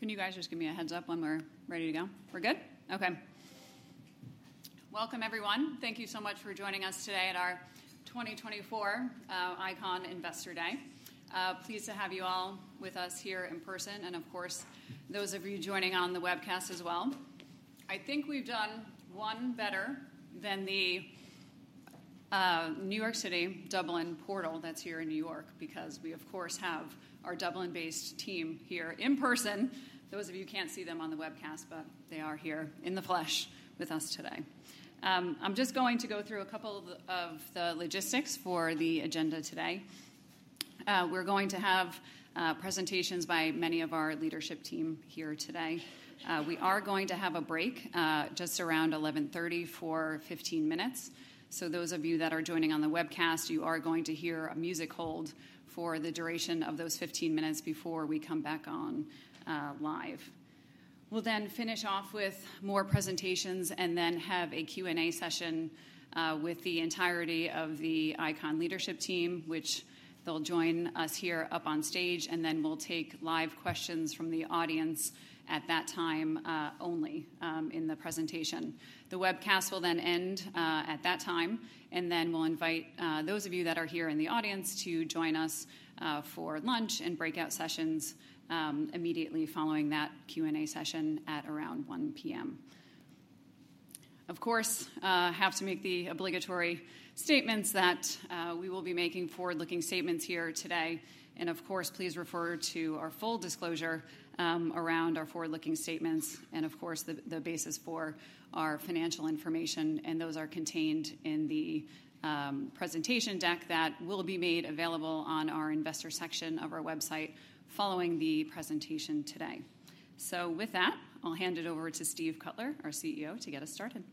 Can you guys just give me a heads-up when we're ready to go? We're good? Okay. Welcome, everyone. Thank you so much for joining us today at our 2024 ICON Investor Day. Pleased to have you all with us here in person and, of course, those of you joining on the webcast as well. I think we've done one better than the New York City-Dublin Portal that's here in New York, because we of course have our Dublin-based team here in person. Those of you can't see them on the webcast, but they are here in the flesh with us today. I'm just going to go through a couple of the logistics for the agenda today. We're going to have presentations by many of our leadership team here today. We are going to have a break just around 11:30 for 15 minutes. So those of you that are joining on the webcast, you are going to hear a music hold for the duration of those 15 minutes before we come back on live. We'll then finish off with more presentations and then have a Q&A session with the entirety of the ICON leadership team, which they'll join us here up on stage, and then we'll take live questions from the audience at that time only in the presentation. The webcast will then end at that time, and then we'll invite those of you that are here in the audience to join us for lunch and breakout sessions immediately following that Q&A session at around 1 P.M. Of course, have to make the obligatory statements that we will be making forward-looking statements here today. Of course, please refer to our full disclosure around our forward-looking statements and of course, the basis for our financial information, and those are contained in the presentation deck that will be made available on our investor section of our website following the presentation today. With that, I'll hand it over to Steve Cutler, our CEO, to get us started.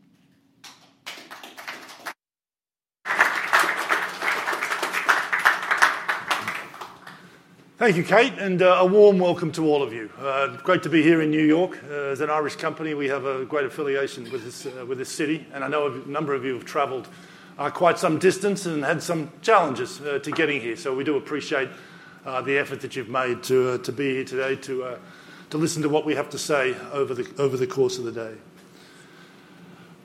Thank you, Kate, and a warm welcome to all of you. Great to be here in New York. As an Irish company, we have a great affiliation with this city, and I know a number of you have traveled quite some distance and had some challenges to getting here. So we do appreciate the effort that you've made to be here today, to listen to what we have to say over the course of the day.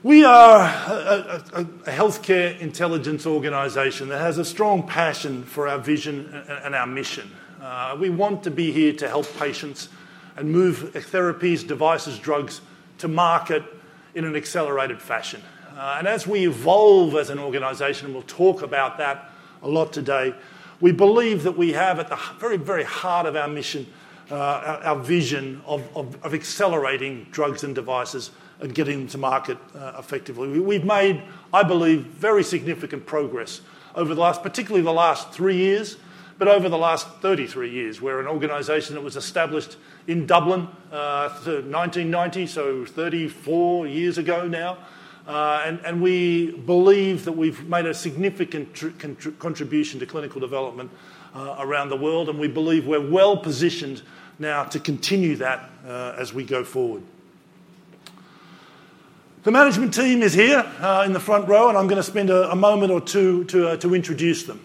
We are a healthcare intelligence organization that has a strong passion for our vision and our mission. We want to be here to help patients and move therapies, devices, drugs to market in an accelerated fashion. And as we evolve as an organization, and we'll talk about that a lot today, we believe that we have at the very, very heart of our mission, our vision of accelerating drugs and devices and getting them to market, effectively. We've made, I believe, very significant progress over the last, particularly the last 3 years, but over the last 33 years. We're an organization that was established in Dublin, 1990, so 34 years ago now. And we believe that we've made a significant contribution to clinical development, around the world, and we believe we're well-positioned now to continue that, as we go forward. The management team is here, in the front row, and I'm gonna spend a moment or two to introduce them.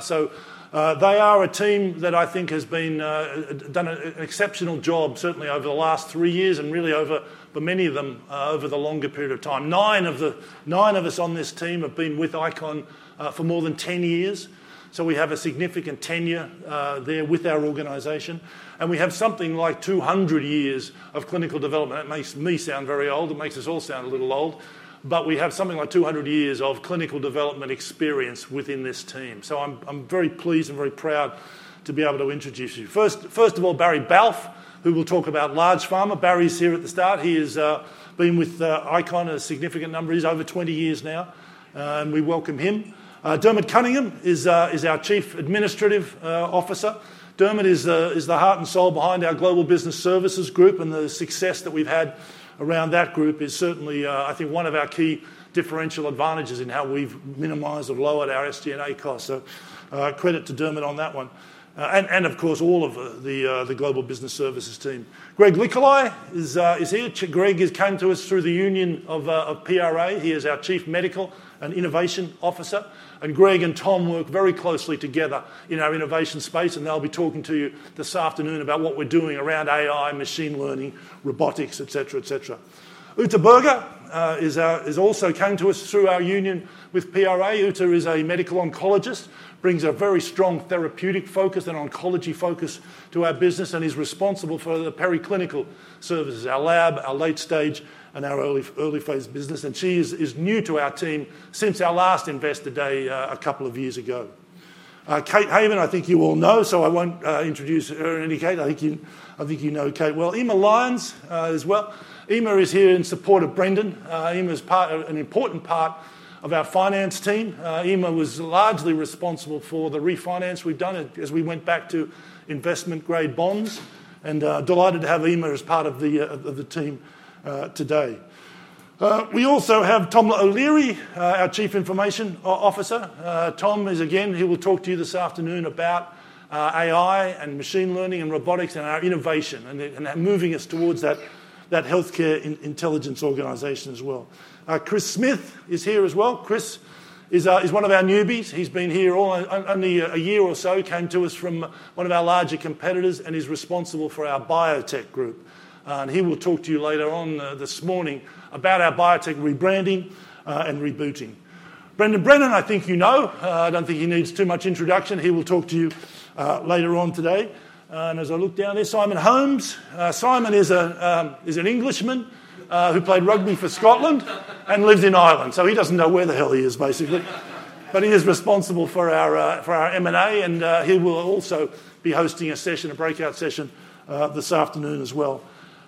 So, they are a team that I think has been done an exceptional job, certainly over the last three years and really over, for many of them, over the longer period of time. Nine of us on this team have been with Icon for more than 10 years, so we have a significant tenure there with our organization. And we have something like 200 years of clinical development. That makes me sound very old. It makes us all sound a little old. But we have something like 200 years of clinical development experience within this team. So I'm very pleased and very proud to be able to introduce you. First of all, Barry Balfe, who will talk about large pharma. Barry's here at the start. He has been with Icon a significant number. He's over 20 years now, and we welcome him. Dermot Cunningham is our Chief Administrative Officer. Dermot is the heart and soul behind our Global Business Services group, and the success that we've had around that group is certainly, I think, one of our key differential advantages in how we've minimized or lowered our SG&A costs. So, credit to Dermot on that one. And, of course, all of the Global Business Services team. Greg Licholai is here. Greg has come to us through the union of PRA. He is our Chief Medical and Innovation Officer, and Greg and Tom work very closely together in our innovation space, and they'll be talking to you this afternoon about what we're doing around AI, machine learning, robotics, et cetera, et cetera. Ute Berger has also come to us through our union with PRA. Ute is a medical oncologist, brings a very strong therapeutic focus and oncology focus to our business and is responsible for the preclinical services, our lab, our late stage, and our early, early phase business. She is new to our team since our last Investor Day a couple of years ago. Kate Haven, I think you all know, so I won't introduce her any. Kate, I think you, I think you know Kate well. Eimear Lyons, as well. Eimear is here in support of Brendan. Eimear is part, an important part of our finance team. Eimear was largely responsible for the refinance we've done as we went back to investment-grade bonds, and delighted to have Eimear as part of the, of the team today. We also have Tom O'Leary, our Chief Information Officer. Tom is again, he will talk to you this afternoon about AI and machine learning and robotics and our innovation and the, and that moving us towards that healthcare intelligence organization as well. Chris Smyth is here as well. Chris is one of our newbies. He's been here only a year or so. He came to us from one of our larger competitors and is responsible for our biotech group, and he will talk to you later on this morning about our biotech rebranding and rebooting. Brendan Brennan, I think you know. I don't think he needs too much introduction. He will talk to you later on today. As I look down there, Simon Holmes. Simon is an Englishman who played rugby for Scotland and lives in Ireland. So he doesn't know where the hell he is, basically. But he is responsible for our M&A, and he will also be hosting a session, a breakout session, this afternoon as well.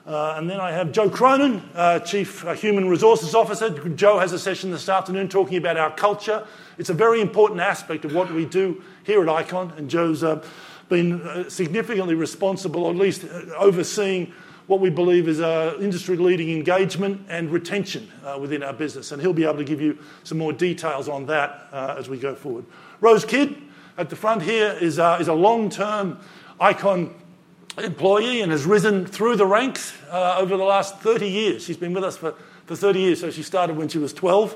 And then I have Joe Cronin, Chief Human Resources Officer. Joe has a session this afternoon talking about our culture. It's a very important aspect of what we do here at ICON, and Joe's been significantly responsible, or at least overseeing, what we believe is an industry-leading engagement and retention within our business, and he'll be able to give you some more details on that, as we go forward. Rose Kidd, at the front here, is a long-term ICON employee and has risen through the ranks over the last 30 years. She's been with us for 30 years, so she started when she was 12.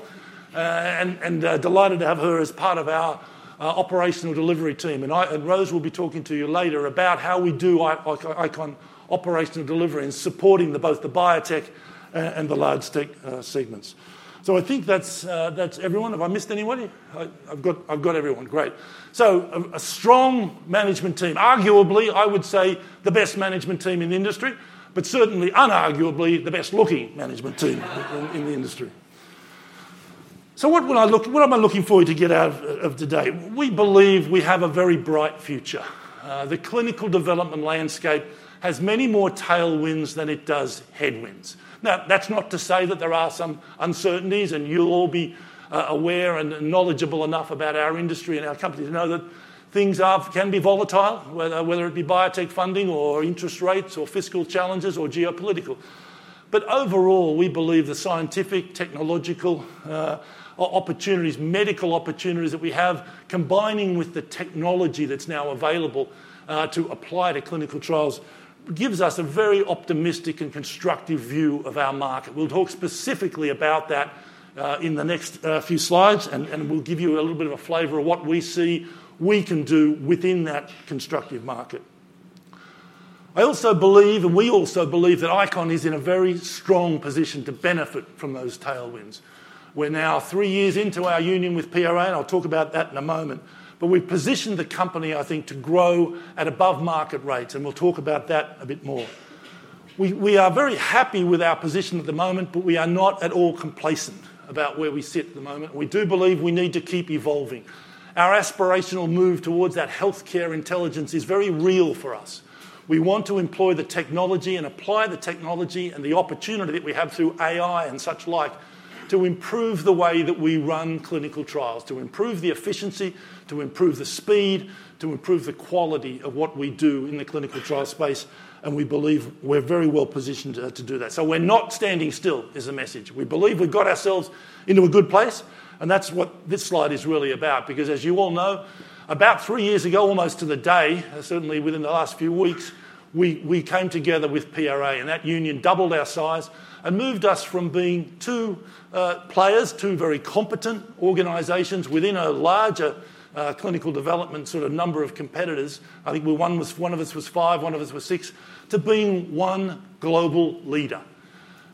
And delighted to have her as part of our operational delivery team. And Rose will be talking to you later about how we do ICON operational delivery and supporting both the biotech and the large pharma segments. So I think that's everyone. Have I missed anybody? I've got everyone. Great. So a strong management team. Arguably, I would say the best management team in the industry, but certainly unarguably the best-looking management team in the industry. So what am I looking for you to get out of today? We believe we have a very bright future. The clinical development landscape has many more tailwinds than it does headwinds. Now, that's not to say that there are some uncertainties, and you'll all be aware and knowledgeable enough about our industry and our company to know that things can be volatile, whether it be biotech funding or interest rates or fiscal challenges or geopolitical. But overall, we believe the scientific, technological opportunities, medical opportunities that we have, combining with the technology that's now available to apply to clinical trials, gives us a very optimistic and constructive view of our market. We'll talk specifically about that in the next few slides, and we'll give you a little bit of a flavor of what we see we can do within that constructive market. I also believe, and we also believe, that ICON is in a very strong position to benefit from those tailwinds. We're now three years into our union with PRA, and I'll talk about that in a moment. But we've positioned the company, I think, to grow at above-market rates, and we'll talk about that a bit more. We are very happy with our position at the moment, but we are not at all complacent about where we sit at the moment. We do believe we need to keep evolving. Our aspirational move towards that healthcare intelligence is very real for us. We want to employ the technology and apply the technology and the opportunity that we have through AI and such like to improve the way that we run clinical trials, to improve the efficiency, to improve the speed, to improve the quality of what we do in the clinical trial space, and we believe we're very well positioned to do that. So we're not standing still is the message. We believe we've got ourselves into a good place, and that's what this slide is really about. Because as you all know, about 3 years ago, almost to the day, certainly within the last few weeks, we came together with PRA, and that union doubled our size and moved us from being 2 players, 2 very competent organizations within a larger clinical development, sort of number of competitors. I think one was, one of us was five, one of us was six, to being one global leader.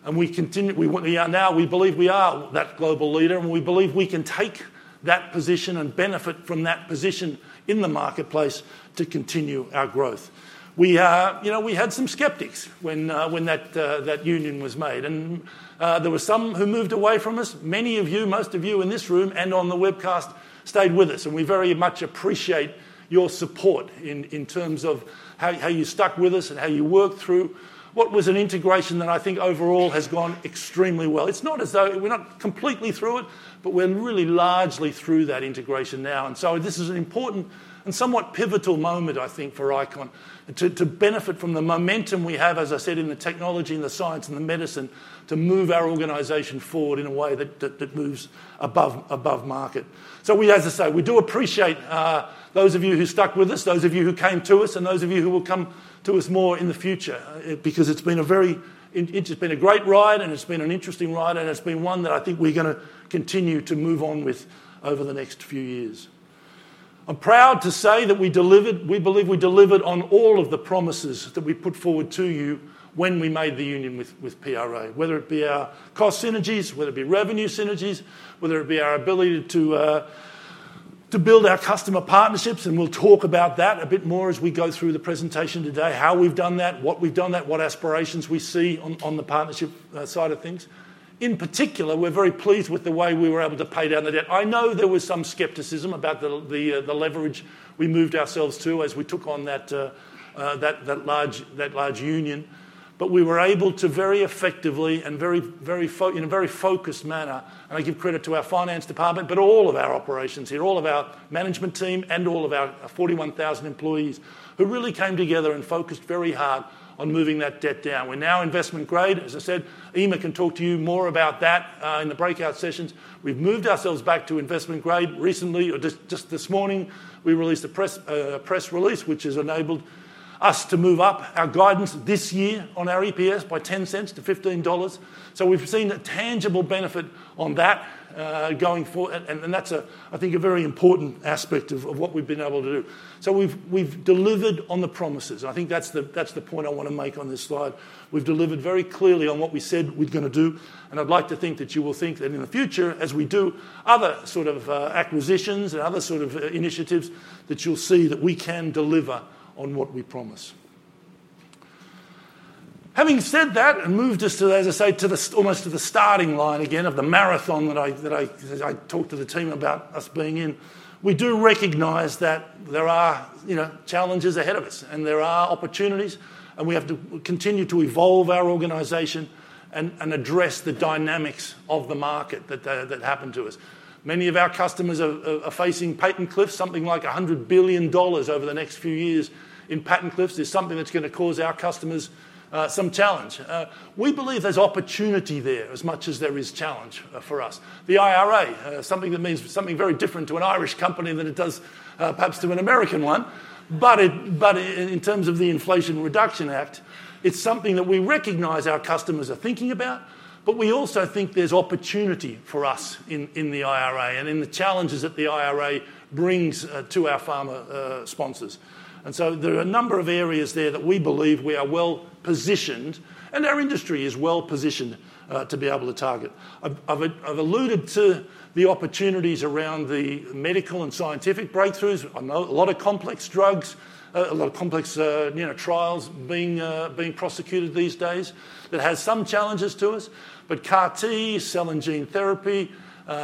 We continue—we, we are now, we believe we are that global leader, and we believe we can take that position and benefit from that position in the marketplace to continue our growth. You know, we had some skeptics when that union was made, and there were some who moved away from us. Many of you, most of you in this room and on the webcast, stayed with us, and we very much appreciate your support in terms of how you stuck with us and how you worked through what was an integration that I think overall has gone extremely well. It's not as though... we're not completely through it, but we're really largely through that integration now. And so this is an important and somewhat pivotal moment, I think, for ICON, to benefit from the momentum we have, as I said, in the technology and the science and the medicine, to move our organization forward in a way that moves above market. So we, as I say, we do appreciate those of you who stuck with us, those of you who came to us, and those of you who will come to us more in the future. Because it's been a very great ride, and it's been an interesting ride, and it's been one that I think we're gonna continue to move on with over the next few years. I'm proud to say that we delivered, we believe we delivered on all of the promises that we put forward to you when we made the union with PRA. Whether it be our cost synergies, whether it be revenue synergies, whether it be our ability to build our customer partnerships, and we'll talk about that a bit more as we go through the presentation today, how we've done that, what we've done that, what aspirations we see on the partnership side of things. In particular, we're very pleased with the way we were able to pay down the debt. I know there was some skepticism about the leverage we moved ourselves to as we took on that large union. We were able to very effectively and very, very focused in a very focused manner, and I give credit to our finance department, but all of our operations here, all of our management team and all of our 41,000 employees, who really came together and focused very hard on moving that debt down. We're now investment grade. As I said, Eimear can talk to you more about that in the breakout sessions. We've moved ourselves back to investment grade recently, or just this morning, we released a press release, which has enabled us to move up our guidance this year on our EPS by $0.10-$0.15. So we've seen a tangible benefit on that going forward, and that's a, I think, a very important aspect of what we've been able to do. So we've, we've delivered on the promises, and I think that's the, that's the point I want to make on this slide. We've delivered very clearly on what we said we're gonna do, and I'd like to think that you will think that in the future, as we do other sort of acquisitions and other sort of initiatives, that you'll see that we can deliver on what we promise. Having said that, and moved us to, as I say, to almost the starting line again of the marathon that I, that I, as I talked to the team about us being in, we do recognize that there are, you know, challenges ahead of us, and there are opportunities, and we have to continue to evolve our organization and address the dynamics of the market that happen to us. Many of our customers are facing patent cliffs. Something like $100 billion over the next few years in patent cliffs is something that's gonna cause our customers some challenge. We believe there's opportunity there as much as there is challenge for us. The IRA something that means something very different to an Irish company than it does perhaps to an American one. But it... But in terms of the Inflation Reduction Act, it's something that we recognize our customers are thinking about, but we also think there's opportunity for us in the IRA and in the challenges that the IRA brings to our pharma sponsors. And so there are a number of areas there that we believe we are well-positioned, and our industry is well-positioned to be able to target. I've alluded to the opportunities around the medical and scientific breakthroughs. I know a lot of complex drugs, a lot of complex, you know, trials being prosecuted these days. That has some challenges to us, but CAR T, cell and gene therapy,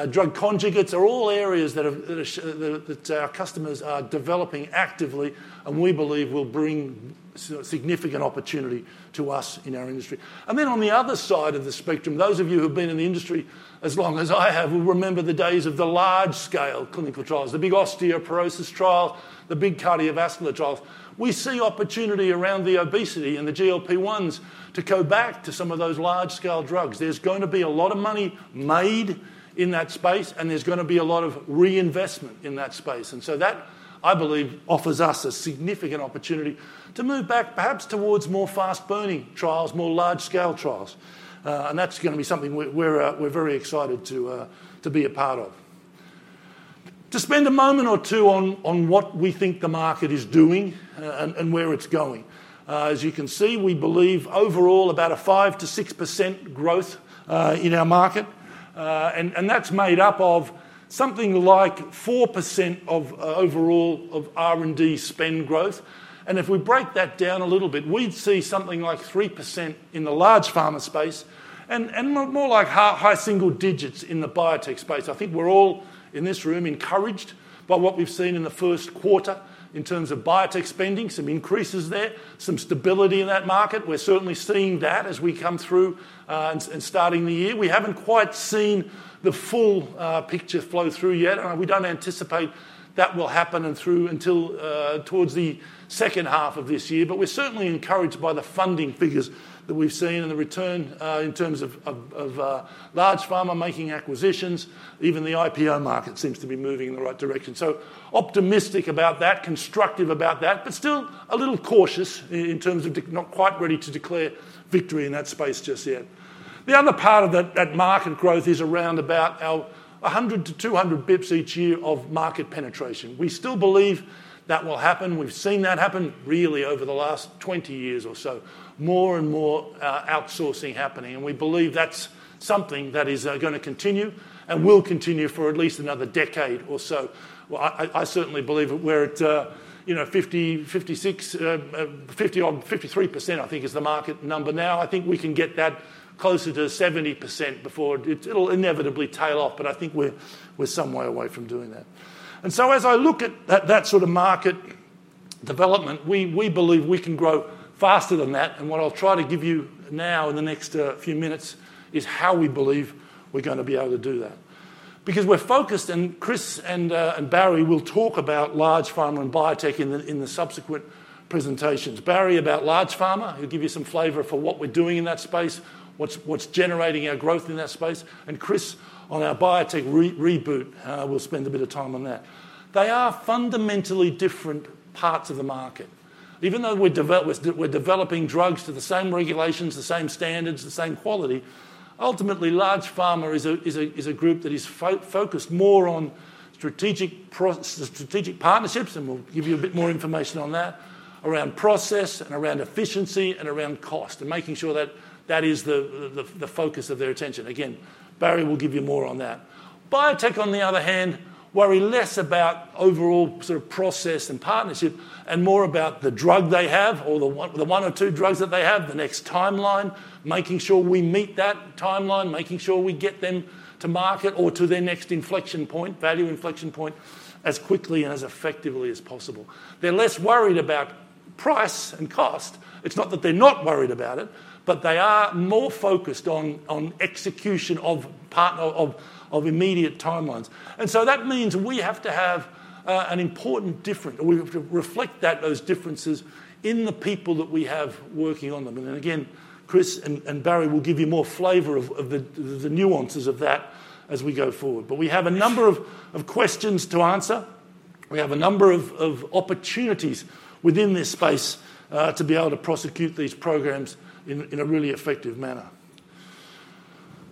drug conjugates are all areas that our customers are developing actively, and we believe will bring significant opportunity to us in our industry. And then on the other side of the spectrum, those of you who have been in the industry as long as I have will remember the days of the large-scale clinical trials, the big osteoporosis trial, the big cardiovascular trial. We see opportunity around the obesity and the GLP-1s to go back to some of those large-scale drugs. There's going to be a lot of money made in that space, and there's gonna be a lot of reinvestment in that space. And so that, I believe, offers us a significant opportunity to move back perhaps towards more fast-burning trials, more large-scale trials. And that's gonna be something we're very excited to be a part of. To spend a moment or two on what we think the market is doing, and where it's going. As you can see, we believe overall about a 5%-6% growth in our market. And that's made up of something like 4% of overall R&D spend growth. If we break that down a little bit, we'd see something like 3% in the large pharma space and more like high single digits in the biotech space. I think we're all in this room encouraged by what we've seen in the first quarter in terms of biotech spending. Some increases there, some stability in that market. We're certainly seeing that as we come through and starting the year. We haven't quite seen the full picture flow through yet, and we don't anticipate that will happen through until towards the second half of this year. But we're certainly encouraged by the funding figures that we've seen and the return in terms of large pharma making acquisitions. Even the IPO market seems to be moving in the right direction. So optimistic about that, constructive about that, but still a little cautious in terms of not quite ready to declare victory in that space just yet. The other part of that, that market growth is around about 100-200 basis points each year of market penetration. We still believe that will happen. We've seen that happen really over the last 20 years or so. More and more outsourcing happening, and we believe that's something that is gonna continue and will continue for at least another decade or so. Well, I certainly believe we're at, you know, 50%, 56%, 50%-odd, 53%, I think, is the market number now. I think we can get that closer to 70% before it'll inevitably tail off, but I think we're some way away from doing that. And so as I look at that, that sort of market development, we, we believe we can grow faster than that, and what I'll try to give you now in the next few minutes is how we believe we're gonna be able to do that. Because we're focused, and Chris and Barry will talk about large pharma and biotech in the subsequent presentations. Barry, about large pharma, he'll give you some flavor for what we're doing in that space, what's generating our growth in that space, and Chris on our biotech reboot will spend a bit of time on that. They are fundamentally different parts of the market. Even though we're developing drugs to the same regulations, the same standards, the same quality, ultimately, large pharma is a group that is focused more on strategic partnerships, and we'll give you a bit more information on that, around process and around efficiency and around cost and making sure that is the focus of their attention. Again, Barry will give you more on that. Biotech, on the other hand, worry less about overall sort of process and partnership and more about the drug they have or the one or two drugs that they have, the next timeline, making sure we meet that timeline, making sure we get them to market or to their next inflection point, value inflection point, as quickly and as effectively as possible. They're less worried about price and cost. It's not that they're not worried about it, but they are more focused on execution of partner of immediate timelines. So that means we have to reflect those differences in the people that we have working on them. And again, Chris and Barry will give you more flavor of the nuances of that as we go forward. But we have a number of questions to answer. We have a number of opportunities within this space to be able to prosecute these programs in a really effective manner.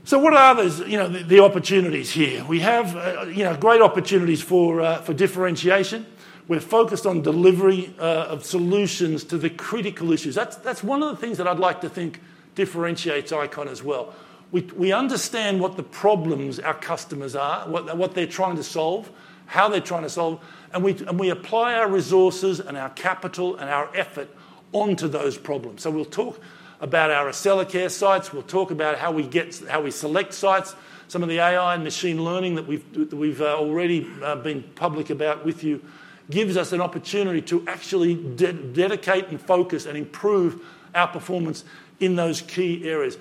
So what are those, you know, the opportunities here? We have, you know, great opportunities for differentiation. We're focused on delivery of solutions to the critical issues. That's one of the things that I'd like to think differentiates ICON as well. We understand what the problems our customers are, what they're trying to solve, how they're trying to solve, and we apply our resources and our capital and our effort onto those problems. So we'll talk about our Accellacare sites, we'll talk about how we select sites. Some of the AI and machine learning that we've already been public about with you gives us an opportunity to actually dedicate and focus and improve our performance in those key areas.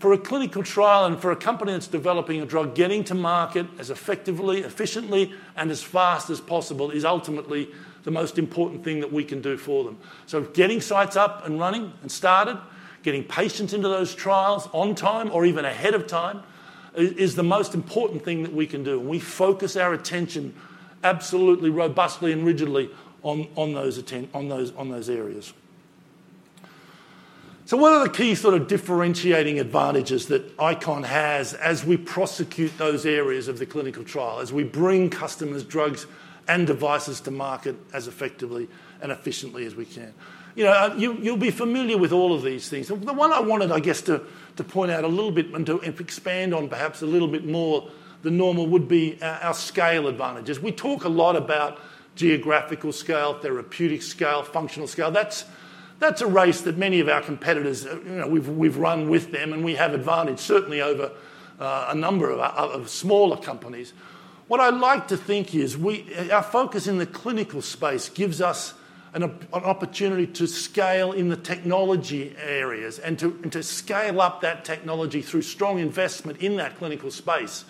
For a clinical trial and for a company that's developing a drug, getting to market as effectively, efficiently, and as fast as possible is ultimately the most important thing that we can do for them. So getting sites up and running and started, getting patients into those trials on time or even ahead of time, is the most important thing that we can do, and we focus our attention absolutely robustly and rigidly on those areas. So what are the key sort of differentiating advantages that ICON has as we prosecute those areas of the clinical trial, as we bring customers, drugs, and devices to market as effectively and efficiently as we can? You know, you'll be familiar with all of these things. The one I wanted, I guess, to point out a little bit and to expand on perhaps a little bit more than normal would be our scale advantages. We talk a lot about geographical scale, therapeutic scale, functional scale. That's a race that many of our competitors, you know, we've run with them, and we have advantage, certainly over a number of smaller companies. What I like to think is our focus in the clinical space gives us an opportunity to scale in the technology areas and to scale up that technology through strong investment in that clinical space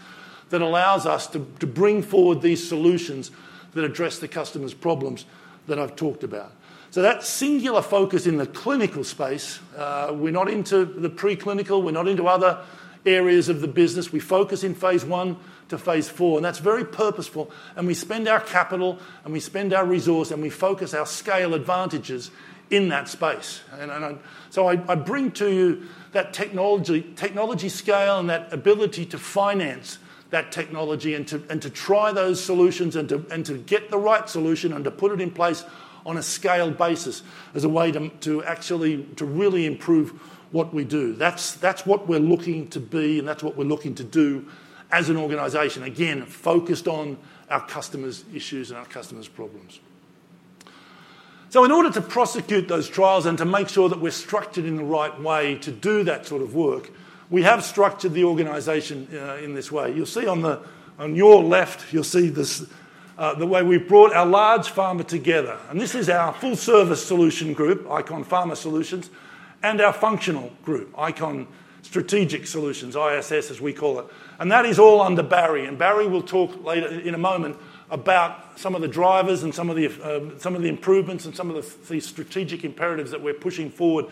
that allows us to bring forward these solutions that address the customers' problems that I've talked about. So that singular focus in the clinical space, we're not into the preclinical, we're not into other areas of the business. We focus in phase I-phase IV, and that's very purposeful, and we spend our capital, and we spend our resource, and we focus our scale advantages in that space. So I bring to you that technology, technology scale and that ability to finance that technology and to try those solutions and to get the right solution and to put it in place on a scaled basis as a way to actually really improve what we do. That's what we're looking to be, and that's what we're looking to do as an organization. Again, focused on our customers' issues and our customers' problems. So in order to prosecute those trials and to make sure that we're structured in the right way to do that sort of work, we have structured the organization in this way. You'll see on the, on your left, you'll see this, the way we've brought our large pharma together, and this is our full-service solution group, ICON Pharma Solutions, and our functional group, ICON Strategic Solutions, ISS, as we call it. And that is all under Barry, and Barry will talk later, in a moment, about some of the drivers and some of the, some of the improvements and some of the, the strategic imperatives that we're pushing forward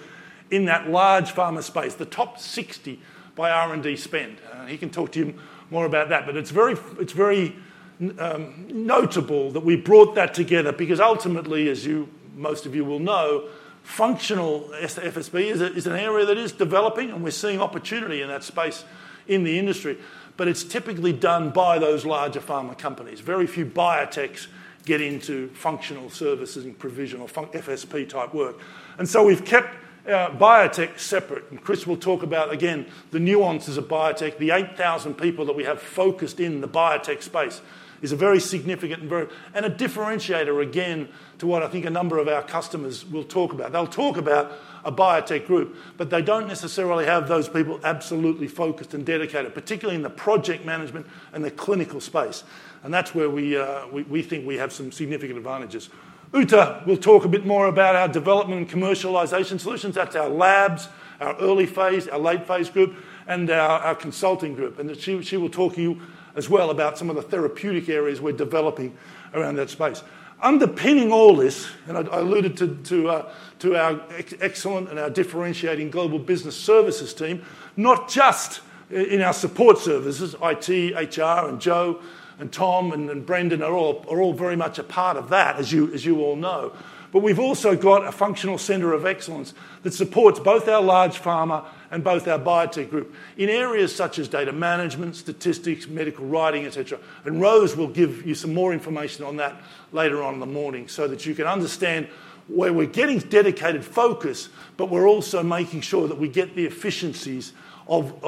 in that large pharma space, the top 60 by R&D spend. He can talk to you more about that. But it's very, it's very, notable that we brought that together because ultimately, as you, most of you will know, functional FSP is a, is an area that is developing, and we're seeing opportunity in that space in the industry, but it's typically done by those larger pharma companies. Very few biotechs get into functional services and provision or FSP-type work. And so we've kept our biotech separate, and Chris will talk about, again, the nuances of biotech. The 8,000 people that we have focused in the biotech space is a very significant and very and a differentiator, again, to what I think a number of our customers will talk about. They'll talk about a biotech group, but they don't necessarily have those people absolutely focused and dedicated, particularly in the project management and the clinical space, and that's where we think we have some significant advantages. Ute will talk a bit more about our development and commercialization solutions. That's our labs, our early phase, our late phase group, and our consulting group. And she will talk to you as well about some of the therapeutic areas we're developing around that space. Underpinning all this, and I alluded to our excellent and our differentiating global business services team, not just in our support services, IT, HR, and Joe and Tom and Brendan are all very much a part of that, as you all know. But we've also got a functional center of excellence that supports both our large pharma and both our biotech group in areas such as data management, statistics, medical writing, et cetera. And Rose will give you some more information on that later on in the morning so that you can understand where we're getting dedicated focus, but we're also making sure that we get the efficiencies of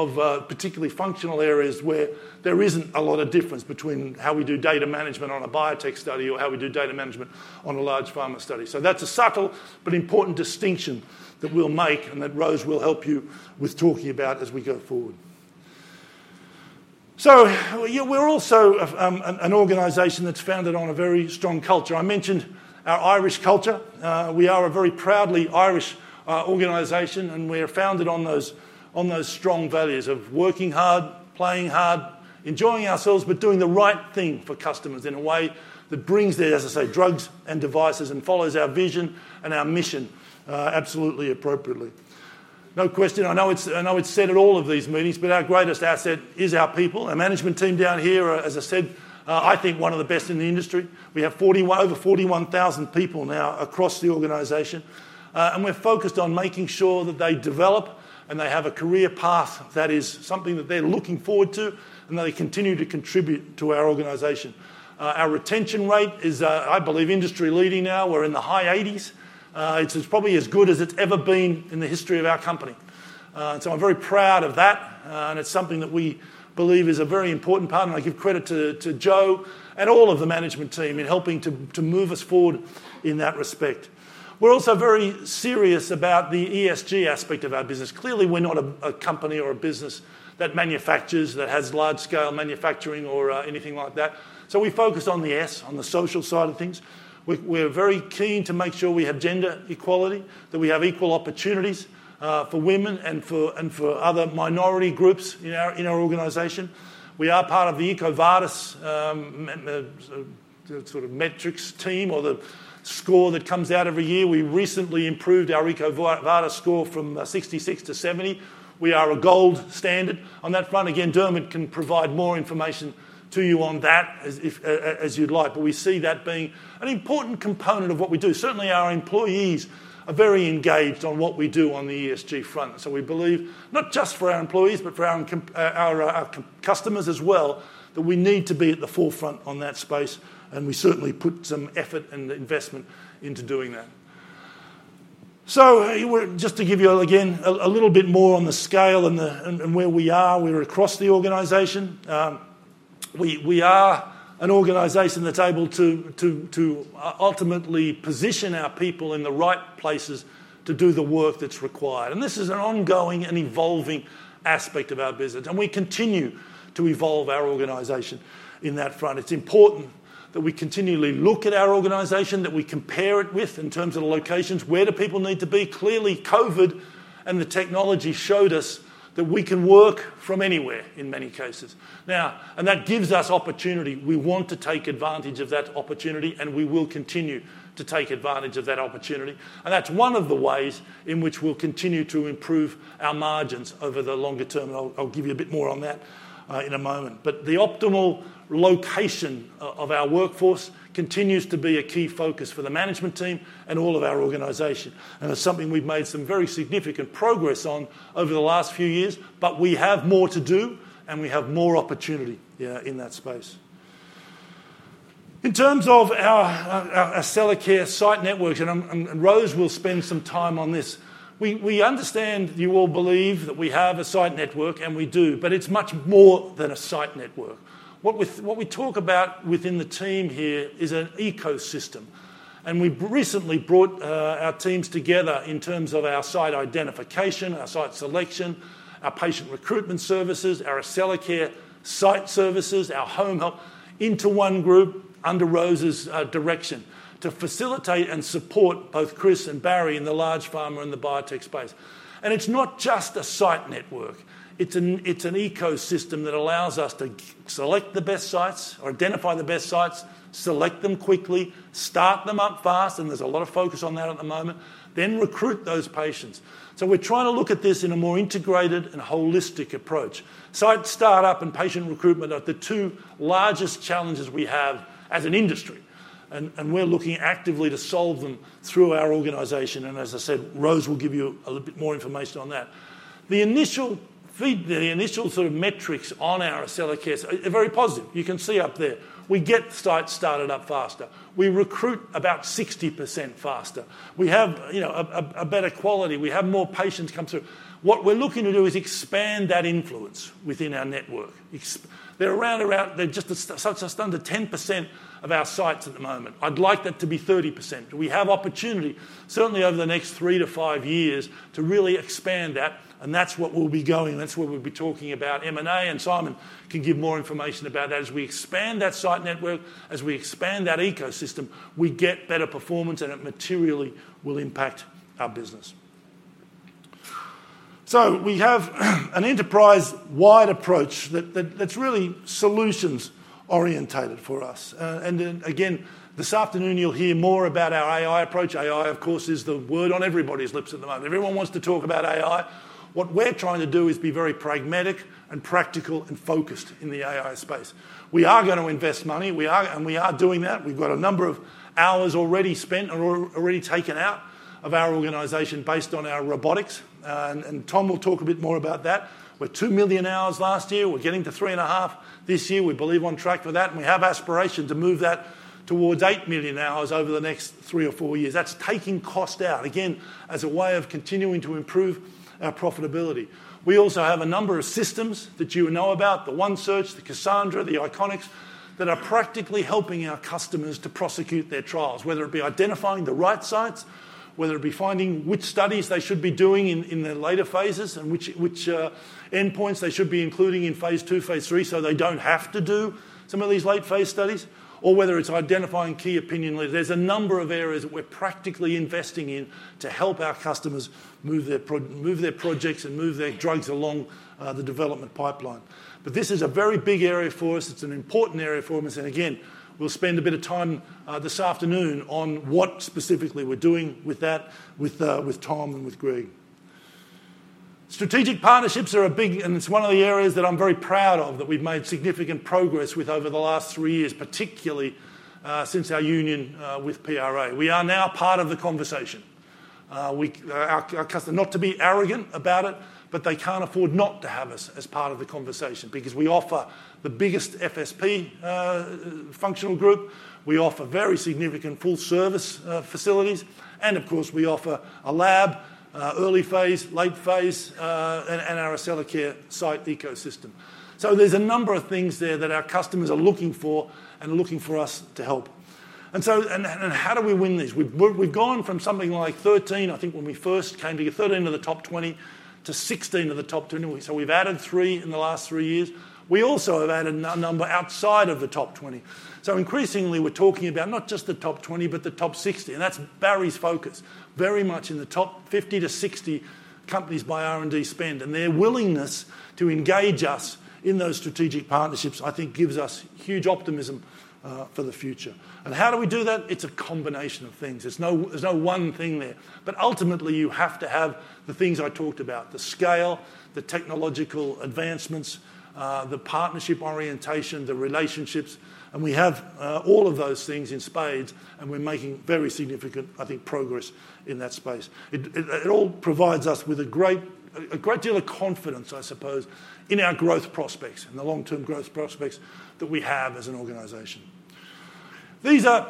particularly functional areas where there isn't a lot of difference between how we do data management on a biotech study or how we do data management on a large pharma study. So that's a subtle but important distinction that we'll make and that Rose will help you with talking about as we go forward. So, yeah, we're also an organization that's founded on a very strong culture. I mentioned our Irish culture. We are a very proudly Irish organization, and we are founded on those strong values of working hard, playing hard, enjoying ourselves, but doing the right thing for customers in a way that brings their, as I say, drugs and devices, and follows our vision and our mission, absolutely appropriately. No question. I know it's said at all of these meetings, but our greatest asset is our people. Our management team down here are, as I said, I think one of the best in the industry. We have over 41,000 people now across the organization. And we're focused on making sure that they develop, and they have a career path that is something that they're looking forward to, and that they continue to contribute to our organization. Our retention rate is, I believe, industry-leading now. We're in the high eighties. It's probably as good as it's ever been in the history of our company. So I'm very proud of that, and it's something that we believe is a very important part, and I give credit to Joe and all of the management team in helping to move us forward in that respect. We're also very serious about the ESG aspect of our business. Clearly, we're not a company or a business that manufactures or has large-scale manufacturing or anything like that, so we focus on the S, on the social side of things. We're very keen to make sure we have gender equality, that we have equal opportunities for women and for other minority groups in our organization. We are part of the EcoVadis, sort of metrics team or the score that comes out every year. We recently improved our EcoVadis score from 66 to 70. We are a gold standard on that front. Again, Dermot can provide more information to you on that as if you'd like, but we see that being an important component of what we do. Certainly, our employees are very engaged on what we do on the ESG front. So we believe, not just for our employees, but for our customers as well, that we need to be at the forefront on that space, and we certainly put some effort and investment into doing that. So, we're just to give you all, again, a little bit more on the scale and the... And where we are, we're across the organization. We are an organization that's able to ultimately position our people in the right places to do the work that's required, and this is an ongoing and evolving aspect of our business, and we continue to evolve our organization in that front. It's important that we continually look at our organization, that we compare it with, in terms of the locations, where do people need to be? Clearly, COVID and the technology showed us that we can work from anywhere in many cases. Now... And that gives us opportunity. We want to take advantage of that opportunity, and we will continue to take advantage of that opportunity, and that's one of the ways in which we'll continue to improve our margins over the longer term, and I'll give you a bit more on that in a moment. But the optimal location of our workforce continues to be a key focus for the management team and all of our organization, and it's something we've made some very significant progress on over the last few years, but we have more to do, and we have more opportunity, yeah, in that space. In terms of our Accellacare site networks, and Rose will spend some time on this. We understand you all believe that we have a site network, and we do, but it's much more than a site network. What we talk about within the team here is an ecosystem, and we recently brought our teams together in terms of our site identification, our site selection, our patient recruitment services, our Accellacare site services, our home health, into one group under Rose's direction, to facilitate and support both Chris and Barry in the large pharma and the biotech space. And it's not just a site network. It's an ecosystem that allows us to select the best sites or identify the best sites, select them quickly, start them up fast, and there's a lot of focus on that at the moment. Then recruit those patients. So we're trying to look at this in a more integrated and holistic approach. Site start-up and patient recruitment are the two largest challenges we have as an industry, and we're looking actively to solve them through our organization, and as I said, Rose will give you a little bit more information on that. The initial sort of metrics on our Accellacare are very positive. You can see up there. We get sites started up faster. We recruit about 60% faster. We have, you know, a better quality. We have more patients come through. What we're looking to do is expand that influence within our network. They're around about just under 10% of our sites at the moment. I'd like that to be 30%. We have opportunity, certainly over the next 3-5 years, to really expand that, and that's what we'll be going, and that's what we'll be talking about. M&A, and Simon can give more information about that. As we expand that site network, as we expand that ecosystem, we get better performance, and it materially will impact our business. So we have an enterprise-wide approach that, that, that's really solutions-oriented for us. And then, again, this afternoon, you'll hear more about our AI approach. AI, of course, is the word on everybody's lips at the moment. Everyone wants to talk about AI. What we're trying to do is be very pragmatic and practical and focused in the AI space. We are gonna invest money, and we are, and we are doing that. We've got a number of hours already spent and already taken out of our organization based on our robotics, and Tom will talk a bit more about that. We're 2 million hours last year. We're getting to 3.5 this year. We believe on track for that, and we have aspiration to move that towards 8 million hours over the next three or four years. That's taking cost out, again, as a way of continuing to improve our profitability. We also have a number of systems that you know about, the One Search, the Cassandra, the ICONIK, that are practically helping our customers to prosecute their trials, whether it be identifying the right sites, whether it be finding which studies they should be doing in the later phases, and which endpoints they should be including in phase II, phase III, so they don't have to do some of these late-phase studies, or whether it's identifying key opinion leaders. There's a number of areas that we're practically investing in to help our customers move their projects and move their drugs along the development pipeline. But this is a very big area for us. It's an important area for us, and again, we'll spend a bit of time this afternoon on what specifically we're doing with that, with Tom and with Greg... Strategic partnerships are a big, and it's one of the areas that I'm very proud of, that we've made significant progress with over the last three years, particularly, since our union, with PRA. We are now part of the conversation. We, our, our customer—not to be arrogant about it, but they can't afford not to have us as part of the conversation because we offer the biggest FSP, functional group, we offer very significant full service, facilities, and of course, we offer a lab, early phase, late phase, and, and our Accellacare site ecosystem. So there's a number of things there that our customers are looking for and looking for us to help. And so, and, and how do we win these? We've gone from something like 13, I think when we first came together, 13 of the top 20, to 16 of the top 20. So we've added 3 in the last 3 years. We also have added a number outside of the top 20. So increasingly, we're talking about not just the top 20, but the top 60, and that's Barry's focus, very much in the top 50 to 60 companies by R&D spend, and their willingness to engage us in those strategic partnerships, I think, gives us huge optimism for the future. And how do we do that? It's a combination of things. There's no one thing there. But ultimately, you have to have the things I talked about, the scale, the technological advancements, the partnership orientation, the relationships, and we have all of those things in spades, and we're making very significant, I think, progress in that space. It all provides us with a great, a great deal of confidence, I suppose, in our growth prospects, in the long-term growth prospects that we have as an organization. These are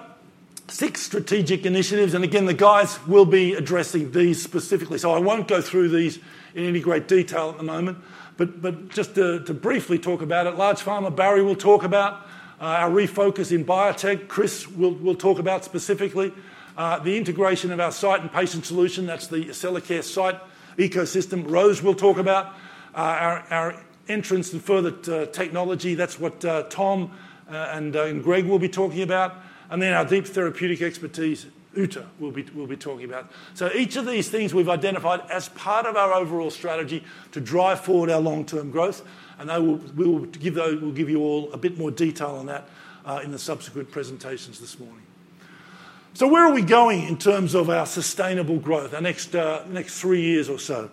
six strategic initiatives, and again, the guys will be addressing these specifically, so I won't go through these in any great detail at the moment. But just to briefly talk about it, large pharma, Barry will talk about. Our refocus in biotech, Chris will talk about specifically. The integration of our site and patient solution, that's the Accellacare site ecosystem, Rose will talk about. Our entrance into further technology, that's what Tom and Greg will be talking about. And then our deep therapeutic expertise, Ute will be talking about. So each of these things we've identified as part of our overall strategy to drive forward our long-term growth, and I will, we will give those, we'll give you all a bit more detail on that in the subsequent presentations this morning. So where are we going in terms of our sustainable growth, our next three years or so?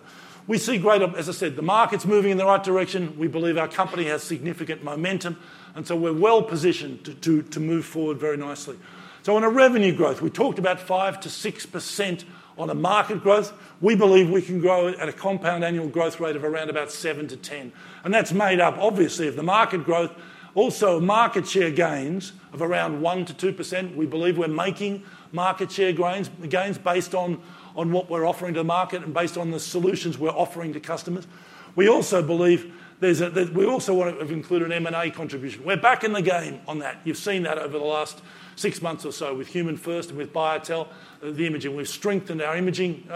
We see great, as I said, the market's moving in the right direction. We believe our company has significant momentum, and so we're well positioned to move forward very nicely. So on a revenue growth, we talked about 5%-6% on a market growth. We believe we can grow at a compound annual growth rate of around about 7-10, and that's made up, obviously, of the market growth. Also, market share gains of around 1%-2%. We believe we're making market share gains based on what we're offering to the market and based on the solutions we're offering to customers. We also believe there's a. We also want to include an M&A contribution. We're back in the game on that. You've seen that over the last 6 months or so with HumanFirst and with BioTel, the imaging. We've strengthened our imaging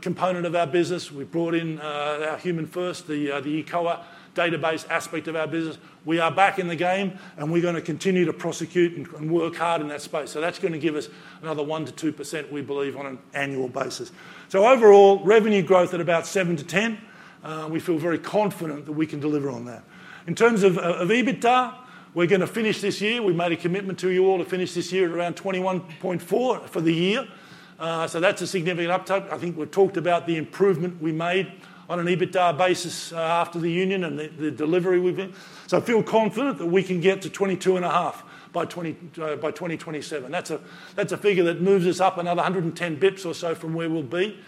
component of our business. We've brought in our HumanFirst, the eCOA database aspect of our business. We are back in the game, and we're gonna continue to prosecute and work hard in that space. So that's gonna give us another 1%-2%, we believe, on an annual basis. So overall, revenue growth at about 7%-10%. We feel very confident that we can deliver on that. In terms of EBITDA, we're gonna finish this year. We've made a commitment to you all to finish this year at around 21.4% for the year. So that's a significant uptake. I think we've talked about the improvement we made on an EBITDA basis, after the union and the delivery we've been. So I feel confident that we can get to 22.5% by 2027. That's a figure that moves us up another 110 basis points or so from where we'll be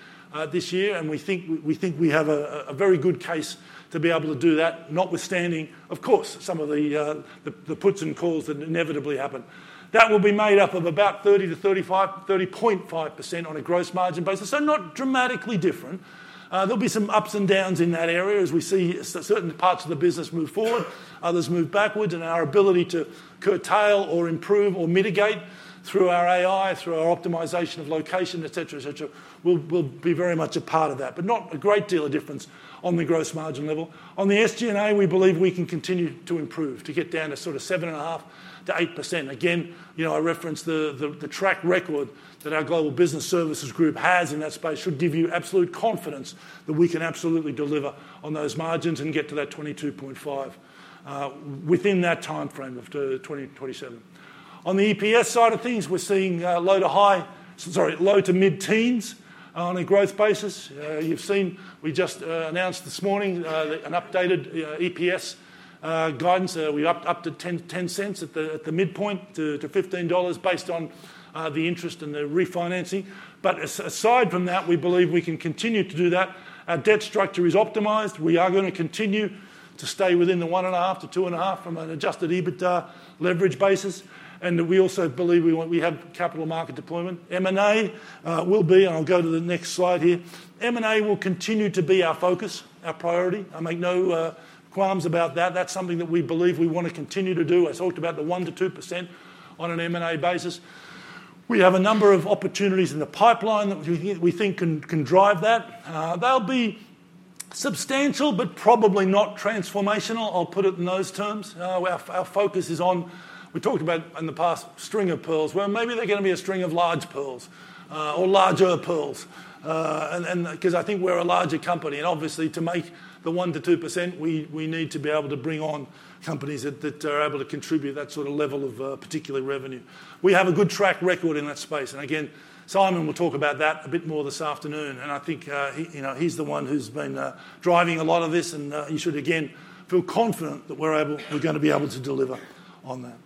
this year, and we think we have a very good case to be able to do that, notwithstanding, of course, some of the puts and takes that inevitably happen. That will be made up of about 30%-35%, 30.5% on a gross margin basis, so not dramatically different. There'll be some ups and downs in that area as we see certain parts of the business move forward, others move backwards, and our ability to curtail or improve or mitigate through our AI, through our optimization of location, et cetera, et cetera, will be very much a part of that, but not a great deal of difference on the gross margin level. On the SG&A, we believe we can continue to improve, to get down to sort of 7.5%-8%. Again, you know, I referenced the track record that our global business services group has in that space should give you absolute confidence that we can absolutely deliver on those margins and get to that 22.5 within that timeframe of 2027. On the EPS side of things, we're seeing low-to-mid-teens on a growth basis. You've seen, we just announced this morning an updated EPS guidance. We upped it to $10.10 at the midpoint to $15 based on the interest and the refinancing. But aside from that, we believe we can continue to do that. Our debt structure is optimized. We are gonna continue to stay within the 1.5-2.5 from an Adjusted EBITDA leverage basis, and we also believe we want. We have capital market deployment. M&A will be, and I'll go to the next slide here. M&A will continue to be our focus, our priority. I make no qualms about that. That's something that we believe we want to continue to do. I talked about the 1%-2% on an M&A basis. We have a number of opportunities in the pipeline that we think can drive that. They'll be substantial, but probably not transformational. I'll put it in those terms. Our focus is on, we talked about in the past, string of pearls, where maybe they're gonna be a string of large pearls, or larger pearls. 'Cause I think we're a larger company, and obviously, to make the 1%-2%, we need to be able to bring on companies that are able to contribute that sort of level of particular revenue. We have a good track record in that space, and again, Simon will talk about that a bit more this afternoon, and I think, he, you know, he's the one who's been driving a lot of this, and you should again feel confident that we're able, we're gonna be able to deliver on that.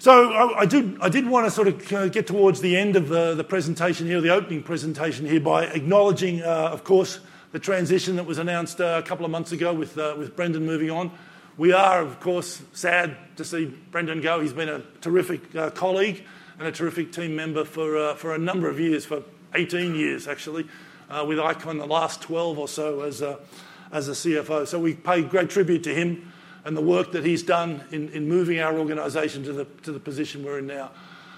So I did want to sort of get towards the end of the presentation here, the opening presentation here, by acknowledging, of course, the transition that was announced a couple of months ago with Brendan moving on. We are, of course, sad to see Brendan go. He's been a terrific colleague and a terrific team member for a number of years, for 18 years, actually, with ICON the last 12 or so as a CFO. So we pay great tribute to him and the work that he's done in moving our organization to the position we're in now.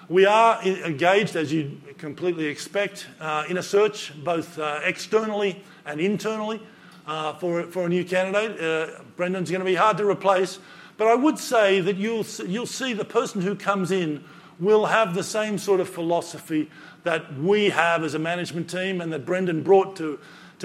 We are engaged, as you'd completely expect, in a search, both externally and internally, for a new candidate. Brendan's gonna be hard to replace, but I would say that you'll see the person who comes in will have the same sort of philosophy that we have as a management team and that Brendan brought to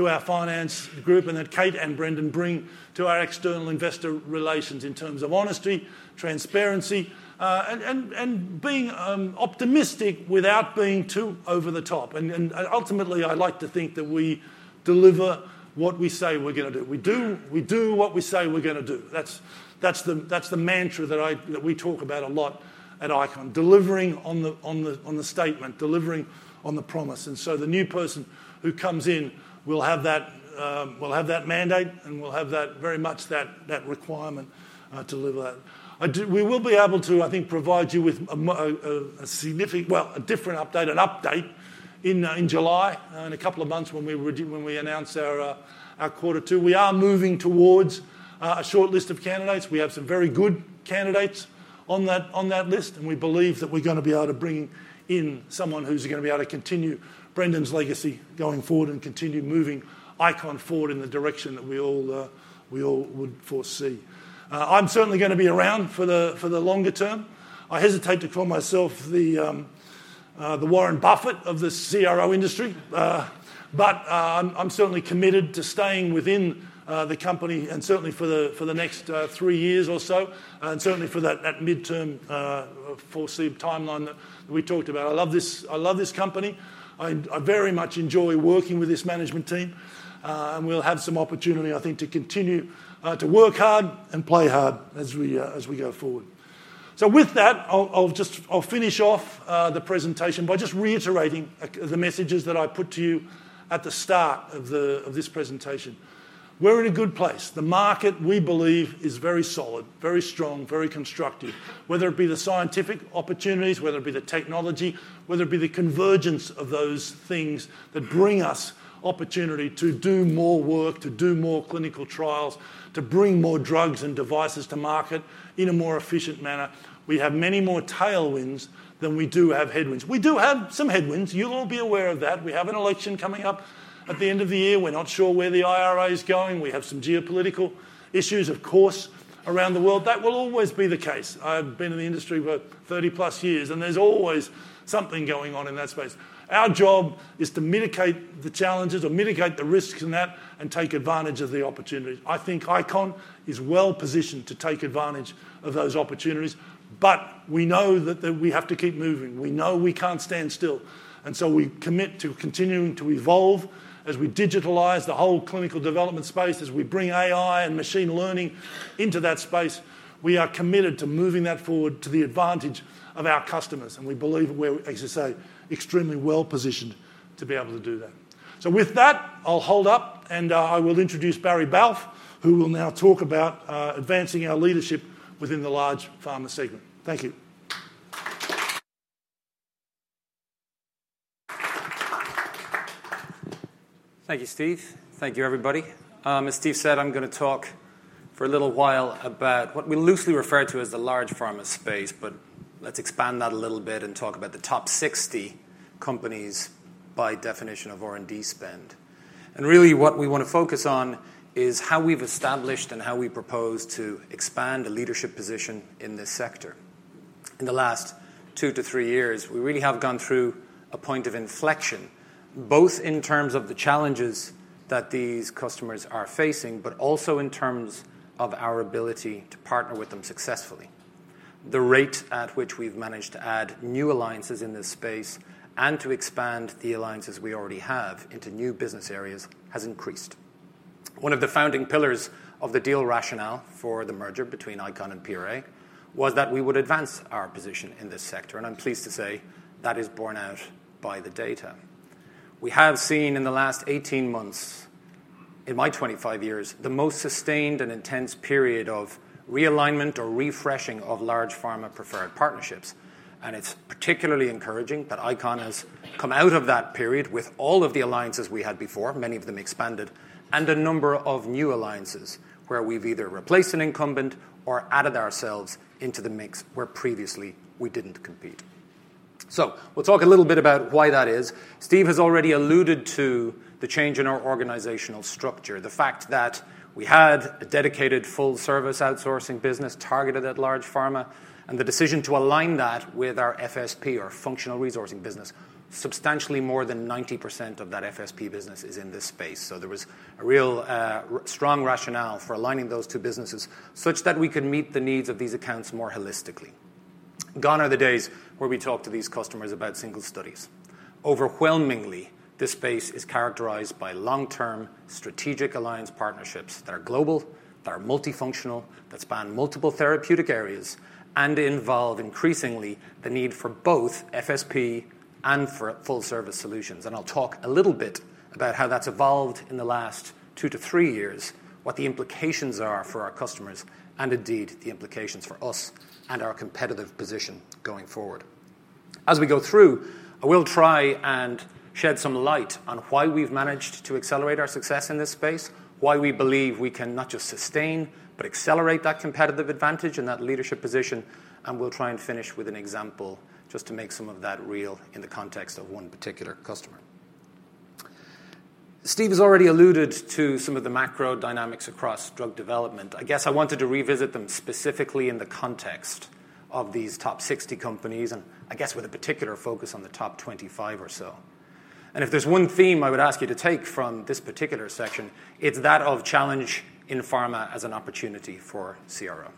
our finance group, and that Kate and Brendan bring to our external investor relations in terms of honesty, transparency, and being optimistic without being too over the top. And ultimately, I'd like to think that we deliver what we say we're gonna do. We do what we say we're gonna do. That's the mantra that we talk about a lot at ICON. Delivering on the statement, delivering on the promise. So the new person who comes in will have that, will have that mandate and will have that very much that, that requirement, to deliver that. We will be able to, I think, provide you with a significant, well, a different update, an update in July, in a couple of months when we announce our quarter two. We are moving towards a shortlist of candidates. We have some very good candidates on that, on that list, and we believe that we're gonna be able to bring in someone who's gonna be able to continue Brendan's legacy going forward and continue moving ICON forward in the direction that we all, we all would foresee. I'm certainly gonna be around for the, for the longer term. I hesitate to call myself the, the Warren Buffett of the CRO industry, but, I'm certainly committed to staying within the company and certainly for the, for the next three years or so, and certainly for that midterm foreseen timeline that we talked about. I love this... I love this company. I very much enjoy working with this management team. And we'll have some opportunity, I think, to continue to work hard and play hard as we go forward. So with that, I'll just finish off the presentation by just reiterating the messages that I put to you at the start of this presentation. We're in a good place. The market, we believe, is very solid, very strong, very constructive. Whether it be the scientific opportunities, whether it be the technology, whether it be the convergence of those things that bring us opportunity to do more work, to do more clinical trials, to bring more drugs and devices to market in a more efficient manner. We have many more tailwinds than we do have headwinds. We do have some headwinds. You'll all be aware of that. We have an election coming up at the end of the year. We're not sure where the IRA is going. We have some geopolitical issues, of course, around the world. That will always be the case. I've been in the industry for 30+ years, and there's always something going on in that space. Our job is to mitigate the challenges or mitigate the risks in that and take advantage of the opportunities. I think ICON is well positioned to take advantage of those opportunities, but we know that we have to keep moving. We know we can't stand still, and so we commit to continuing to evolve as we digitalize the whole clinical development space, as we bring AI and machine learning into that space. We are committed to moving that forward to the advantage of our customers, and we believe we're, as I say, extremely well positioned to be able to do that. So with that, I'll hold up, and I will introduce Barry Balfe, who will now talk about advancing our leadership within the large pharma segment. Thank you. Thank you, Steve. Thank you, everybody. As Steve said, I'm gonna talk for a little while about what we loosely refer to as the large pharma space, but let's expand that a little bit and talk about the top 60 companies by definition of R&D spend. Really, what we want to focus on is how we've established and how we propose to expand a leadership position in this sector. In the last 2-3 years, we really have gone through a point of inflection, both in terms of the challenges that these customers are facing, but also in terms of our ability to partner with them successfully. The rate at which we've managed to add new alliances in this space and to expand the alliances we already have into new business areas has increased. One of the founding pillars of the deal rationale for the merger between ICON and PRA was that we would advance our position in this sector, and I'm pleased to say that is borne out by the data. We have seen in the last 18 months, in my 25 years, the most sustained and intense period of realignment or refreshing of large pharma preferred partnerships. It's particularly encouraging that ICON has come out of that period with all of the alliances we had before, many of them expanded, and a number of new alliances, where we've either replaced an incumbent or added ourselves into the mix where previously we didn't compete. We'll talk a little bit about why that is. Steve has already alluded to the change in our organizational structure, the fact that we had a dedicated full-service outsourcing business targeted at large pharma, and the decision to align that with our FSP, or functional resourcing business. Substantially more than 90% of that FSP business is in this space. So there was a real, strong rationale for aligning those two businesses such that we could meet the needs of these accounts more holistically. Gone are the days where we talk to these customers about single studies.... overwhelmingly, this space is characterized by long-term strategic alliance partnerships that are global, that are multifunctional, that span multiple therapeutic areas, and involve increasingly the need for both FSP and for full-service solutions. I'll talk a little bit about how that's evolved in the last 2-3 years, what the implications are for our customers, and indeed, the implications for us and our competitive position going forward. As we go through, I will try and shed some light on why we've managed to accelerate our success in this space, why we believe we can not just sustain, but accelerate that competitive advantage and that leadership position, and we'll try and finish with an example just to make some of that real in the context of one particular customer. Steve has already alluded to some of the macro dynamics across drug development. I guess I wanted to revisit them specifically in the context of these top 60 companies, and I guess with a particular focus on the top 25 or so. If there's one theme I would ask you to take from this particular section, it's that of challenge in pharma as an opportunity for CRO.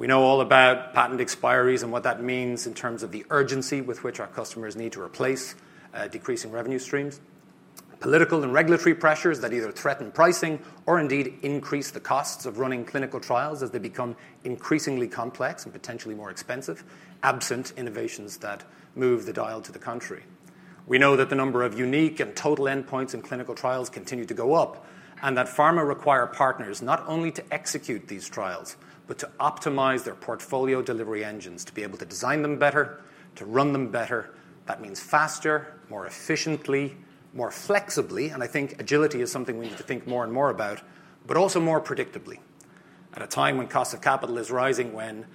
We know all about patent expiries and what that means in terms of the urgency with which our customers need to replace decreasing revenue streams. Political and regulatory pressures that either threaten pricing or indeed increase the costs of running clinical trials as they become increasingly complex and potentially more expensive, absent innovations that move the dial to the country. We know that the number of unique and total endpoints in clinical trials continue to go up, and that pharma require partners not only to execute these trials, but to optimize their portfolio delivery engines, to be able to design them better, to run them better. That means faster, more efficiently, more flexibly, and I think agility is something we need to think more and more about, but also more predictably. At a time when cost of capital is rising, when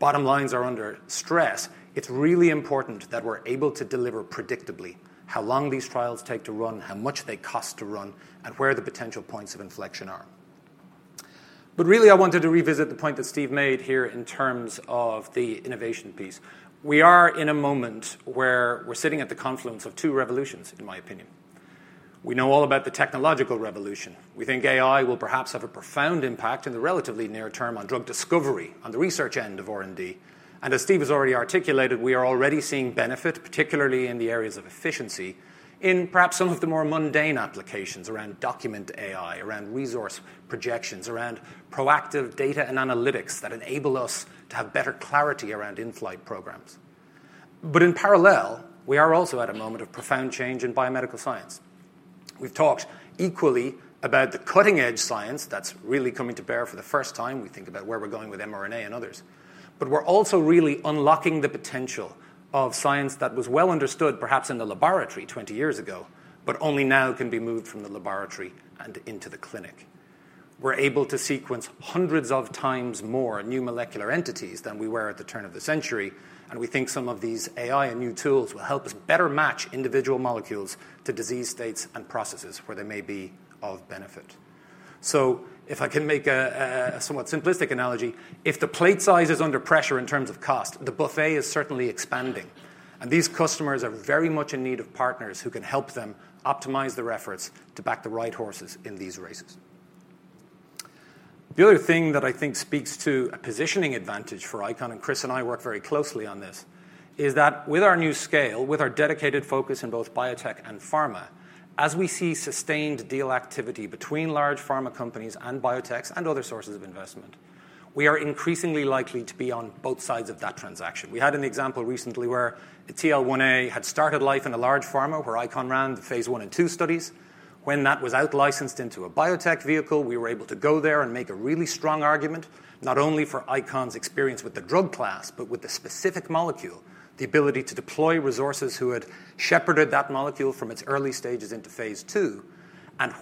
bottom lines are under stress, it's really important that we're able to deliver predictably how long these trials take to run, how much they cost to run, and where the potential points of inflection are. But really, I wanted to revisit the point that Steve made here in terms of the innovation piece. We are in a moment where we're sitting at the confluence of two revolutions, in my opinion. We know all about the technological revolution. We think AI will perhaps have a profound impact in the relatively near term on drug discovery, on the research end of R&D. And as Steve has already articulated, we are already seeing benefit, particularly in the areas of efficiency, in perhaps some of the more mundane applications around document AI, around resource projections, around proactive data and analytics that enable us to have better clarity around in-flight programs. But in parallel, we are also at a moment of profound change in biomedical science. We've talked equally about the cutting-edge science that's really coming to bear for the first time. We think about where we're going with mRNA and others. But we're also really unlocking the potential of science that was well understood, perhaps in the laboratory 20 years ago, but only now can be moved from the laboratory and into the clinic. We're able to sequence hundreds of times more new molecular entities than we were at the turn of the century, and we think some of these AI and new tools will help us better match individual molecules to disease states and processes where they may be of benefit. So if I can make a somewhat simplistic analogy, if the plate size is under pressure in terms of cost, the buffet is certainly expanding, and these customers are very much in need of partners who can help them optimize their efforts to back the right horses in these races. The other thing that I think speaks to a positioning advantage for ICON, and Chris and I work very closely on this, is that with our new scale, with our dedicated focus in both biotech and pharma, as we see sustained deal activity between large pharma companies and biotechs and other sources of investment, we are increasingly likely to be on both sides of that transaction. We had an example recently where a TL1A had started life in a large pharma, where ICON ran the phase I and phase II studies. When that was out-licensed into a biotech vehicle, we were able to go there and make a really strong argument, not only for ICON's experience with the drug class, but with the specific molecule, the ability to deploy resources who had shepherded that molecule from its early stages into phase II.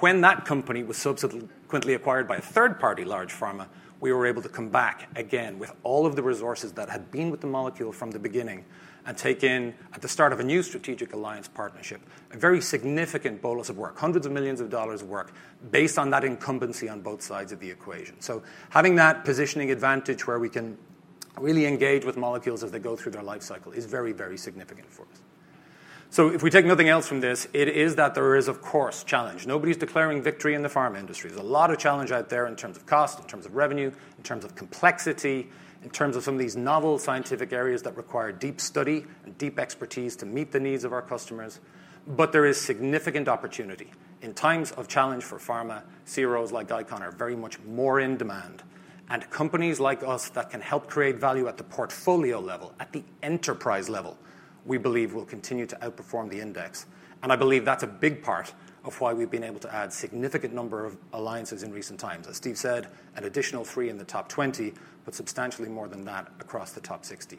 When that company was subsequently acquired by a third-party large pharma, we were able to come back again with all of the resources that had been with the molecule from the beginning and take in, at the start of a new strategic alliance partnership, a very significant bolus of work, hundreds of millions of dollars of work, based on that incumbency on both sides of the equation. So having that positioning advantage where we can really engage with molecules as they go through their life cycle is very, very significant for us. So if we take nothing else from this, it is that there is, of course, challenge. Nobody's declaring victory in the pharma industry. There's a lot of challenge out there in terms of cost, in terms of revenue, in terms of complexity, in terms of some of these novel scientific areas that require deep study and deep expertise to meet the needs of our customers. But there is significant opportunity. In times of challenge for pharma, CROs like ICON are very much more in demand, and companies like us that can help create value at the portfolio level, at the enterprise level, we believe will continue to outperform the index. I believe that's a big part of why we've been able to add significant number of alliances in recent times. As Steve said, an additional 3 in the top 20, but substantially more than that across the top 60.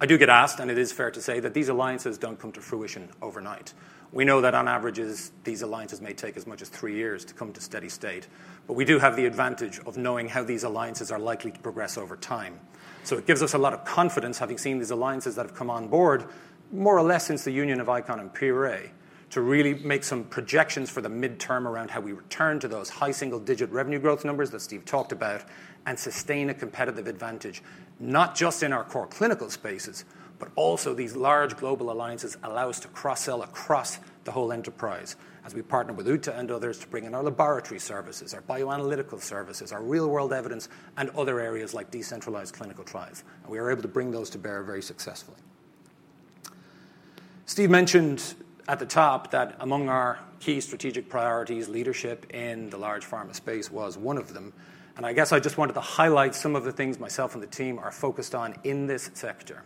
I do get asked, and it is fair to say, that these alliances don't come to fruition overnight. We know that on average, these alliances may take as much as three years to come to steady state, but we do have the advantage of knowing how these alliances are likely to progress over time. So it gives us a lot of confidence, having seen these alliances that have come on board, more or less since the union of ICON and PRA, to really make some projections for the midterm around how we return to those high single-digit revenue growth numbers that Steve talked about and sustain a competitive advantage, not just in our core clinical spaces, but also these large global alliances allow us to cross-sell across the whole enterprise as we partner with Ute and others to bring in our laboratory services, our bioanalytical services, our real-world evidence, and other areas like decentralized clinical trials. And we are able to bring those to bear very successfully. Steve mentioned at the top that among our key strategic priorities, leadership in the large pharma space was one of them, and I guess I just wanted to highlight some of the things myself and the team are focused on in this sector.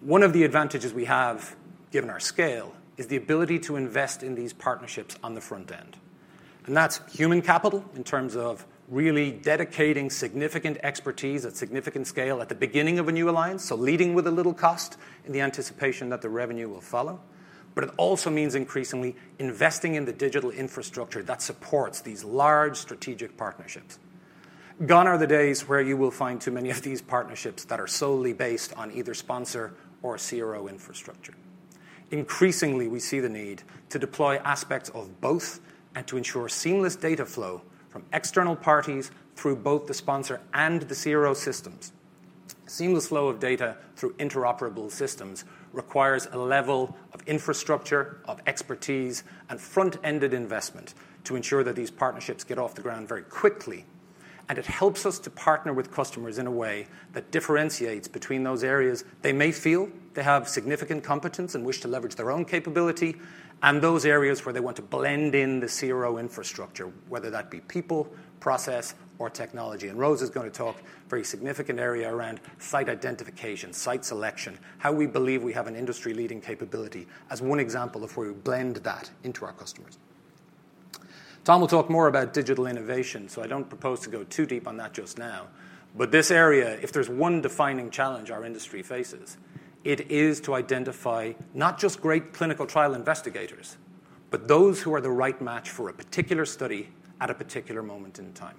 One of the advantages we have, given our scale, is the ability to invest in these partnerships on the front end, and that's human capital in terms of really dedicating significant expertise at significant scale at the beginning of a new alliance, so leading with a little cost in the anticipation that the revenue will follow. But it also means increasingly investing in the digital infrastructure that supports these large strategic partnerships. Gone are the days where you will find too many of these partnerships that are solely based on either sponsor or CRO infrastructure. Increasingly, we see the need to deploy aspects of both and to ensure seamless data flow from external parties through both the sponsor and the CRO systems. Seamless flow of data through interoperable systems requires a level of infrastructure, of expertise, and front-ended investment to ensure that these partnerships get off the ground very quickly. And it helps us to partner with customers in a way that differentiates between those areas they may feel they have significant competence and wish to leverage their own capability, and those areas where they want to blend in the CRO infrastructure, whether that be people, process, or technology. And Rose is gonna talk very significant area around site identification, site selection, how we believe we have an industry-leading capability as one example of where we blend that into our customers. Tom will talk more about digital innovation, so I don't propose to go too deep on that just now. But this area, if there's one defining challenge our industry faces, it is to identify not just great clinical trial investigators, but those who are the right match for a particular study at a particular moment in time.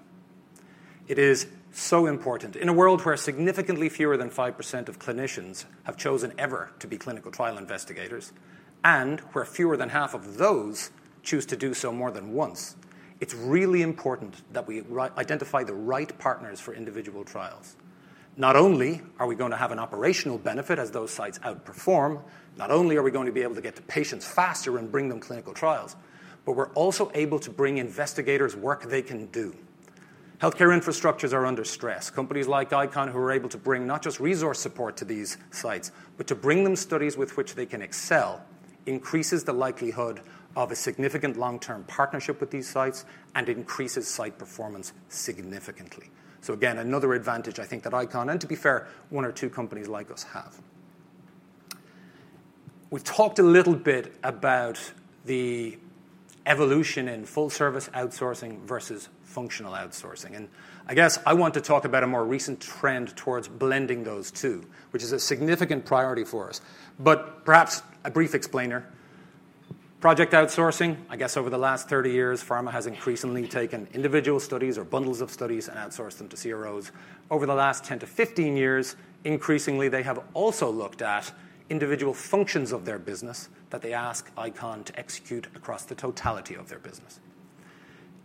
It is so important. In a world where significantly fewer than 5% of clinicians have chosen ever to be clinical trial investigators, and where fewer than half of those choose to do so more than once, it's really important that we identify the right partners for individual trials. Not only are we going to have an operational benefit as those sites outperform, not only are we going to be able to get to patients faster and bring them clinical trials, but we're also able to bring investigators work they can do. Healthcare infrastructures are under stress. Companies like ICON, who are able to bring not just resource support to these sites, but to bring them studies with which they can excel, increases the likelihood of a significant long-term partnership with these sites and increases site performance significantly. So again, another advantage I think that ICON, and to be fair, one or two companies like us have. We've talked a little bit about the evolution in full service outsourcing versus functional outsourcing, and I guess I want to talk about a more recent trend towards blending those two, which is a significant priority for us, but perhaps a brief explainer. Project outsourcing, I guess over the last 30 years, pharma has increasingly taken individual studies or bundles of studies and outsourced them to CROs. Over the last 10-15 years, increasingly, they have also looked at individual functions of their business that they ask ICON to execute across the totality of their business.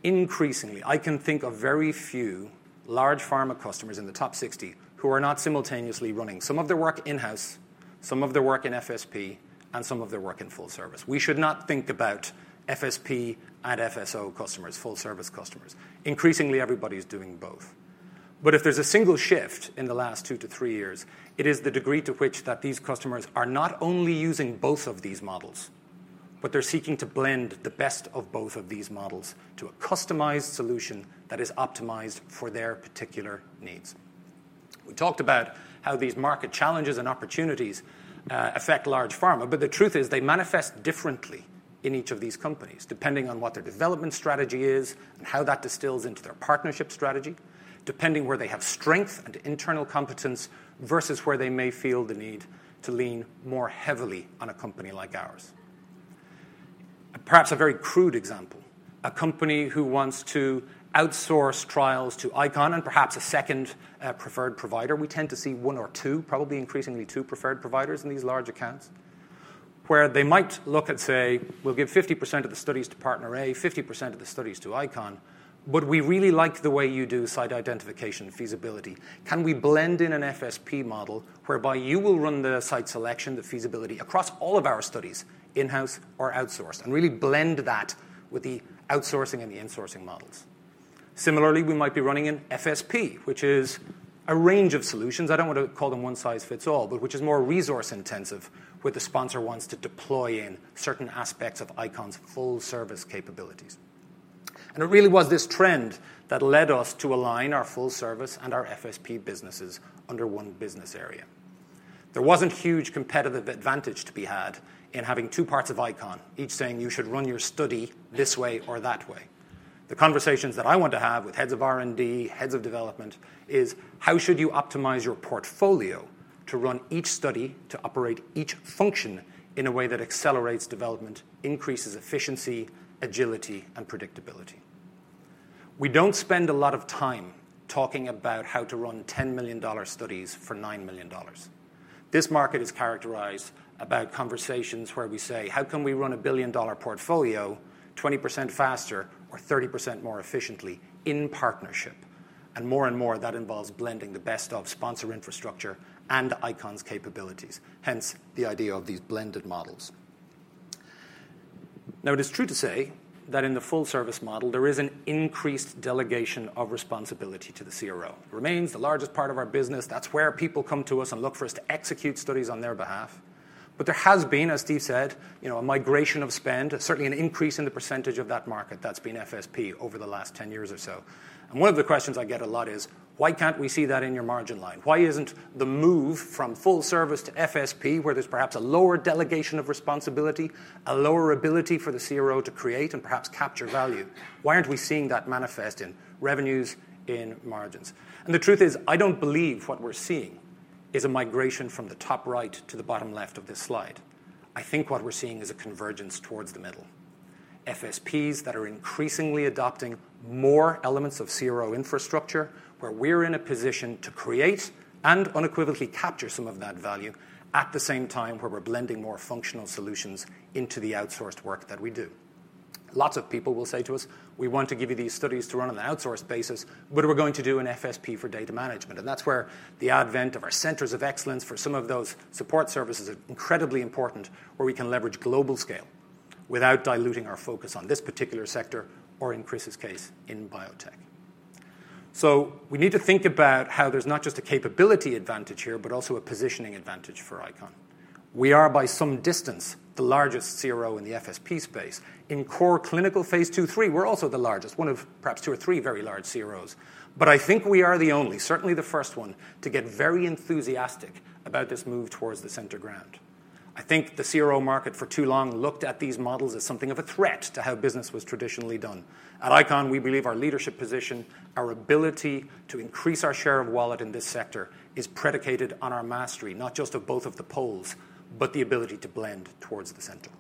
Increasingly, I can think of very few large pharma customers in the top 60 who are not simultaneously running some of their work in-house, some of their work in FSP, and some of their work in full service. We should not think about FSP and FSO customers, full service customers. Increasingly, everybody's doing both. But if there's a single shift in the last 2-3 years, it is the degree to which that these customers are not only using both of these models, but they're seeking to blend the best of both of these models to a customized solution that is optimized for their particular needs. We talked about how these market challenges and opportunities, affect large pharma, but the truth is they manifest differently in each of these companies, depending on what their development strategy is and how that distills into their partnership strategy, depending where they have strength and internal competence, versus where they may feel the need to lean more heavily on a company like ours. Perhaps a very crude example, a company who wants to outsource trials to ICON and perhaps a second, preferred provider. We tend to see one or two, probably increasingly two preferred providers in these large accounts, where they might look and say, "We'll give 50% of the studies to partner A, 50% of the studies to ICON, but we really like the way you do site identification feasibility. Can we blend in an FSP model whereby you will run the site selection, the feasibility, across all of our studies, in-house or outsourced, and really blend that with the outsourcing and the insourcing models?" Similarly, we might be running an FSP, which is a range of solutions, I don't want to call them one size fits all, but which is more resource intensive, where the sponsor wants to deploy in certain aspects of ICON's full service capabilities. And it really was this trend that led us to align our full service and our FSP businesses under one business area. There wasn't huge competitive advantage to be had in having two parts of ICON, each saying, "You should run your study this way or that way." The conversations that I want to have with heads of R&D, heads of development, is: How should you optimize your portfolio to run each study, to operate each function in a way that accelerates development, increases efficiency, agility, and predictability? We don't spend a lot of time talking about how to run $10 million studies for $9 million. This market is characterized about conversations where we say: How can we run a billion-dollar portfolio 20% faster or 30% more efficiently in partnership? And more and more, that involves blending the best of sponsor infrastructure and ICON's capabilities, hence, the idea of these blended models.... Now, it is true to say that in the full-service model, there is an increased delegation of responsibility to the CRO. Remains the largest part of our business. That's where people come to us and look for us to execute studies on their behalf. But there has been, as Steve said, you know, a migration of spend, and certainly an increase in the percentage of that market that's been FSP over the last 10 years or so. And one of the questions I get a lot is: Why can't we see that in your margin line? Why isn't the move from full service to FSP, where there's perhaps a lower delegation of responsibility, a lower ability for the CRO to create and perhaps capture value, why aren't we seeing that manifest in revenues, in margins? The truth is, I don't believe what we're seeing is a migration from the top right to the bottom left of this slide. I think what we're seeing is a convergence towards the middle. FSPs that are increasingly adopting more elements of CRO infrastructure, where we're in a position to create and unequivocally capture some of that value, at the same time, where we're blending more functional solutions into the outsourced work that we do. Lots of people will say to us, "We want to give you these studies to run on an outsourced basis, but we're going to do an FSP for data management." That's where the advent of our centers of excellence for some of those support services are incredibly important, where we can leverage global scale without diluting our focus on this particular sector, or in Chris's case, in biotech. So we need to think about how there's not just a capability advantage here, but also a positioning advantage for ICON. We are, by some distance, the largest CRO in the FSP space. In core clinical phase II, phase III, we're also the largest, one of perhaps two or three very large CROs. But I think we are the only, certainly the first one, to get very enthusiastic about this move towards the center ground. I think the CRO market, for too long, looked at these models as something of a threat to how business was traditionally done. At ICON, we believe our leadership position, our ability to increase our share of wallet in this sector, is predicated on our mastery, not just of both of the poles, but the ability to blend towards the center.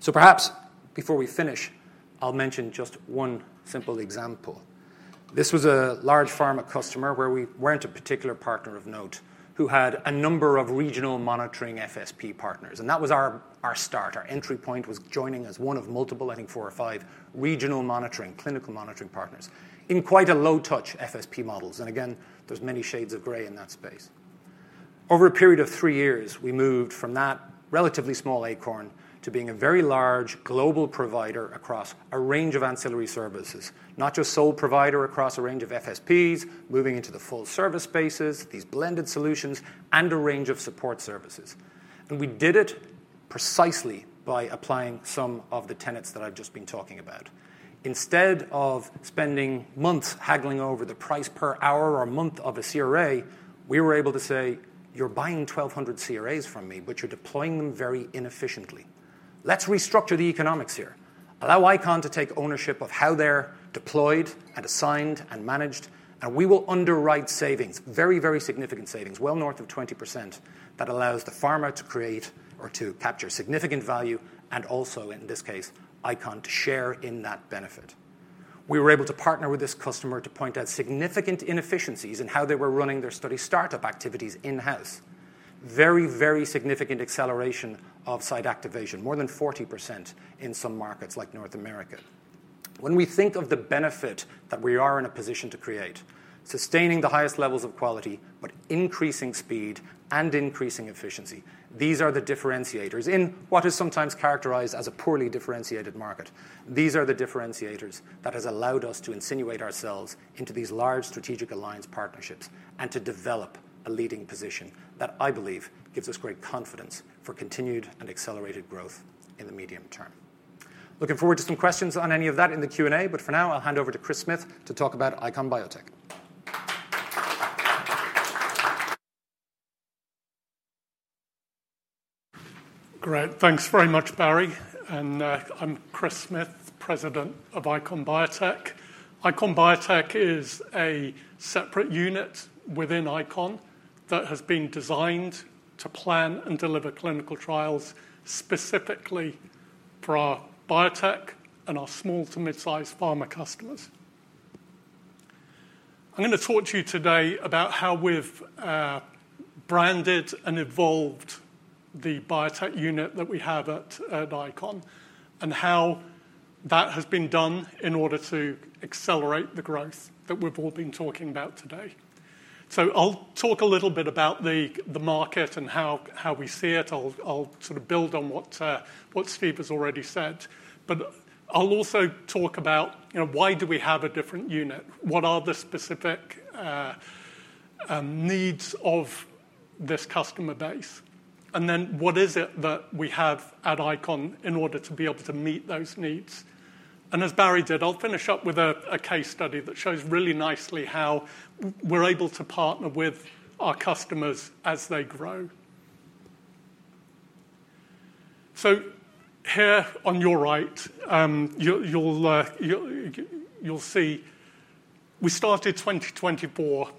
So perhaps before we finish, I'll mention just one simple example. This was a large pharma customer, where we weren't a particular partner of note, who had a number of regional monitoring FSP partners, and that was our start. Our entry point was joining as one of multiple, I think four or five, regional monitoring, clinical monitoring partners in quite a low-touch FSP models. And again, there's many shades of gray in that space. Over a period of three years, we moved from that relatively small acorn to being a very large global provider across a range of ancillary services. Not just sole provider across a range of FSPs, moving into the full service spaces, these blended solutions, and a range of support services. And we did it precisely by applying some of the tenets that I've just been talking about. Instead of spending months haggling over the price per hour or month of a CRA, we were able to say, "You're buying 1,200 CRAs from me, but you're deploying them very inefficiently. Let's restructure the economics here. Allow ICON to take ownership of how they're deployed and assigned and managed, and we will underwrite savings," very, very significant savings, well north of 20%, that allows the pharma to create or to capture significant value, and also, in this case, ICON to share in that benefit. We were able to partner with this customer to point out significant inefficiencies in how they were running their study startup activities in-house. Very, very significant acceleration of site activation, more than 40% in some markets like North America. When we think of the benefit that we are in a position to create, sustaining the highest levels of quality, but increasing speed and increasing efficiency, these are the differentiators in what is sometimes characterized as a poorly differentiated market. These are the differentiators that has allowed us to insinuate ourselves into these large strategic alliance partnerships and to develop a leading position that I believe gives us great confidence for continued and accelerated growth in the medium term. Looking forward to some questions on any of that in the Q&A, but for now, I'll hand over to Chris Smyth to talk about ICON Biotech. Great. Thanks very much, Barry, and I'm Chris Smyth, President of ICON Biotech. ICON Biotech is a separate unit within ICON that has been designed to plan and deliver clinical trials specifically for our biotech and our small to mid-size pharma customers. I'm gonna talk to you today about how we've branded and evolved the biotech unit that we have at ICON, and how that has been done in order to accelerate the growth that we've all been talking about today. So I'll talk a little bit about the market and how we see it. I'll sort of build on what Steve has already said. But I'll also talk about, you know, why do we have a different unit? What are the specific needs of this customer base? And then, what is it that we have at ICON in order to be able to meet those needs? And as Barry did, I'll finish up with a case study that shows really nicely how we're able to partner with our customers as they grow. So here on your right, you'll see we started 2024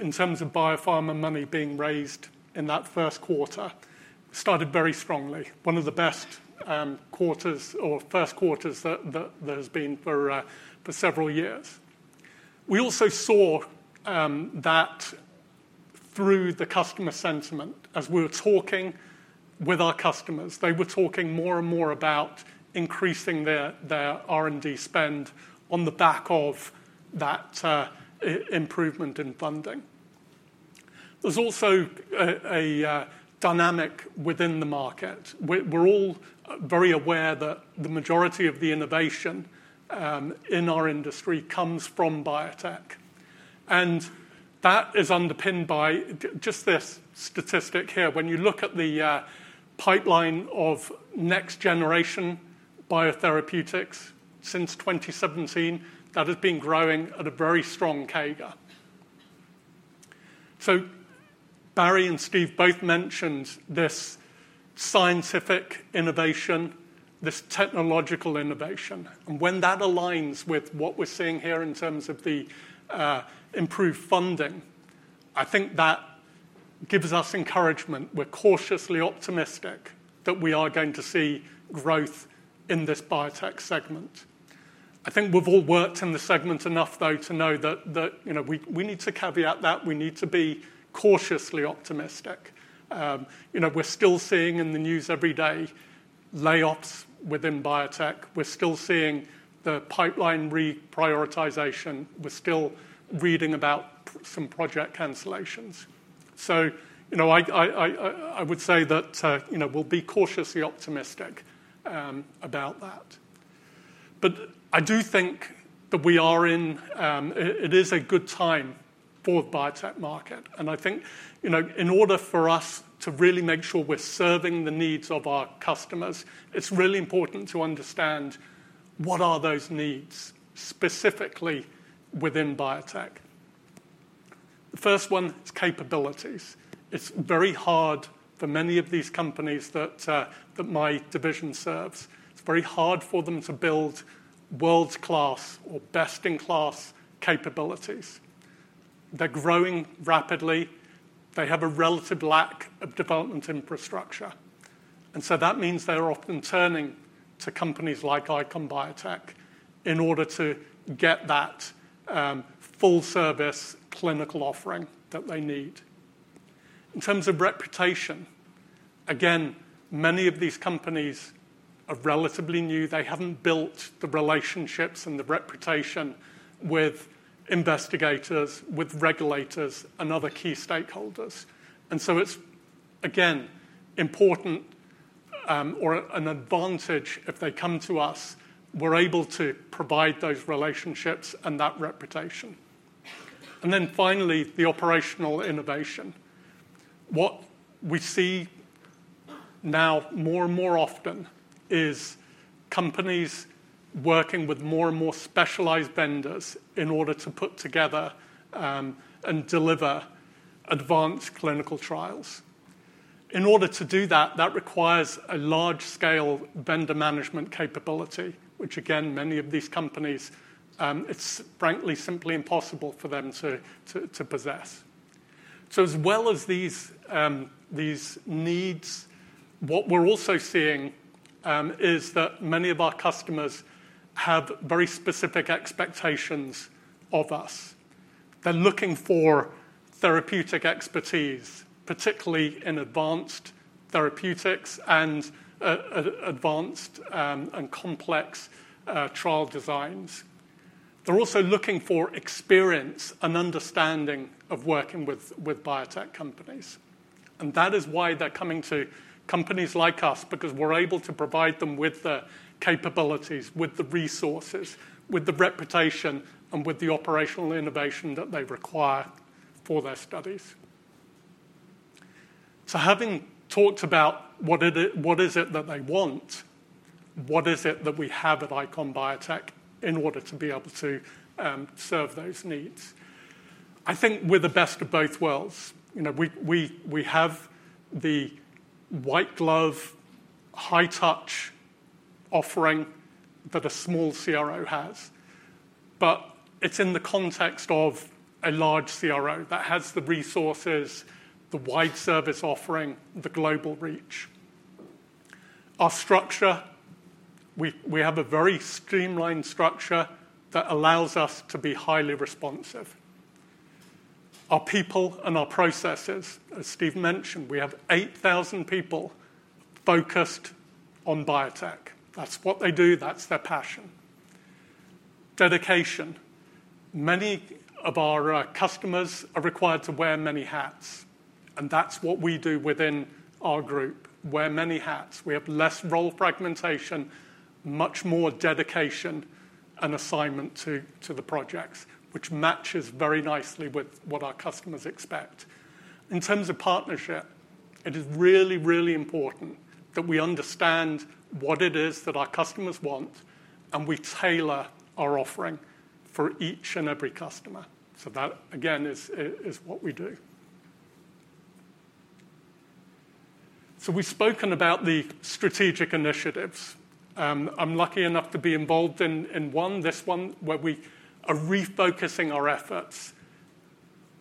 in terms of biopharma money being raised in that first quarter, started very strongly, one of the best quarters or first quarters that there's been for several years. We also saw that through the customer sentiment, as we were talking with our customers, they were talking more and more about increasing their R&D spend on the back of that improvement in funding. There's also a dynamic within the market. We're all very aware that the majority of the innovation in our industry comes from biotech, and that is underpinned by just this statistic here. When you look at the pipeline of next-generation biotherapeutics since 2017, that has been growing at a very strong CAGR. So Barry and Steve both mentioned this scientific innovation, this technological innovation, and when that aligns with what we're seeing here in terms of the improved funding, I think that gives us encouragement. We're cautiously optimistic that we are going to see growth in this biotech segment. I think we've all worked in the segment enough, though, to know that you know, we need to caveat that, we need to be cautiously optimistic. You know, we're still seeing in the news every day layoffs within biotech. We're still seeing the pipeline reprioritization. We're still reading about some project cancellations. So, you know, I would say that, you know, we'll be cautiously optimistic about that. But I do think that we are in it is a good time for the biotech market, and I think, you know, in order for us to really make sure we're serving the needs of our customers, it's really important to understand what are those needs, specifically within biotech. The first one is capabilities. It's very hard for many of these companies that my division serves. It's very hard for them to build world-class or best-in-class capabilities. They're growing rapidly. They have a relative lack of development infrastructure, and so that means they're often turning to companies like ICON Biotech in order to get that full-service clinical offering that they need. In terms of reputation, again, many of these companies are relatively new. They haven't built the relationships and the reputation with investigators, with regulators, and other key stakeholders. So it's, again, important, or an advantage if they come to us. We're able to provide those relationships and that reputation. And then finally, the operational innovation. What we see now more and more often is companies working with more and more specialized vendors in order to put together, and deliver advanced clinical trials. In order to do that, that requires a large-scale vendor management capability, which again, many of these companies, it's frankly simply impossible for them to possess. So as well as these, these needs, what we're also seeing, is that many of our customers have very specific expectations of us. They're looking for therapeutic expertise, particularly in advanced therapeutics and advanced and complex trial designs. They're also looking for experience and understanding of working with biotech companies, and that is why they're coming to companies like us because we're able to provide them with the capabilities, with the resources, with the reputation, and with the operational innovation that they require for their studies. So having talked about what is it that they want, what is it that we have at ICON Biotech in order to be able to serve those needs? I think we're the best of both worlds. You know, we have the white glove, high touch offering that a small CRO has, but it's in the context of a large CRO that has the resources, the wide service offering, the global reach. Our structure, we have a very streamlined structure that allows us to be highly responsive. Our people and our processes, as Steve mentioned, we have 8,000 people focused on biotech. That's what they do. That's their passion. Dedication. Many of our customers are required to wear many hats, and that's what we do within our group, wear many hats. We have less role fragmentation, much more dedication and assignment to the projects, which matches very nicely with what our customers expect. In terms of partnership, it is really, really important that we understand what it is that our customers want, and we tailor our offering for each and every customer. So that, again, is what we do. So we've spoken about the strategic initiatives. I'm lucky enough to be involved in this one, where we are refocusing our efforts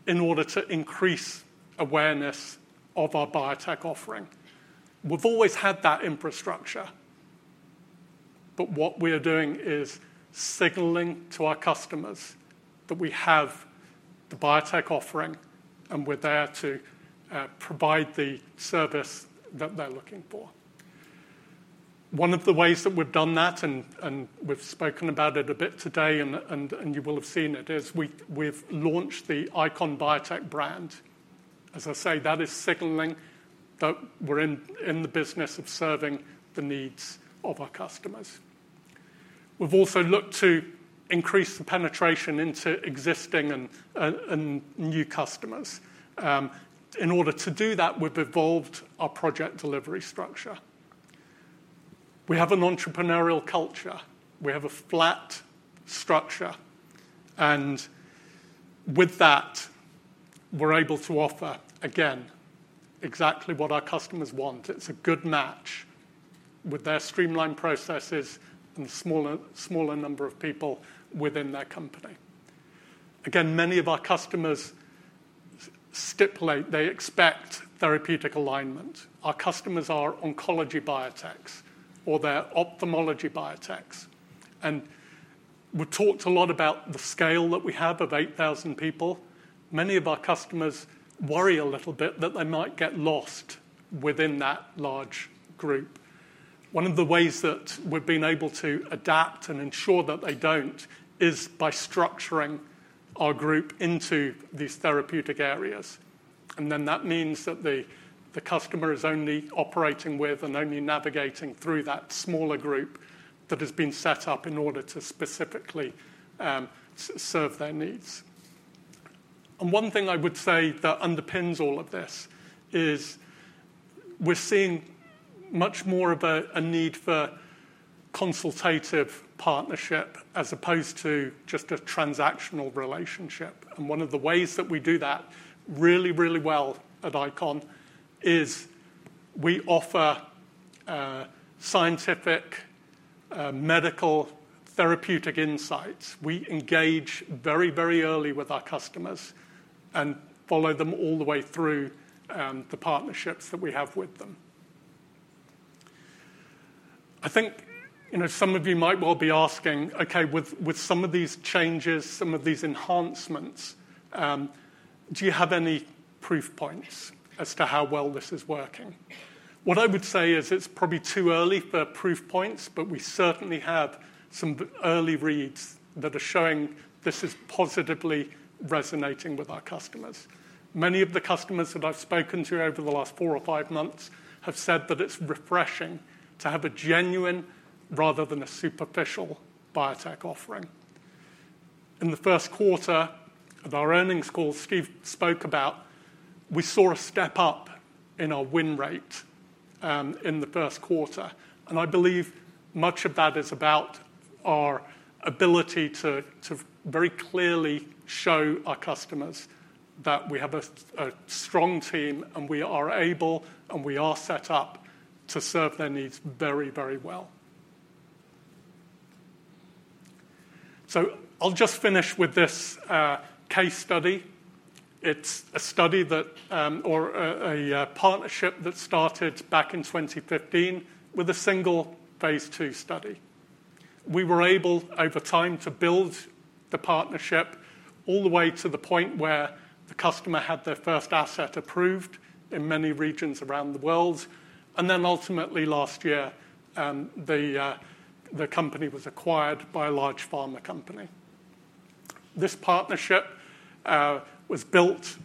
in order to increase awareness of our biotech offering. We've always had that infrastructure, but what we are doing is signaling to our customers that we have the biotech offering, and we're there to provide the service that they're looking for. One of the ways that we've done that, and you will have seen it, is we've launched the ICON Biotech brand. As I say, that is signaling that we're in the business of serving the needs of our customers. We've also looked to increase the penetration into existing and new customers. In order to do that, we've evolved our project delivery structure. We have an entrepreneurial culture. We have a flat structure, and with that, we're able to offer, again, exactly what our customers want. It's a good match with their streamlined processes and smaller, smaller number of people within their company. Again, many of our customers stipulate they expect therapeutic alignment. Our customers are oncology biotechs or they're ophthalmology biotechs, and we've talked a lot about the scale that we have of 8,000 people. Many of our customers worry a little bit that they might get lost within that large group. One of the ways that we've been able to adapt and ensure that they don't is by structuring our group into these therapeutic areas. And then, that means that the, the customer is only operating with and only navigating through that smaller group that has been set up in order to specifically serve their needs. One thing I would say that underpins all of this is we're seeing much more of a need for consultative partnership, as opposed to just a transactional relationship. One of the ways that we do that really, really well at ICON is we offer scientific, medical, therapeutic insights. We engage very, very early with our customers and follow them all the way through the partnerships that we have with them. I think, you know, some of you might well be asking, "Okay, with some of these changes, some of these enhancements, do you have any proof points as to how well this is working?" What I would say is it's probably too early for proof points, but we certainly have some early reads that are showing this is positively resonating with our customers. Many of the customers that I've spoken to over the last four or five months have said that it's refreshing to have a genuine rather than a superficial biotech offering. In the first quarter of our earnings call, Steve spoke about... We saw a step up in our win rate in the first quarter, and I believe much of that is about our ability to very clearly show our customers that we have a strong team, and we are able, and we are set up to serve their needs very, very well. So I'll just finish with this case study. It's a study or a partnership that started back in 2015 with a single phase II study. We were able, over time, to build the partnership all the way to the point where the customer had their first asset approved in many regions around the world, and then ultimately, last year, the company was acquired by a large pharma company. This partnership was built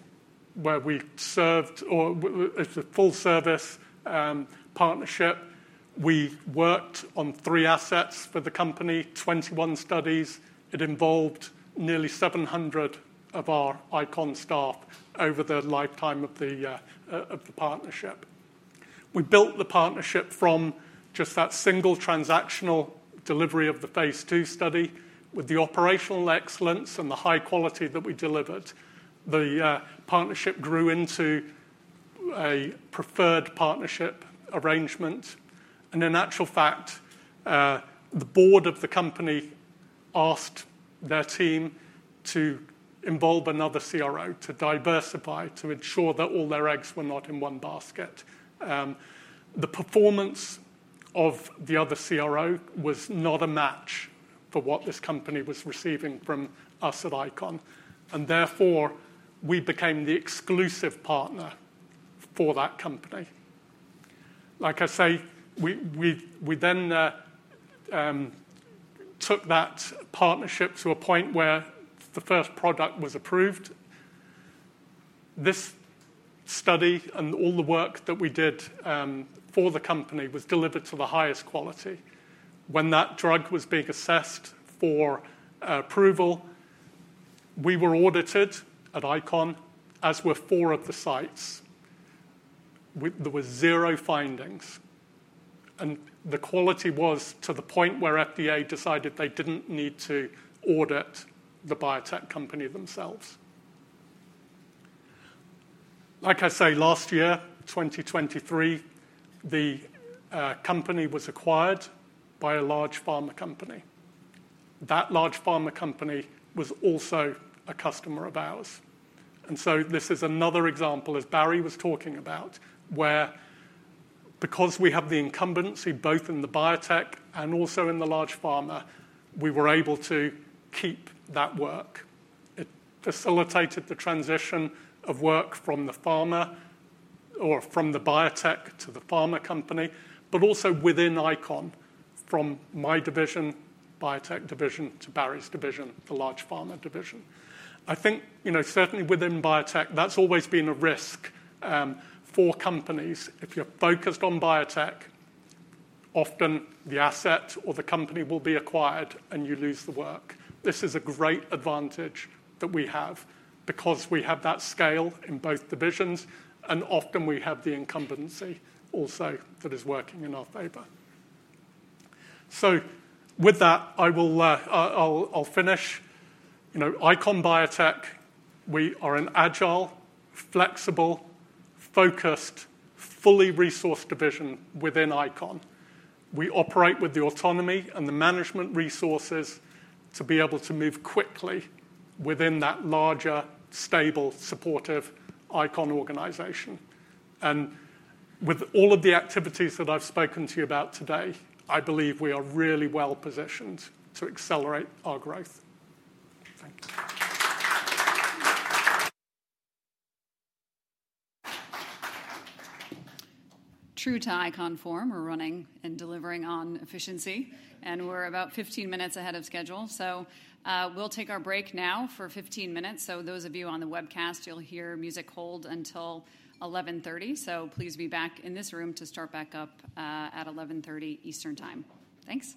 where we served. It's a full-service partnership. We worked on 3 assets for the company, 21 studies. It involved nearly 700 of our ICON staff over the lifetime of the partnership. We built the partnership from just that single transactional delivery of the phase II study. With the operational excellence and the high quality that we delivered, the partnership grew into a preferred partnership arrangement. In actual fact, the board of the company asked their team to involve another CRO to diversify, to ensure that all their eggs were not in one basket. The performance of the other CRO was not a match for what this company was receiving from us at ICON, and therefore, we became the exclusive partner for that company. Like I say, we then took that partnership to a point where the first product was approved. This study and all the work that we did for the company was delivered to the highest quality. When that drug was being assessed for approval, we were audited at ICON, as were four of the sites. There were zero findings, and the quality was to the point where FDA decided they didn't need to audit the biotech company themselves. Like I say, last year, 2023, the company was acquired by a large pharma company. That large pharma company was also a customer of ours, and so this is another example, as Barry was talking about, where because we have the incumbency, both in the biotech and also in the large pharma, we were able to keep that work. It facilitated the transition of work from the pharma or from the biotech to the pharma company, but also within ICON, from my division, biotech division, to Barry's division, the large pharma division. I think, you know, certainly within biotech, that's always been a risk, for companies. If you're focused on biotech, often the asset or the company will be acquired, and you lose the work. This is a great advantage that we have because we have that scale in both divisions, and often we have the incumbency also that is working in our favor. So with that, I will, I'll finish. You know, ICON Biotech, we are an agile, flexible, focused, fully resourced division within ICON. We operate with the autonomy and the management resources to be able to move quickly within that larger, stable, supportive ICON organization. And with all of the activities that I've spoken to you about today, I believe we are really well-positioned to accelerate our growth. Thank you. True to ICON form, we're running and delivering on efficiency, and we're about 15 minutes ahead of schedule. So, we'll take our break now for 15 minutes. So those of you on the webcast, you'll hear music hold until 11:30 A.M. So please be back in this room to start back up at 11:30 A.M. Eastern Time. Thanks.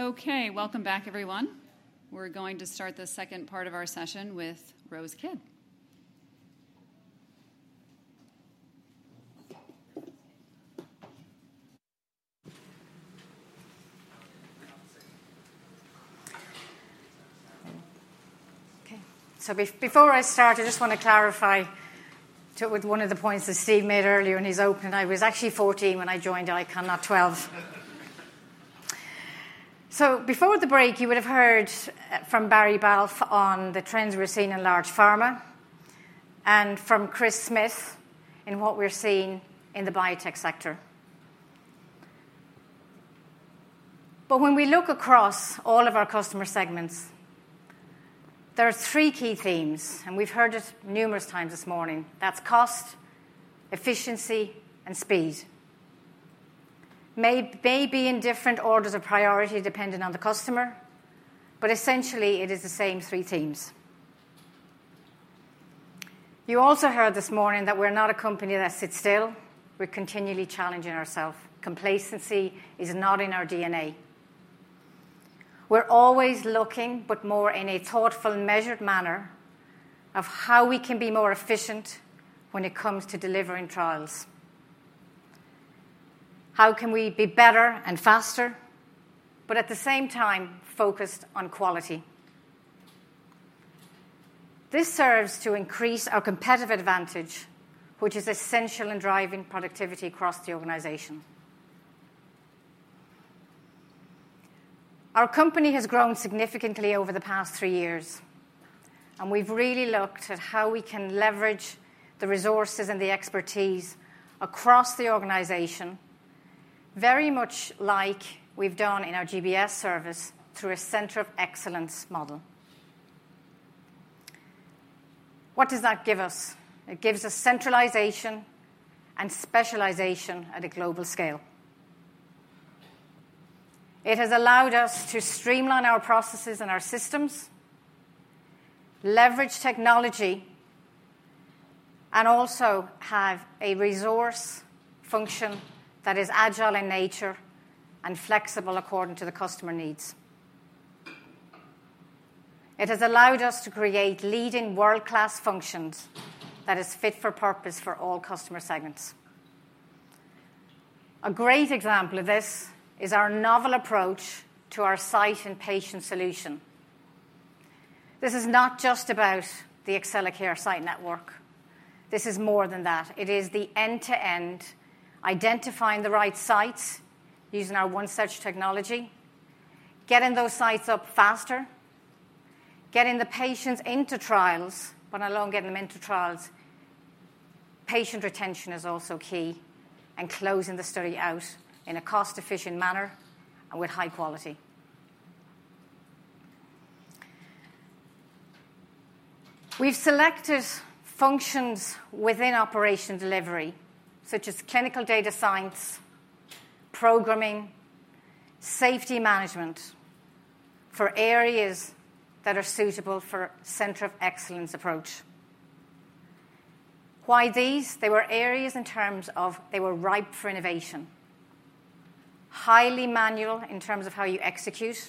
Okay, welcome back, everyone. We're going to start the second part of our session with Rose Kidd. Okay, so before I start, I just wanna clarify with one of the points that Steve made earlier in his opening. I was actually 14 when I joined ICON, not 12. So before the break, you would have heard from Barry Balfe on the trends we're seeing in large pharma and from Chris Smyth in what we're seeing in the biotech sector. But when we look across all of our customer segments, there are three key themes, and we've heard it numerous times this morning. That's cost, efficiency, and speed. Maybe in different orders of priority, depending on the customer, but essentially it is the same three themes. You also heard this morning that we're not a company that sits still. We're continually challenging ourselves. Complacency is not in our DNA. We're always looking, but more in a thoughtful and measured manner, of how we can be more efficient when it comes to delivering trials. How can we be better and faster, but at the same time focused on quality? This serves to increase our competitive advantage, which is essential in driving productivity across the organization. Our company has grown significantly over the past three years, and we've really looked at how we can leverage the resources and the expertise across the organization, very much like we've done in our GBS service through a center of excellence model. What does that give us? It gives us centralization and specialization at a global scale. It has allowed us to streamline our processes and our systems, leverage technology, and also have a resource function that is agile in nature and flexible according to the customer needs. It has allowed us to create leading world-class functions that is fit for purpose for all customer segments. A great example of this is our novel approach to our site and patient solution. This is not just about the Accellacare site network. This is more than that. It is the end-to-end, identifying the right sites, using our One Search technology, getting those sites up faster, getting the patients into trials, but not only getting them into trials, patient retention is also key, and closing the study out in a cost-efficient manner and with high quality. We've selected functions within Operations Delivery, such as clinical data science, programming, safety management, for areas that are suitable for center of excellence approach. Why these? They were areas in terms of they were ripe for innovation. Highly manual in terms of how you execute,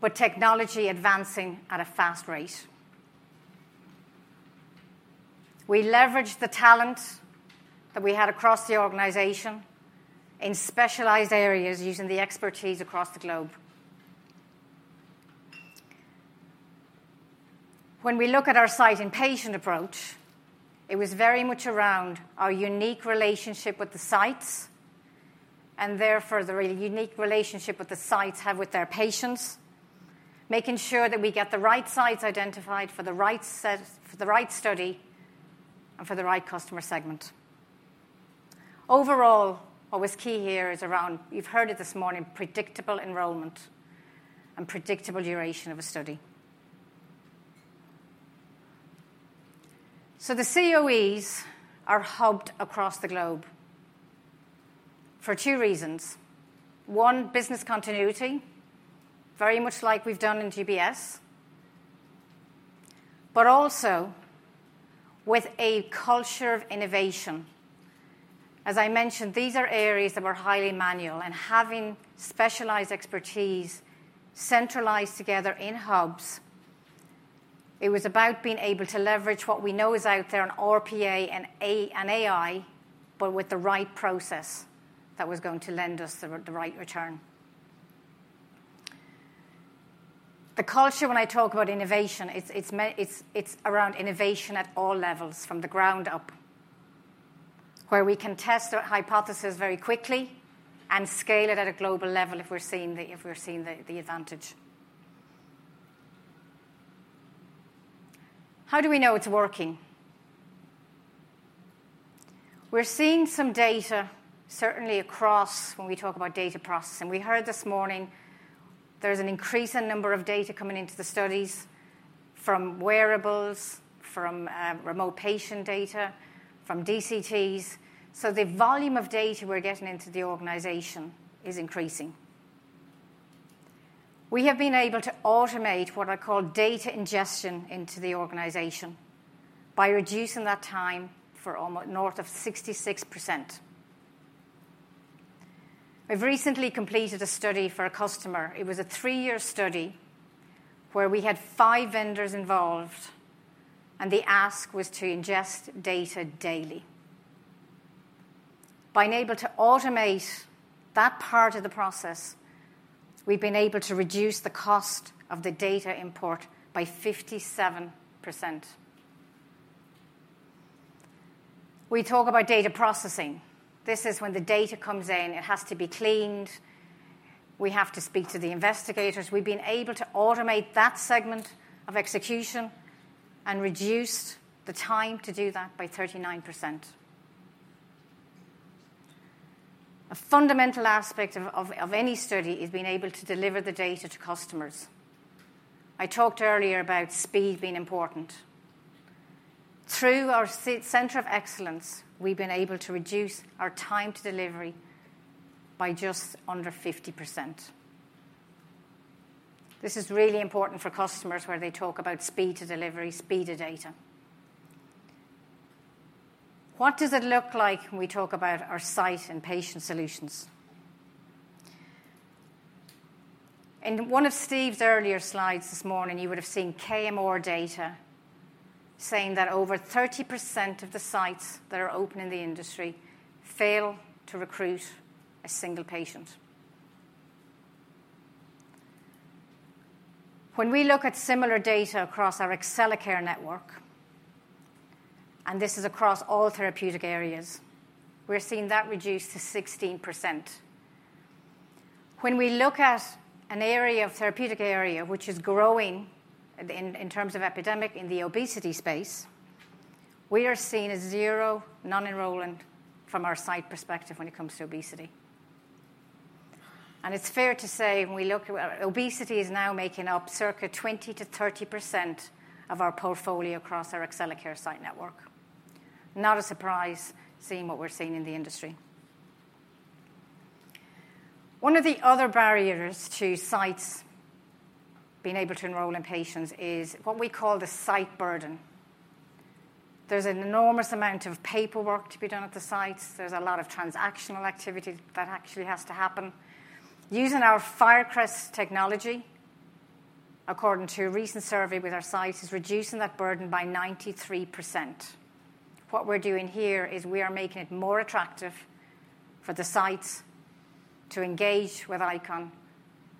but technology advancing at a fast rate. We leveraged the talent that we had across the organization in specialized areas, using the expertise across the globe. When we look at our site and patient approach, it was very much around our unique relationship with the sites and therefore the really unique relationship with the sites have with their patients, making sure that we get the right sites identified for the right study and for the right customer segment. Overall, what was key here is around, you've heard it this morning, predictable enrollment and predictable duration of a study. So the COEs are hubbed across the globe for two reasons. One, business continuity, very much like we've done in GBS, but also with a culture of innovation. As I mentioned, these are areas that were highly manual, and having specialized expertise centralized together in hubs, it was about being able to leverage what we know is out there in RPA and AI, but with the right process that was going to lend us the right return. The culture, when I talk about innovation, it's around innovation at all levels, from the ground up, where we can test a hypothesis very quickly and scale it at a global level if we're seeing the advantage. How do we know it's working? We're seeing some data, certainly across when we talk about data processing. We heard this morning there's an increasing number of data coming into the studies from wearables, from remote patient data, from DCTs, so the volume of data we're getting into the organization is increasing. We have been able to automate what I call data ingestion into the organization by reducing that time for north of 66%. We've recently completed a study for a customer. It was a 3-year study where we had 5 vendors involved, and the ask was to ingest data daily. By being able to automate that part of the process, we've been able to reduce the cost of the data import by 57%. We talk about data processing. This is when the data comes in. It has to be cleaned. We have to speak to the investigators. We've been able to automate that segment of execution and reduced the time to do that by 39%. A fundamental aspect of any study is being able to deliver the data to customers. I talked earlier about speed being important. Through our center of excellence, we've been able to reduce our time to delivery by just under 50%. This is really important for customers, where they talk about speed to delivery, speed to data. What does it look like when we talk about our site and patient solutions? In one of Steve's earlier slides this morning, you would have seen KMR data saying that over 30% of the sites that are open in the industry fail to recruit a single patient. When we look at similar data across our Accellacare network, and this is across all therapeutic areas, we're seeing that reduced to 16%. When we look at a therapeutic area which is growing in terms of epidemic in the obesity space, we are seeing a 0 non-enrollment from our site perspective when it comes to obesity. And it's fair to say when we look at... Obesity is now making up circa 20%-30% of our portfolio across our Accellacare site network. Not a surprise, seeing what we're seeing in the industry. One of the other barriers to sites being able to enroll in patients is what we call the site burden. There's an enormous amount of paperwork to be done at the sites. There's a lot of transactional activity that actually has to happen. Using our Firecrest technology, according to a recent survey with our sites, is reducing that burden by 93%. What we're doing here is we are making it more attractive for the sites to engage with ICON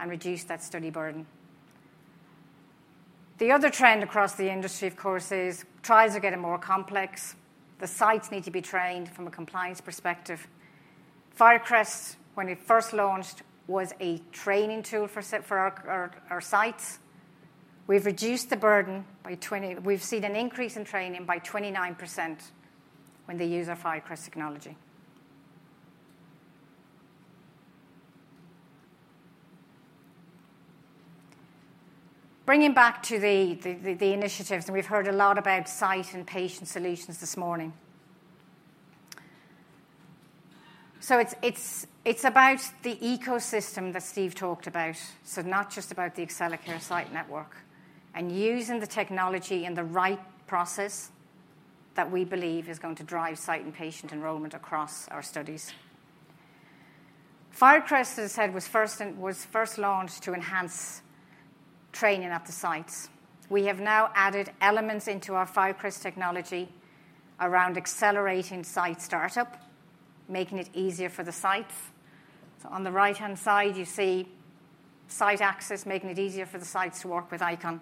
and reduce that study burden. The other trend across the industry, of course, is trials are getting more complex. The sites need to be trained from a compliance perspective. Firecrest, when it first launched, was a training tool for our sites. We've seen an increase in training by 29% when they use our Firecrest technology. Bringing back to the initiatives, and we've heard a lot about site and patient solutions this morning. So it's about the ecosystem that Steve talked about, so not just about the Accellacare site network, and using the technology in the right process that we believe is going to drive site and patient enrollment across our studies. Firecrest, as I said, was first launched to enhance training at the sites. We have now added elements into our Firecrest technology around accelerating site startup, making it easier for the sites. So on the right-hand side, you see site access, making it easier for the sites to work with ICON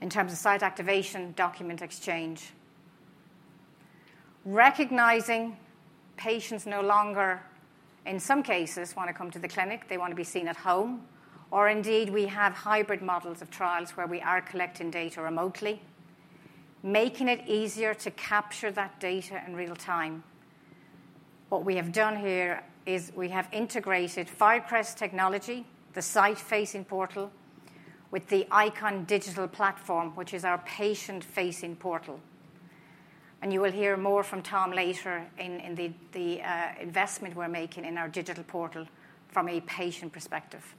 in terms of site activation, document exchange. Recognizing patients no longer, in some cases, want to come to the clinic, they want to be seen at home, or indeed, we have hybrid models of trials where we are collecting data remotely, making it easier to capture that data in real time. What we have done here is we have integrated Firecrest technology, the site-facing portal, with the ICON digital platform, which is our patient-facing portal, and you will hear more from Tom later in the investment we're making in our digital portal from a patient perspective.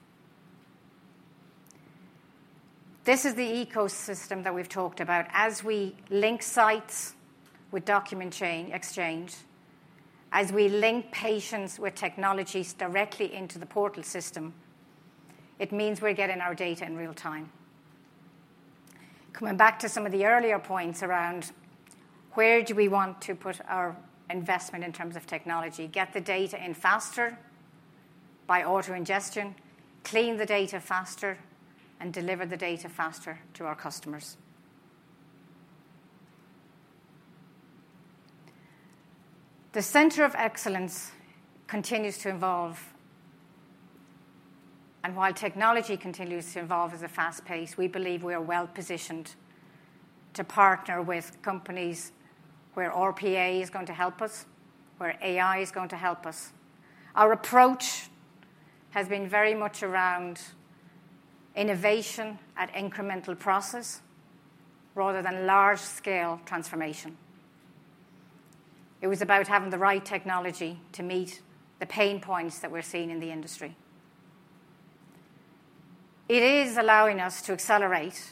This is the ecosystem that we've talked about. As we link sites with document exchange, as we link patients with technologies directly into the portal system, it means we're getting our data in real time. Coming back to some of the earlier points around where do we want to put our investment in terms of technology? Get the data in faster by auto ingestion, clean the data faster, and deliver the data faster to our customers. The center of excellence continues to evolve, and while technology continues to evolve at a fast pace, we believe we are well positioned to partner with companies where RPA is going to help us, where AI is going to help us. Our approach has been very much around innovation at incremental process, rather than large scale transformation. It was about having the right technology to meet the pain points that we're seeing in the industry. It is allowing us to accelerate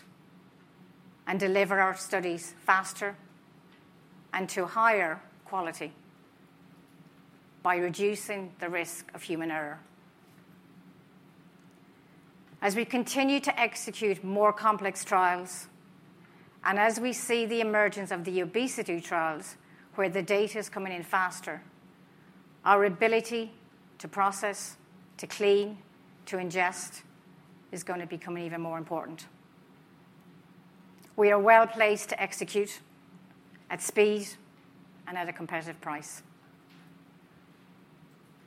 and deliver our studies faster and to higher quality by reducing the risk of human error. As we continue to execute more complex trials, and as we see the emergence of the obesity trials, where the data is coming in faster, our ability to process, to clean, to ingest, is gonna become even more important. We are well placed to execute at speed and at a competitive price.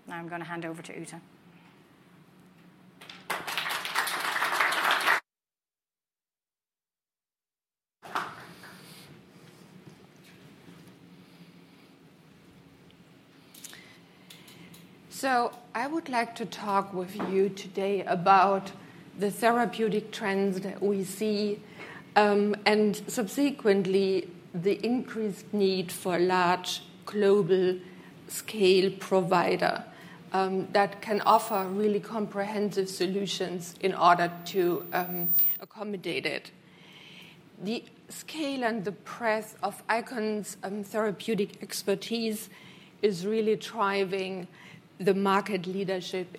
Now, I'm gonna hand over to Ute. So I would like to talk with you today about the therapeutic trends that we see, and subsequently, the increased need for a large global scale provider that can offer really comprehensive solutions in order to accommodate it. The scale and the breadth of ICON's therapeutic expertise is really driving the market leadership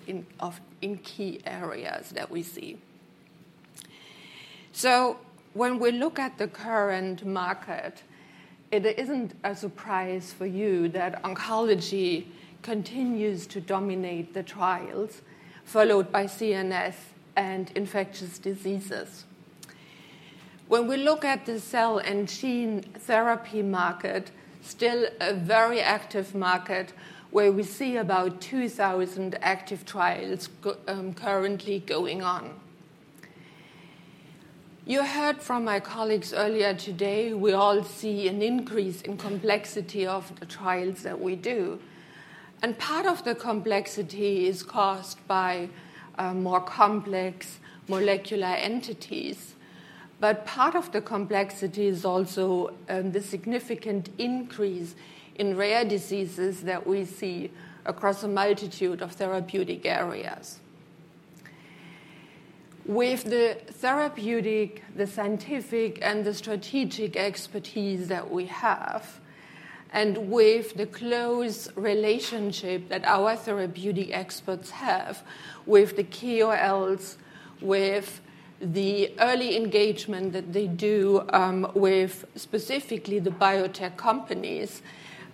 in key areas that we see. So when we look at the current market, it isn't a surprise for you that oncology continues to dominate the trials, followed by CNS and infectious diseases. When we look at the cell and gene therapy market, still a very active market, where we see about 2000 active trials going on. You heard from my colleagues earlier today, we all see an increase in complexity of the trials that we do, and part of the complexity is caused by more complex molecular entities. But part of the complexity is also the significant increase in rare diseases that we see across a multitude of therapeutic areas. With the therapeutic, the scientific, and the strategic expertise that we have, and with the close relationship that our therapeutic experts have with the KOLs, with the early engagement that they do with specifically the biotech companies.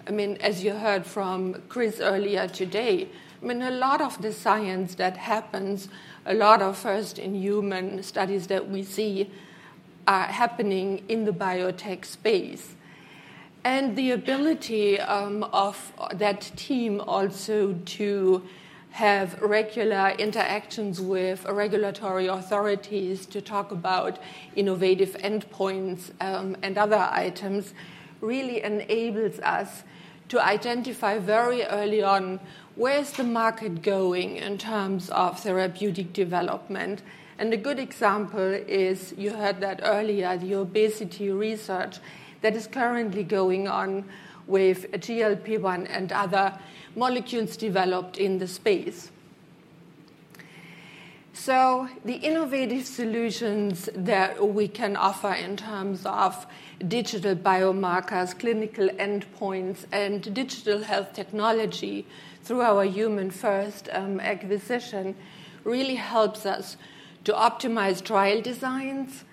I mean, as you heard from Chris earlier today, I mean, a lot of the science that happens, a lot of first in human studies that we see are happening in the biotech space. The ability of that team also to have regular interactions with regulatory authorities, to talk about innovative endpoints, and other items, really enables us to identify very early on, where is the market going in terms of therapeutic development? And a good example is you heard that earlier, the obesity research that is currently going on with GLP-1 and other molecules developed in the space. So the innovative solutions that we can offer in terms of digital biomarkers, clinical endpoints, and digital health technology through our HumanFirst acquisition, really helps us to optimize trial designs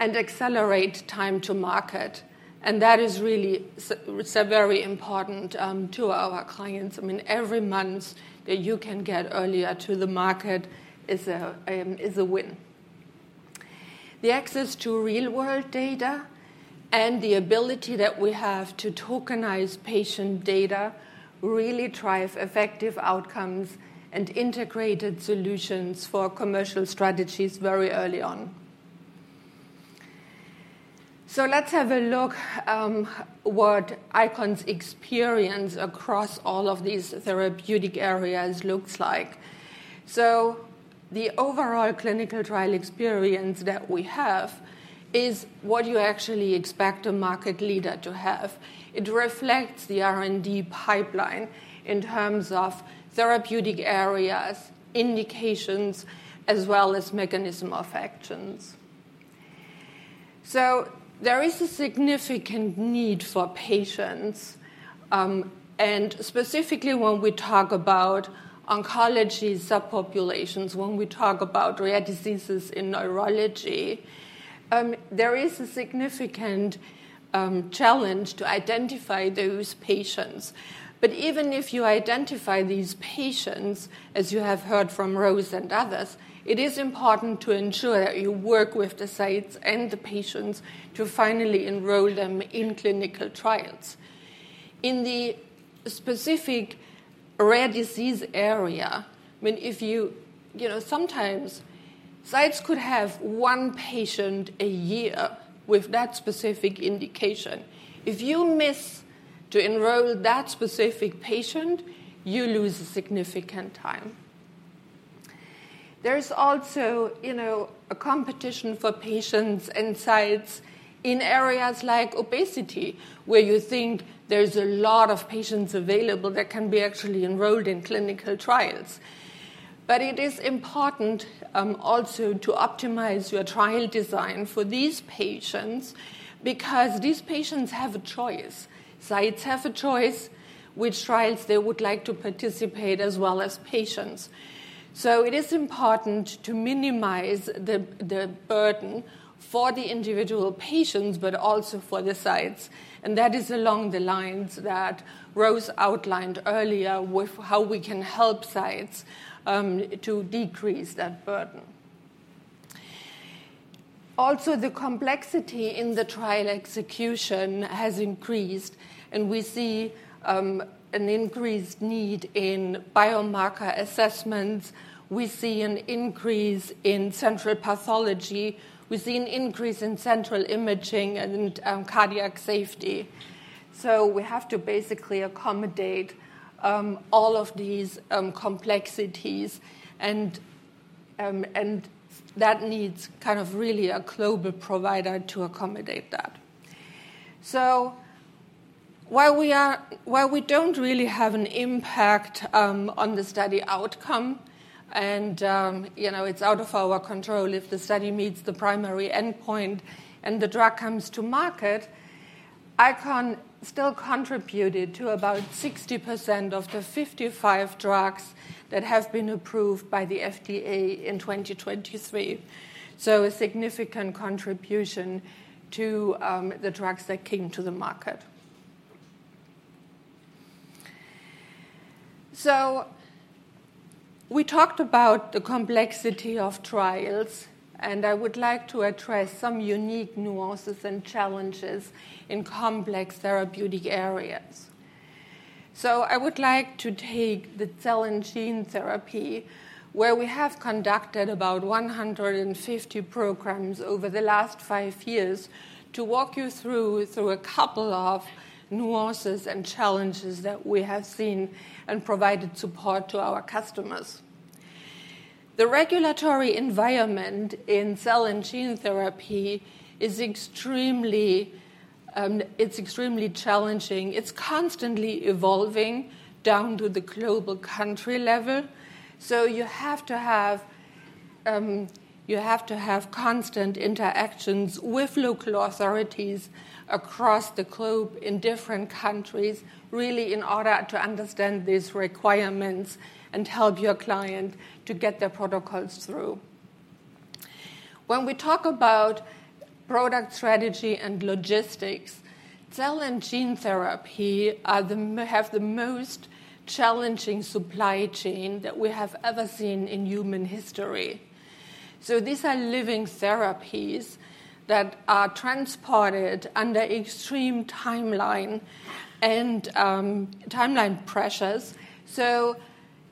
and accelerate time to market, and that is really so very important to our clients. I mean, every month that you can get earlier to the market is a is a win. The access to real world data and the ability that we have to tokenize patient data really drive effective outcomes and integrated solutions for commercial strategies very early on. Let's have a look what ICON's experience across all of these therapeutic areas looks like. The overall clinical trial experience that we have is what you actually expect a market leader to have. It reflects the R&D pipeline in terms of therapeutic areas, indications, as well as mechanism of actions. There is a significant need for patients, and specifically when we talk about oncology subpopulations, when we talk about rare diseases in neurology, there is a significant challenge to identify those patients. But even if you identify these patients, as you have heard from Rose and others, it is important to ensure that you work with the sites and the patients to finally enroll them in clinical trials. In the specific rare disease area, I mean, if you, you know, sometimes sites could have one patient a year with that specific indication. If you miss to enroll that specific patient, you lose significant time. There's also, you know, a competition for patients and sites in areas like obesity, where you think there's a lot of patients available that can be actually enrolled in clinical trials. But it is important, also to optimize your trial design for these patients, because these patients have a choice. Sites have a choice which trials they would like to participate, as well as patients. So it is important to minimize the burden for the individual patients, but also for the sites, and that is along the lines that Rose outlined earlier with how we can help sites to decrease that burden. Also, the complexity in the trial execution has increased, and we see an increased need in biomarker assessments. We see an increase in central pathology. We see an increase in central imaging and cardiac safety. So we have to basically accommodate all of these complexities and that needs kind of really a global provider to accommodate that. So while we don't really have an impact on the study outcome, and you know, it's out of our control if the study meets the primary endpoint and the drug comes to market, ICON still contributed to about 60% of the 55 drugs that have been approved by the FDA in 2023, so a significant contribution to the drugs that came to the market. We talked about the complexity of trials, and I would like to address some unique nuances and challenges in complex therapeutic areas. I would like to take the cell and gene therapy, where we have conducted about 150 programs over the last five years, to walk you through a couple of nuances and challenges that we have seen and provided support to our customers. The regulatory environment in cell and gene therapy is extremely, it's extremely challenging. It's constantly evolving down to the global country level, so you have to have, you have to have constant interactions with local authorities across the globe in different countries, really, in order to understand these requirements and help your client to get their protocols through. When we talk about product strategy and logistics, cell and gene therapy are the have the most challenging supply chain that we have ever seen in human history. So these are living therapies that are transported under extreme timeline and, timeline pressures. So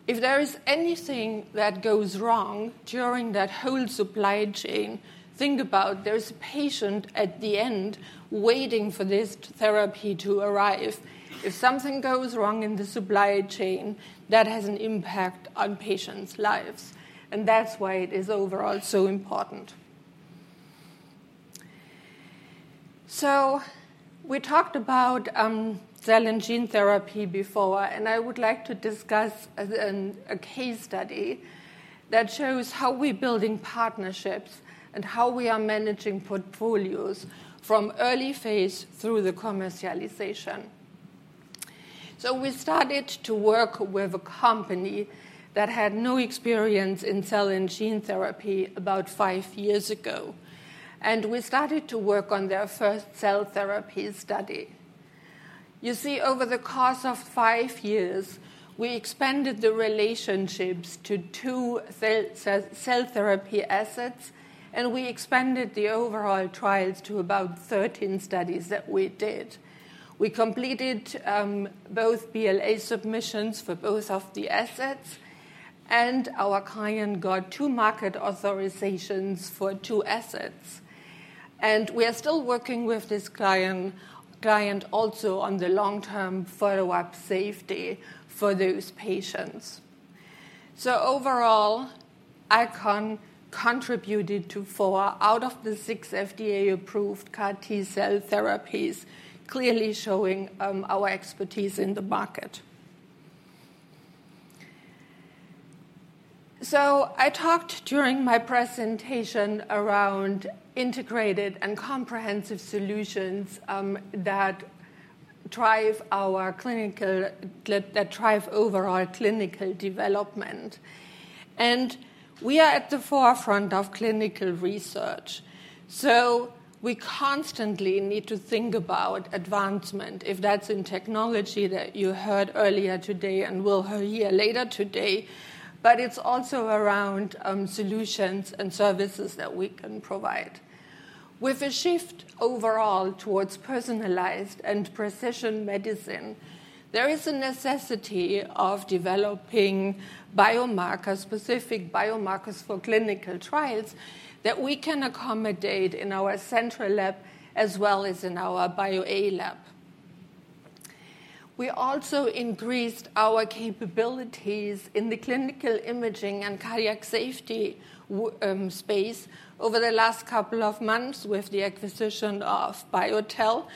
if there is anything that goes wrong during that whole supply chain, think about there's a patient at the end waiting for this therapy to arrive. If something goes wrong in the supply chain, that has an impact on patients' lives, and that's why it is overall so important. We talked about cell and gene therapy before, and I would like to discuss a case study that shows how we're building partnerships and how we are managing portfolios from early phase through the commercialization. We started to work with a company that had no experience in cell and gene therapy about 5 years ago, and we started to work on their first cell therapy study. You see, over the course of 5 years, we expanded the relationships to two cell therapy assets, and we expanded the overall trials to about 13 studies that we did. We completed both BLA submissions for both of the assets, and our client got two market authorizations for two assets.... We are still working with this client, client also on the long-term follow-up safety for those patients. So overall, ICON contributed to 4 out of the 6 FDA-approved CAR T-cell therapies, clearly showing our expertise in the market. So I talked during my presentation around integrated and comprehensive solutions that drive over our clinical development, and we are at the forefront of clinical research. So we constantly need to think about advancement, if that's in technology that you heard earlier today and will hear later today, but it's also around solutions and services that we can provide. With a shift overall towards personalized and precision medicine, there is a necessity of developing biomarkers, specific biomarkers for clinical trials, that we can accommodate in our central lab as well as in our BioA lab. We also increased our capabilities in the clinical imaging and cardiac safety space over the last couple of months with the acquisition of BioTel,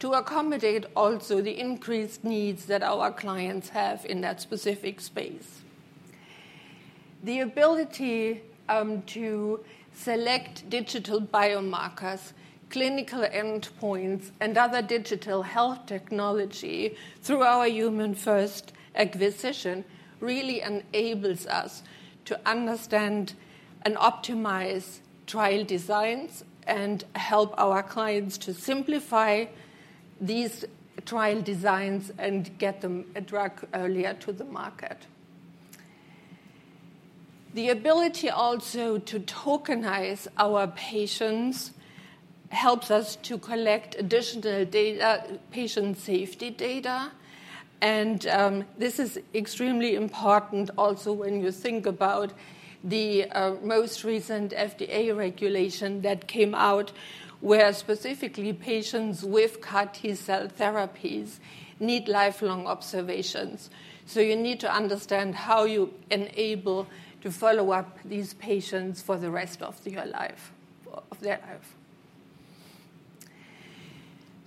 to accommodate also the increased needs that our clients have in that specific space. The ability to select digital biomarkers, clinical endpoints, and other digital health technology through our HumanFirst acquisition really enables us to understand and optimize trial designs and help our clients to simplify these trial designs and get them a drug earlier to the market. The ability also to tokenize our patients helps us to collect additional data, patient safety data, and this is extremely important also when you think about the most recent FDA regulation that came out, where specifically patients with CAR T-cell therapies need lifelong observations. So you need to understand how you enable to follow up these patients for the rest of their life, of their life.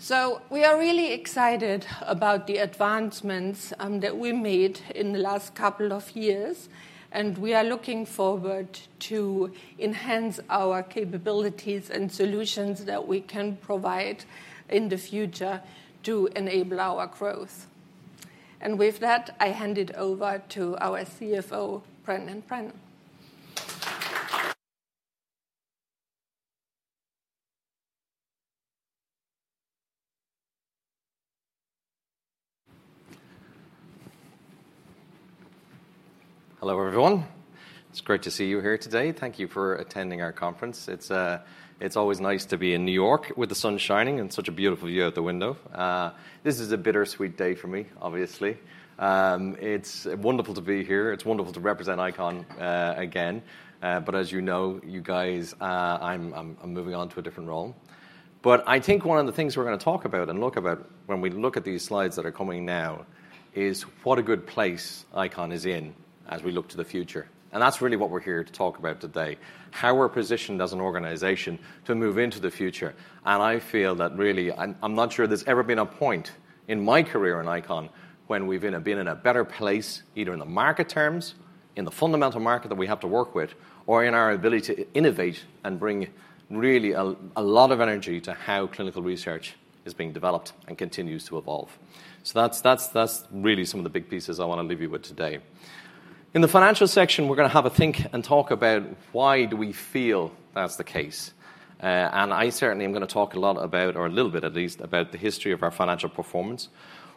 So we are really excited about the advancements, that we made in the last couple of years, and we are looking forward to enhance our capabilities and solutions that we can provide in the future to enable our growth. And with that, I hand it over to our CFO, Brendan Brennan. Hello, everyone. It's great to see you here today. Thank you for attending our conference. It's always nice to be in New York with the sun shining and such a beautiful view out the window. This is a bittersweet day for me, obviously. It's wonderful to be here. It's wonderful to represent ICON again, but as you know, you guys, I'm moving on to a different role. But I think one of the things we're gonna talk about and look about when we look at these slides that are coming now, is what a good place ICON is in as we look to the future. And that's really what we're here to talk about today, how we're positioned as an organization to move into the future. And I feel that really... I'm not sure there's ever been a point in my career in ICON when we've been in a better place, either in the market terms, in the fundamental market that we have to work with, or in our ability to innovate and bring really a lot of energy to how clinical research is being developed and continues to evolve. So that's really some of the big pieces I want to leave you with today. In the financial section, we're gonna have a think and talk about why do we feel that's the case. And I certainly am gonna talk a lot about, or a little bit at least, about the history of our financial performance,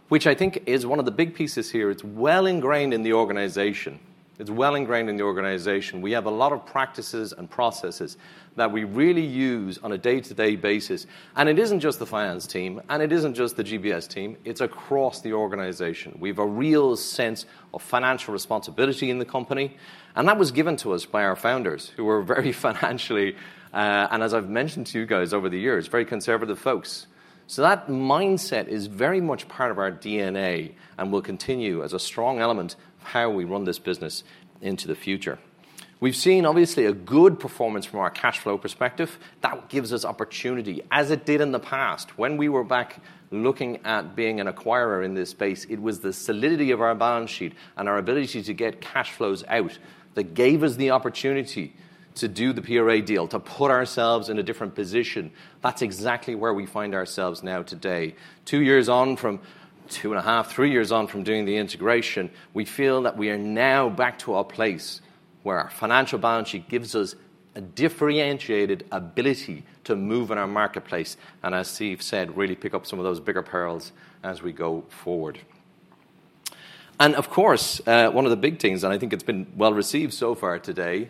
which I think is one of the big pieces here. It's well ingrained in the organization. It's well ingrained in the organization. We have a lot of practices and processes that we really use on a day-to-day basis, and it isn't just the finance team, and it isn't just the GBS team, it's across the organization. We've a real sense of financial responsibility in the company, and that was given to us by our founders, who were very financially, and as I've mentioned to you guys over the years, very conservative folks. So that mindset is very much part of our DNA and will continue as a strong element of how we run this business into the future. We've seen, obviously, a good performance from our cash flow perspective. That gives us opportunity, as it did in the past. When we were back looking at being an acquirer in this space, it was the solidity of our balance sheet and our ability to get cash flows out that gave us the opportunity to do the PRA deal, to put ourselves in a different position. That's exactly where we find ourselves now today. Two years on from, two and a half, three years on from doing the integration, we feel that we are now back to a place where our financial balance sheet gives us a differentiated ability to move in our marketplace, and as Steve said, really pick up some of those bigger pearls as we go forward. And of course, one of the big things, and I think it's been well-received so far today,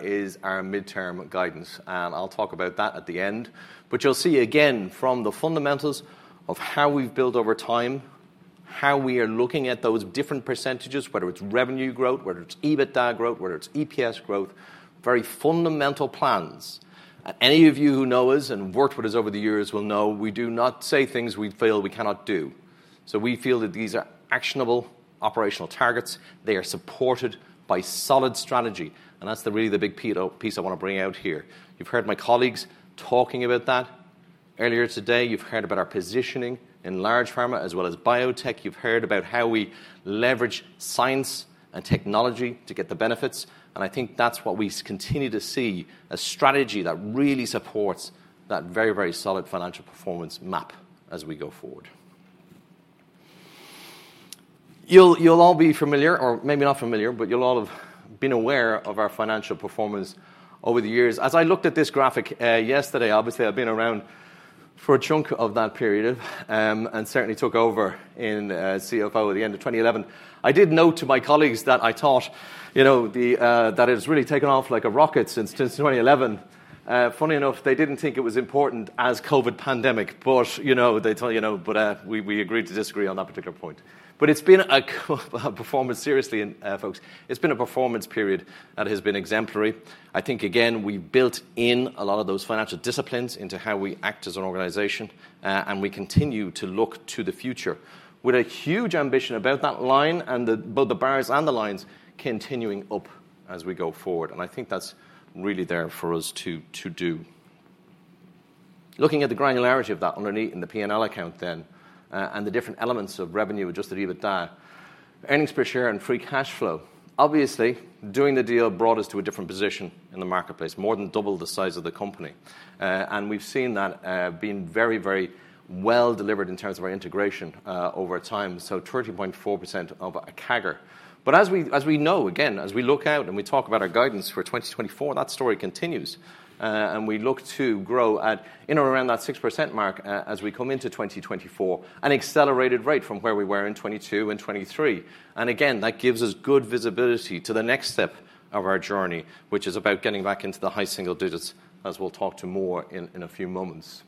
is our midterm guidance, and I'll talk about that at the end. But you'll see again from the fundamentals of how we've built over time. How we are looking at those different percentages, whether it's revenue growth, whether it's EBITDA growth, whether it's EPS growth, very fundamental plans. And any of you who know us and worked with us over the years will know we do not say things we feel we cannot do. So we feel that these are actionable, operational targets. They are supported by solid strategy, and that's really the big piece I want to bring out here. You've heard my colleagues talking about that earlier today. You've heard about our positioning in large pharma as well as biotech. You've heard about how we leverage science and technology to get the benefits, and I think that's what we continue to see, a strategy that really supports that very, very solid financial performance map as we go forward. You'll, you'll all be familiar, or maybe not familiar, but you'll all have been aware of our financial performance over the years. As I looked at this graphic, yesterday, obviously, I've been around for a chunk of that period, and certainly took over in, as CFO at the end of 2011. I did note to my colleagues that I thought, you know, the... that it's really taken off like a rocket since, since 2011. Funny enough, they didn't think it was important as COVID pandemic, but, you know, they tell, you know, but, we, we agreed to disagree on that particular point. But it's been a performance, seriously, and, folks, it's been a performance period that has been exemplary. I think, again, we built in a lot of those financial disciplines into how we act as an organization, and we continue to look to the future with a huge ambition about that line and the, both the bars and the lines continuing up as we go forward. And I think that's really there for us to do. Looking at the granularity of that underneath in the P&L account then, and the different elements of revenue, Adjusted EBITDA, earnings per share and free cash flow. Obviously, doing the deal brought us to a different position in the marketplace, more than double the size of the company. And we've seen that, being very, very well delivered in terms of our integration, over time, so 13.4% of a CAGR. But as we, as we know, again, as we look out and we talk about our guidance for 2024, that story continues. And we look to grow at in or around that 6% mark as we come into 2024, an accelerated rate from where we were in 2022 and 2023. And again, that gives us good visibility to the next step of our journey, which is about getting back into the high single digits, as we'll talk to more in a few moments.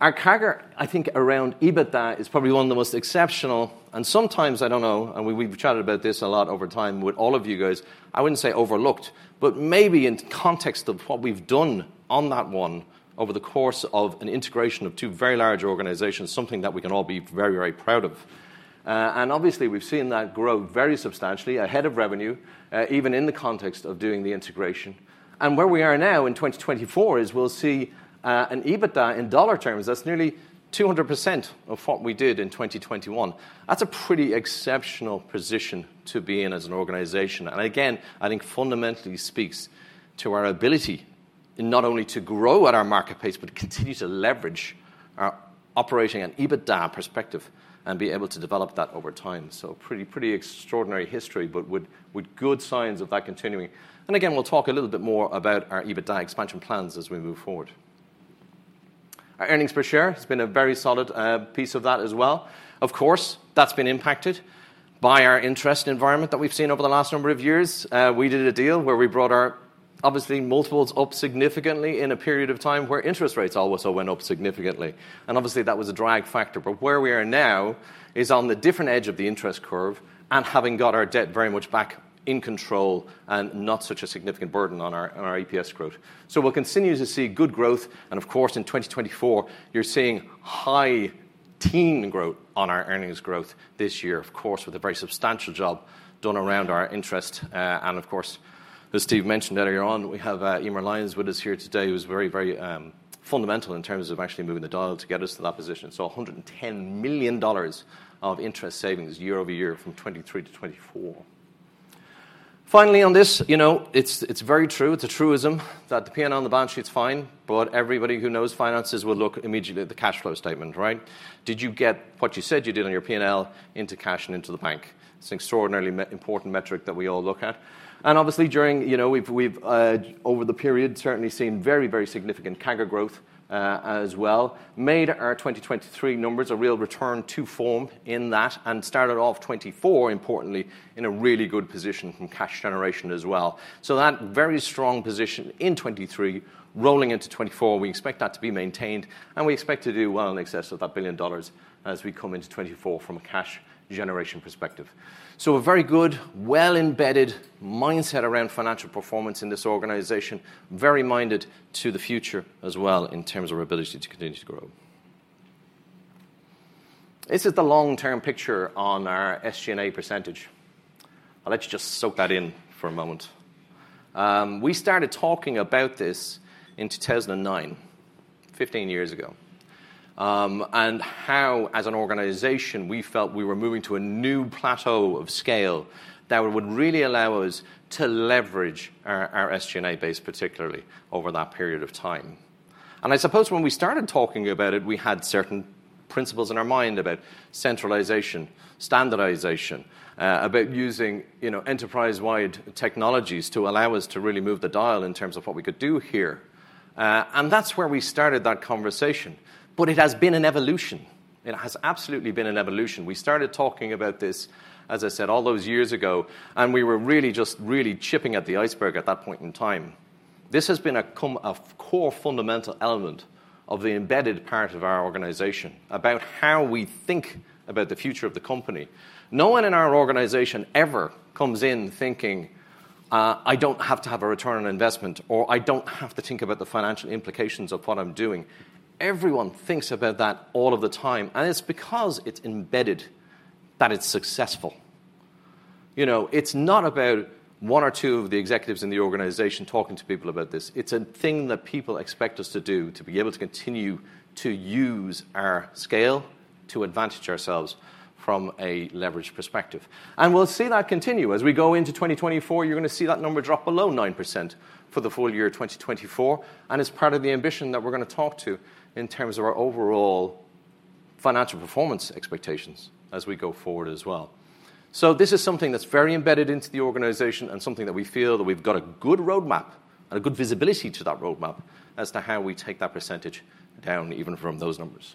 Our CAGR, I think, around EBITDA, is probably one of the most exceptional, and sometimes, I don't know, and we, we've chatted about this a lot over time with all of you guys, I wouldn't say overlooked, but maybe in context of what we've done on that one over the course of an integration of two very large organizations, something that we can all be very, very proud of. And obviously, we've seen that grow very substantially ahead of revenue, even in the context of doing the integration. And where we are now in 2024 is we'll see an EBITDA in dollar terms, that's nearly 200% of what we did in 2021. That's a pretty exceptional position to be in as an organization, and again, I think fundamentally speaks to our ability not only to grow at our market pace, but continue to leverage our operating and EBITDA perspective and be able to develop that over time. So pretty, pretty extraordinary history, but with, with good signs of that continuing. And again, we'll talk a little bit more about our EBITDA expansion plans as we move forward. Our earnings per share has been a very solid piece of that as well. Of course, that's been impacted by our interest environment that we've seen over the last number of years. We did a deal where we brought our, obviously, multiples up significantly in a period of time where interest rates also went up significantly, and obviously, that was a drag factor. But where we are now is on the different edge of the interest curve and having got our debt very much back in control and not such a significant burden on our, on our EPS growth. So we'll continue to see good growth, and of course, in 2024, you're seeing high-teens growth on our earnings growth this year, of course, with a very substantial job done around our interest. And of course, as Steve mentioned earlier on, we have Eimear Lyons with us here today, who's very, very fundamental in terms of actually moving the dial to get us to that position. So $110 million of interest savings year-over-year from 2023 to 2024. Finally, on this, you know, it's very true. It's a truism that the P&L on the balance sheet's fine, but everybody who knows finances will look immediately at the cash flow statement, right? Did you get what you said you did on your P&L into cash and into the bank? It's an extraordinarily important metric that we all look at. And obviously, during, you know, we've over the period, certainly seen very, very significant CAGR growth, as well. Made our 2023 numbers a real return to form in that and started off 2024, importantly, in a really good position from cash generation as well. So that very strong position in 2023 rolling into 2024, we expect that to be maintained, and we expect to do well in excess of $1 billion as we come into 2024 from a cash generation perspective. A very good, well-embedded mindset around financial performance in this organization, very minded to the future as well in terms of our ability to continue to grow. This is the long-term picture on our SG&A percentage. I'll let you just soak that in for a moment. We started talking about this in 2009, 15 years ago, and how, as an organization, we felt we were moving to a new plateau of scale that would really allow us to leverage our SG&A base, particularly over that period of time. I suppose when we started talking about it, we had certain principles in our mind about centralization, standardization, about using, you know, enterprise-wide technologies to allow us to really move the dial in terms of what we could do here. And that's where we started that conversation, but it has been an evolution. It has absolutely been an evolution. We started talking about this, as I said, all those years ago, and we were really just really chipping at the iceberg at that point in time.... This has been a core fundamental element of the embedded part of our organization, about how we think about the future of the company. No one in our organization ever comes in thinking, "I don't have to have a return on investment," or, "I don't have to think about the financial implications of what I'm doing." Everyone thinks about that all of the time, and it's because it's embedded that it's successful. You know, it's not about one or two of the executives in the organization talking to people about this. It's a thing that people expect us to do to be able to continue to use our scale to advantage ourselves from a leverage perspective. We'll see that continue. As we go into 2024, you're gonna see that number drop below 9% for the full year 2024, and it's part of the ambition that we're gonna talk to in terms of our overall financial performance expectations as we go forward as well. This is something that's very embedded into the organization and something that we feel that we've got a good roadmap and a good visibility to that roadmap as to how we take that percentage down even from those numbers.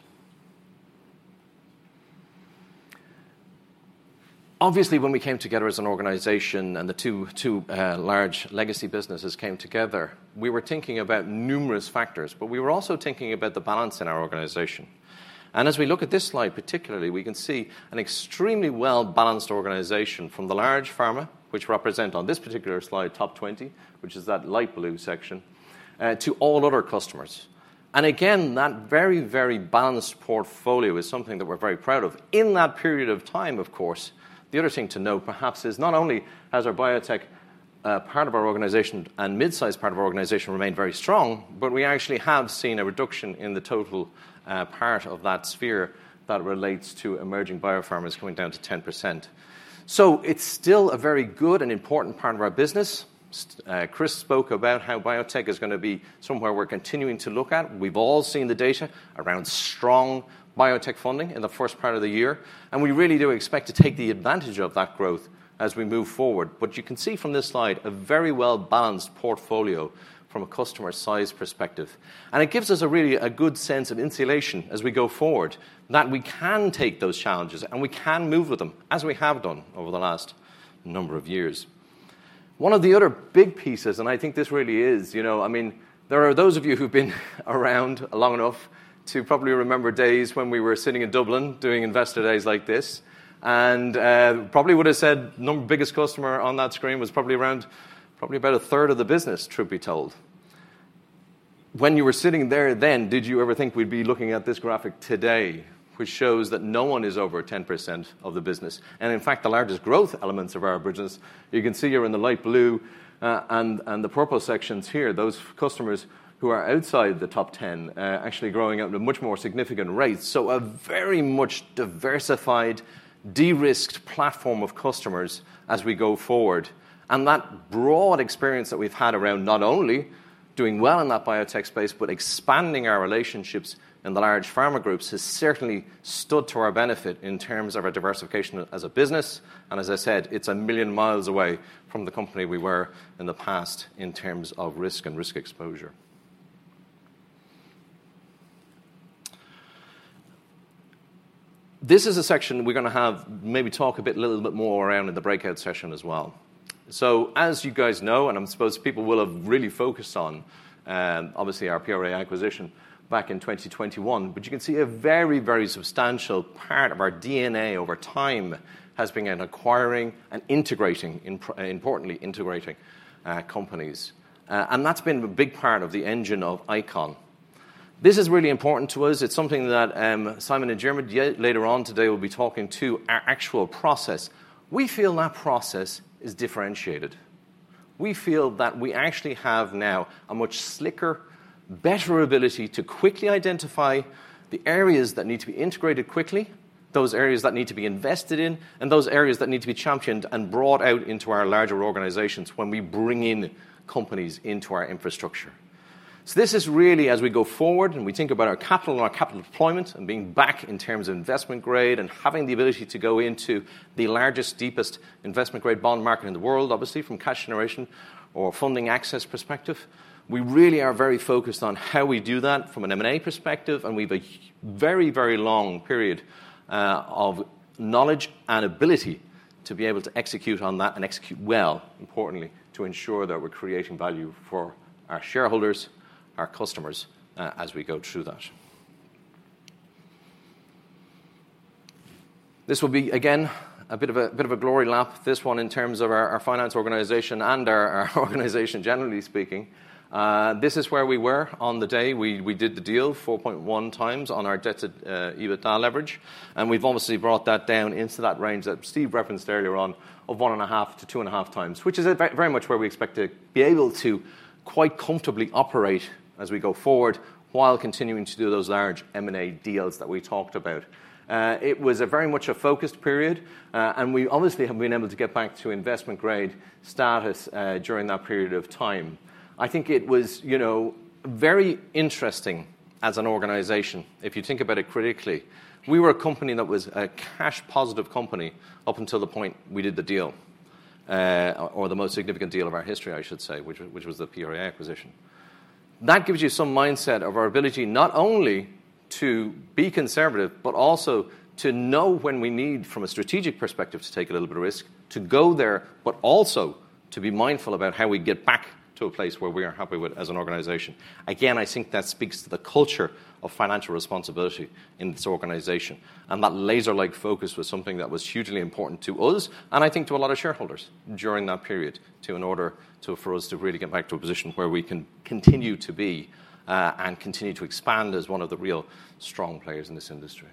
Obviously, when we came together as an organization and the two, two, large legacy businesses came together, we were thinking about numerous factors, but we were also thinking about the balance in our organization. As we look at this slide, particularly, we can see an extremely well-balanced organization from the large pharma, which represent on this particular slide, top 20, which is that light blue section, to all other customers. And again, that very, very balanced portfolio is something that we're very proud of. In that period of time, of course, the other thing to note, perhaps, is not only has our biotech part of our organization and mid-size part of our organization remained very strong, but we actually have seen a reduction in the total part of that sphere that relates to emerging biopharmas coming down to 10%. So it's still a very good and important part of our business. Chris spoke about how biotech is gonna be somewhere we're continuing to look at. We've all seen the data around strong biotech funding in the first part of the year, and we really do expect to take the advantage of that growth as we move forward. But you can see from this slide, a very well-balanced portfolio from a customer size perspective. And it gives us a really, a good sense of insulation as we go forward, that we can take those challenges, and we can move with them, as we have done over the last number of years. One of the other big pieces, and I think this really is... You know, I mean, there are those of you who've been around long enough to probably remember days when we were sitting in Dublin, doing investor days like this, and probably would've said, biggest customer on that screen was probably around probably about a third of the business, truth be told. When you were sitting there then, did you ever think we'd be looking at this graphic today, which shows that no one is over 10% of the business? And in fact, the largest growth elements of our business, you can see here in the light blue, and the purple sections here, those customers who are outside the top 10, actually growing at a much more significant rate. So a very much diversified, de-risked platform of customers as we go forward. And that broad experience that we've had around not only doing well in that biotech space, but expanding our relationships in the large pharma groups, has certainly stood to our benefit in terms of our diversification as a business, and as I said, it's a million miles away from the company we were in the past in terms of risk and risk exposure. This is a section we're gonna have maybe talk a bit, little bit more around in the breakout session as well. So as you guys know, and I suppose people will have really focused on, obviously, our PRA acquisition back in 2021, but you can see a very, very substantial part of our DNA over time has been in acquiring and integrating, importantly, integrating, companies. And that's been a big part of the engine of ICON. This is really important to us. It's something that, Simon and Jeremy, later on today, will be talking to our actual process. We feel our process is differentiated. We feel that we actually have now a much slicker, better ability to quickly identify the areas that need to be integrated quickly, those areas that need to be invested in, and those areas that need to be championed and brought out into our larger organizations when we bring in companies into our infrastructure. So this is really as we go forward, and we think about our capital and our capital deployment, and being back in terms of investment grade, and having the ability to go into the largest, deepest investment-grade bond market in the world, obviously from cash generation or funding access perspective. We really are very focused on how we do that from an M&A perspective, and we've a very, very long period of knowledge and ability to be able to execute on that and execute well, importantly, to ensure that we're creating value for our shareholders, our customers, as we go through that. This will be, again, a bit of a, bit of a glory lap, this one in terms of our, our finance organization and our, our organization, generally speaking. This is where we were on the day we did the deal, 4.1x on our debt-to-EBITDA leverage, and we've obviously brought that down into that range that Steve referenced earlier on, of 1.5x-2.5x, which is very much where we expect to be able to quite comfortably operate as we go forward, while continuing to do those large M&A deals that we talked about. It was a very much a focused period, and we obviously have been able to get back to investment-grade status during that period of time. I think it was, you know, very interesting as an organization, if you think about it critically. We were a company that was a cash-positive company up until the point we did the deal, or the most significant deal of our history, I should say, which was the PRA acquisition. That gives you some mindset of our ability not only to be conservative, but also to know when we need, from a strategic perspective, to take a little bit of risk, to go there, but also to be mindful about how we get back to a place where we are happy with as an organization. Again, I think that speaks to the culture of financial responsibility in this organization, and that laser-like focus was something that was hugely important to us, and I think to a lot of shareholders during that period, to, in order to, for us to really get back to a position where we can continue to be, and continue to expand as one of the real strong players in this industry.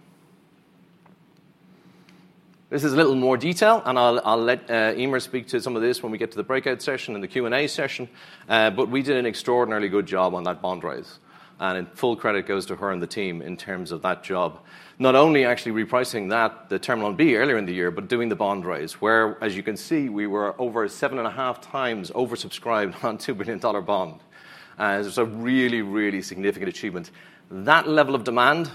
This is a little more detail, and I'll, I'll let Eimear speak to some of this when we get to the breakout session and the Q&A session. But we did an extraordinarily good job on that bond raise, and full credit goes to her and the team in terms of that job. Not only actually repricing that, the Term Loan B earlier in the year, but doing the bond raise, where, as you can see, we were over 7.5 times oversubscribed on a $2 billion bond. It's a really, really significant achievement. That level of demand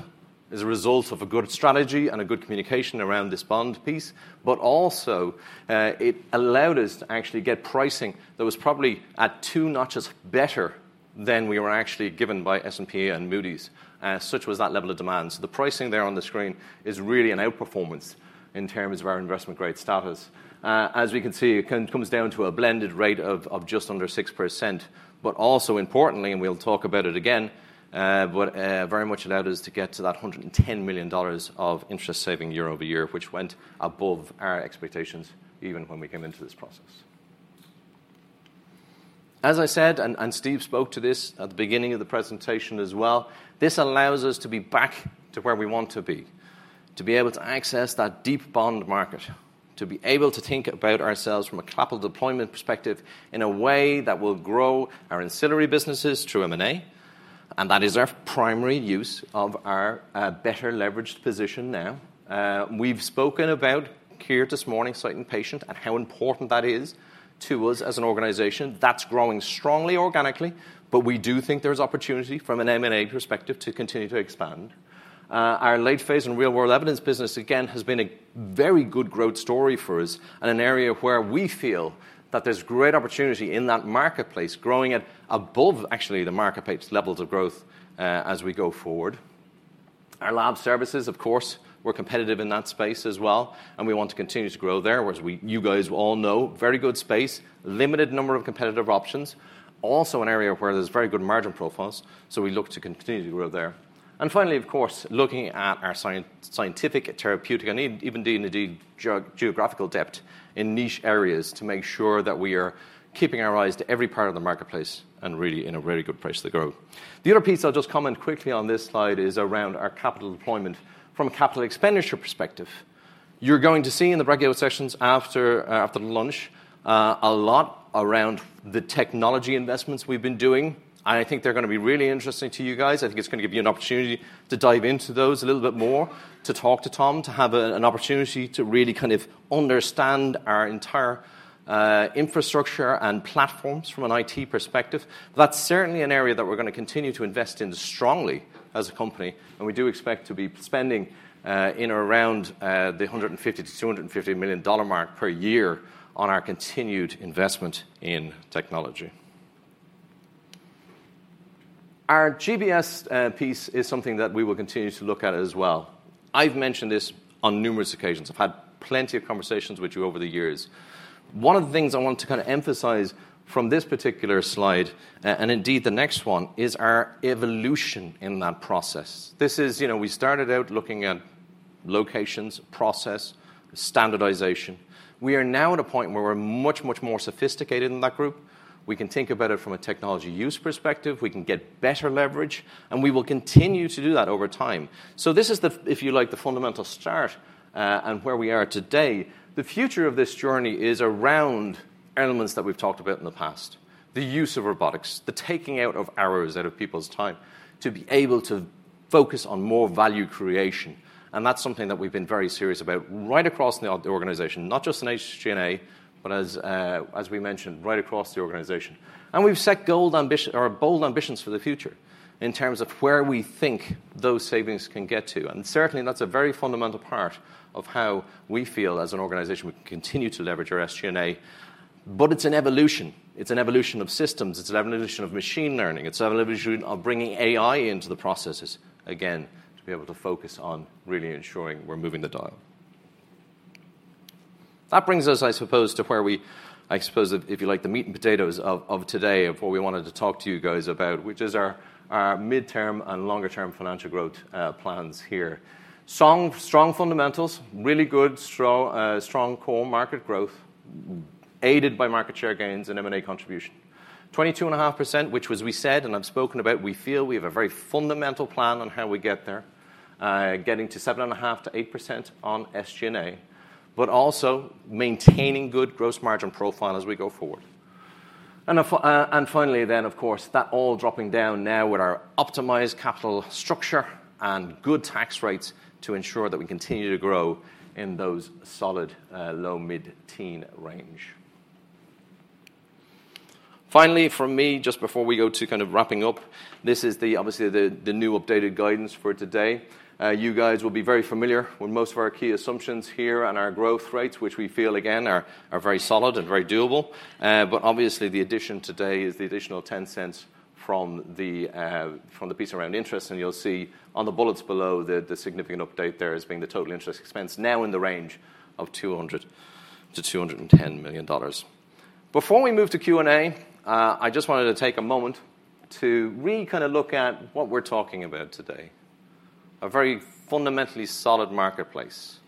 is a result of a good strategy and a good communication around this bond piece, but also, it allowed us to actually get pricing that was probably at two notches better than we were actually given by S&P and Moody's, such was that level of demand. So the pricing there on the screen is really an outperformance in terms of our investment-grade status. As we can see, it kind of comes down to a blended rate of just under 6%, but also importantly, and we'll talk about it again, but very much allowed us to get to that $110 million of interest savings year-over-year, which went above our expectations even when we came into this process. As I said, and Steve spoke to this at the beginning of the presentation as well, this allows us to be back to where we want to be, to be able to access that deep bond market, to be able to think about ourselves from a capital deployment perspective in a way that will grow our ancillary businesses through M&A, and that is our primary use of our better leveraged position now. We've spoken about here this morning, site and patient, and how important that is to us as an organization. That's growing strongly organically, but we do think there's opportunity from an M&A perspective to continue to expand. Our late-phase and real-world evidence business, again, has been a very good growth story for us and an area where we feel that there's great opportunity in that marketplace, growing at above actually the marketplace levels of growth, as we go forward. Our lab services, of course, we're competitive in that space as well, and we want to continue to grow there, which you guys all know, very good space, limited number of competitive options. Also, an area where there's very good margin profiles, so we look to continue to grow there. Finally, of course, looking at our scientific, therapeutic, and even indeed, geographical depth in niche areas to make sure that we are keeping our eyes to every part of the marketplace and really in a very good place to grow. The other piece I'll just comment quickly on this slide is around our capital deployment from a capital expenditure perspective. You're going to see in the breakout sessions after lunch a lot around the technology investments we've been doing, and I think they're going to be really interesting to you guys. I think it's going to give you an opportunity to dive into those a little bit more, to talk to Tom, to have an opportunity to really kind of understand our entire infrastructure and platforms from an IT perspective. That's certainly an area that we're going to continue to invest in strongly as a company, and we do expect to be spending in around the $150 million-$250 million mark per year on our continued investment in technology. Our GBS piece is something that we will continue to look at as well. I've mentioned this on numerous occasions. I've had plenty of conversations with you over the years. One of the things I want to kind of emphasize from this particular slide, and indeed, the next one, is our evolution in that process. This is, you know, we started out looking at locations, process, standardization. We are now at a point where we're much, much more sophisticated in that group. We can think about it from a technology use perspective. We can get better leverage, and we will continue to do that over time. So this is the, if you like, the fundamental start, and where we are today. The future of this journey is around elements that we've talked about in the past: the use of robotics, the taking out of hours out of people's time, to be able to focus on more value creation. And that's something that we've been very serious about right across the organization, not just in SG&A, but as we mentioned, right across the organization. And we've set gold ambition- or bold ambitions for the future in terms of where we think those savings can get to. And certainly, that's a very fundamental part of how we feel as an organization, we can continue to leverage our SG&A, but it's an evolution. It's an evolution of systems, it's an evolution of machine learning, it's an evolution of bringing AI into the processes, again, to be able to focus on really ensuring we're moving the dial. That brings us, I suppose, to where we... I suppose, if, if you like, the meat and potatoes of, of today, of what we wanted to talk to you guys about, which is our, our midterm and longer-term financial growth plans here. Strong, strong fundamentals, really good, strong, strong core market growth, aided by market share gains and M&A contribution. 22.5%, which as we said, and I've spoken about, we feel we have a very fundamental plan on how we get there. Getting to 7.5%-8% on SG&A, but also maintaining good gross margin profile as we go forward. And finally, then, of course, that all dropping down now with our optimized capital structure and good tax rates to ensure that we continue to grow in those solid, low, mid-teen range. Finally, from me, just before we go to kind of wrapping up. This is, obviously, the new updated guidance for today. You guys will be very familiar with most of our key assumptions here and our growth rates, which we feel, again, are very solid and very doable. But obviously, the addition today is the additional 10 cents from the piece around interest. And you'll see on the bullets below the significant update there as being the total interest expense now in the range of $200 million-$210 million. Before we move to Q&A, I just wanted to take a moment to really kind of look at what we're talking about today. A very fundamentally solid marketplace,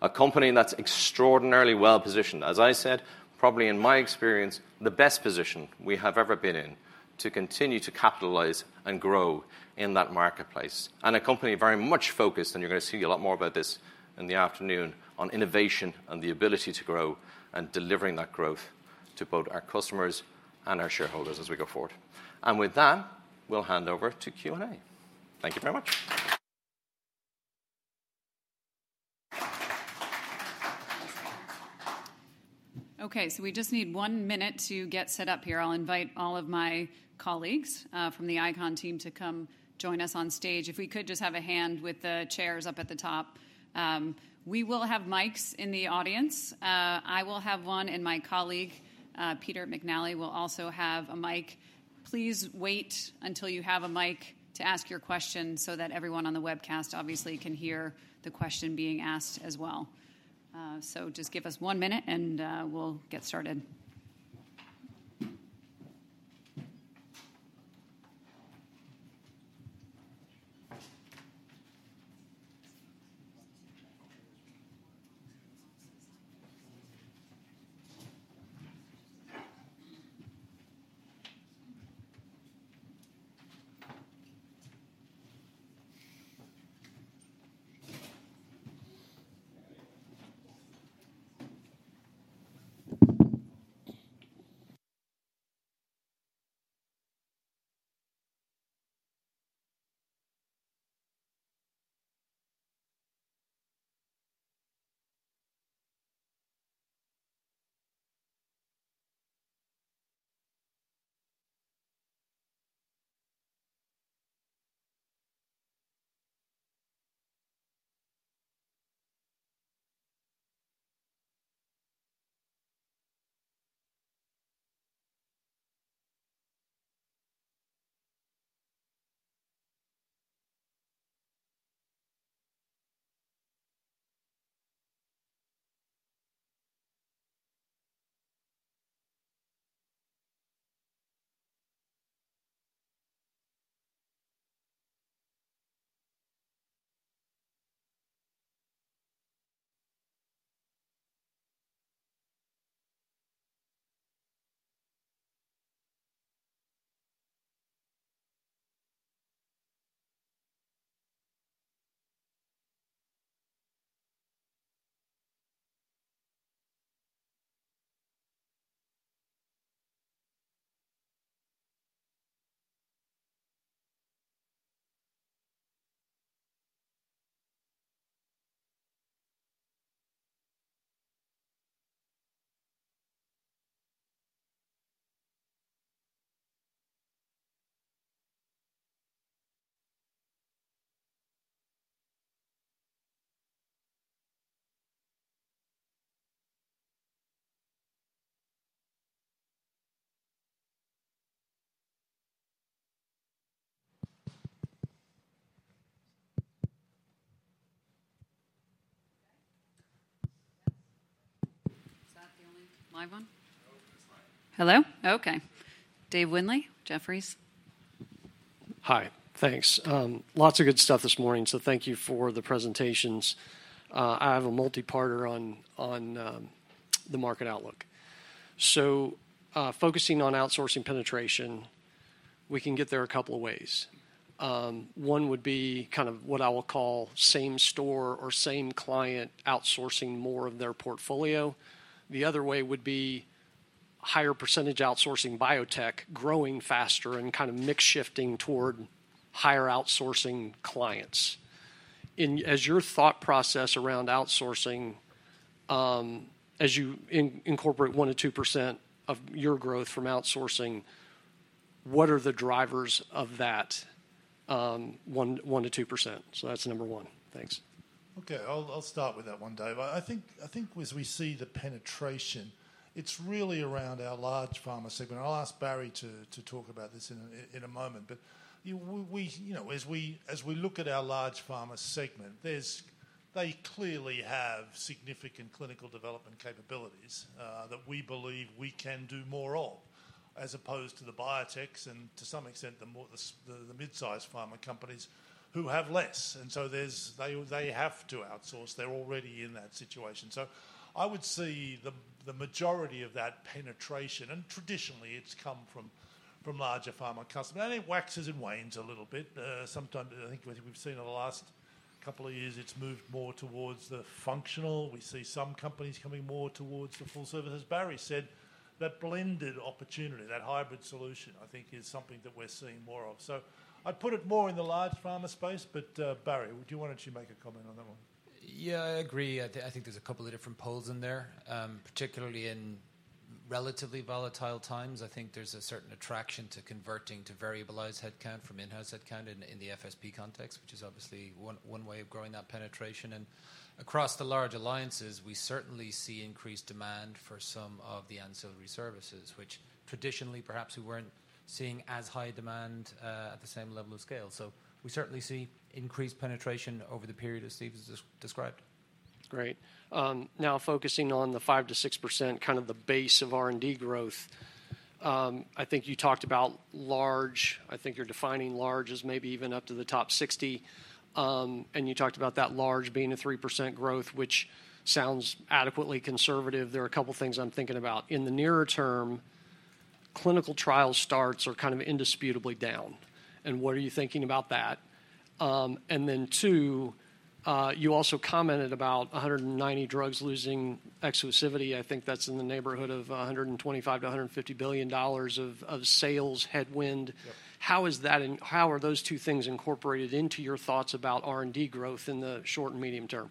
a company that's extraordinarily well-positioned. As I said, probably in my experience, the best position we have ever been in to continue to capitalize and grow in that marketplace. And a company very much focused, and you're going to see a lot more about this in the afternoon, on innovation and the ability to grow and delivering that growth to both our customers and our shareholders as we go forward. And with that, we'll hand over to Q&A. Thank you very much. Okay, so we just need one minute to get set up here. I'll invite all of my colleagues from the ICON team to come join us on stage. If we could just have a hand with the chairs up at the top. We will have mics in the audience. I will have one, and my colleague Peter McNally will also have a mic. Please wait until you have a mic to ask your question so that everyone on the webcast, obviously, can hear the question being asked as well. So just give us one minute, and we'll get started. Is that the only live one? No, it's live. Hello? Okay. Dave Windley, Jefferies. Hi. Thanks. Lots of good stuff this morning, so thank you for the presentations. I have a multi-parter on, on, the market outlook. So, focusing on outsourcing penetration, we can get there a couple of ways. One would be kind of what I will call same store or same client outsourcing more of their portfolio. The other way would be higher percentage outsourcing biotech growing faster and kind of mix shifting toward higher outsourcing clients. As your thought process around outsourcing, as you incorporate 1%-2% of your growth from outsourcing, what are the drivers of that, 1%-2%? So that's number one. Thanks. Okay, I'll start with that one, Dave. I think as we see the penetration, it's really around our large pharma segment. I'll ask Barry to talk about this in a moment, but we... You know, as we look at our large pharma segment, there's they clearly have significant clinical development capabilities that we believe we can do more of, as opposed to the biotechs and, to some extent, the mid-sized pharma companies who have less. And so there's... They have to outsource. They're already in that situation. So I would see the majority of that penetration, and traditionally it's come from larger pharma customers. And it waxes and wanes a little bit. Sometimes, I think we've seen in the last couple of years, it's moved more towards the functional. We see some companies coming more towards the full service. As Barry said, that blended opportunity, that hybrid solution, I think, is something that we're seeing more of. So I'd put it more in the large pharma space, but, Barry, why don't you make a comment on that one? Yeah, I agree. I think there's a couple of different poles in there, particularly in-... relatively volatile times, I think there's a certain attraction to converting to variable headcount from in-house headcount in the FSP context, which is obviously one way of growing that penetration. And across the large alliances, we certainly see increased demand for some of the ancillary services, which traditionally perhaps we weren't seeing as high demand at the same level of scale. So we certainly see increased penetration over the period as Steve has described. Great. Now focusing on the 5%-6%, kind of the base of R&D growth, I think you talked about large. I think you're defining large as maybe even up to the top 60, and you talked about that large being a 3% growth, which sounds adequately conservative. There are a couple things I'm thinking about. In the nearer term, clinical trial starts are kind of indisputably down, and what are you thinking about that? And then two, you also commented about 190 drugs losing exclusivity. I think that's in the neighborhood of $125 billion-$150 billion of sales headwind. Yep. How is that, and how are those two things incorporated into your thoughts about R&D growth in the short and medium term?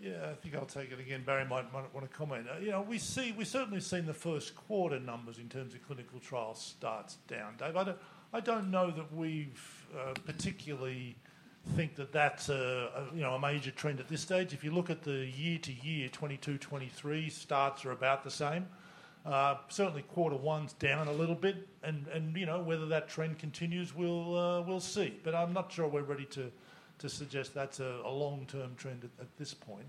Yeah, I think I'll take it again. Barry might want to comment. You know, we see, we've certainly seen the first quarter numbers in terms of clinical trial starts down, Dave. I don't know that we've particularly think that that's a, you know, a major trend at this stage. If you look at the year-to-year, 2022, 2023 starts are about the same. Certainly, quarter one's down a little bit and, you know, whether that trend continues, we'll see. But I'm not sure we're ready to suggest that's a long-term trend at this point.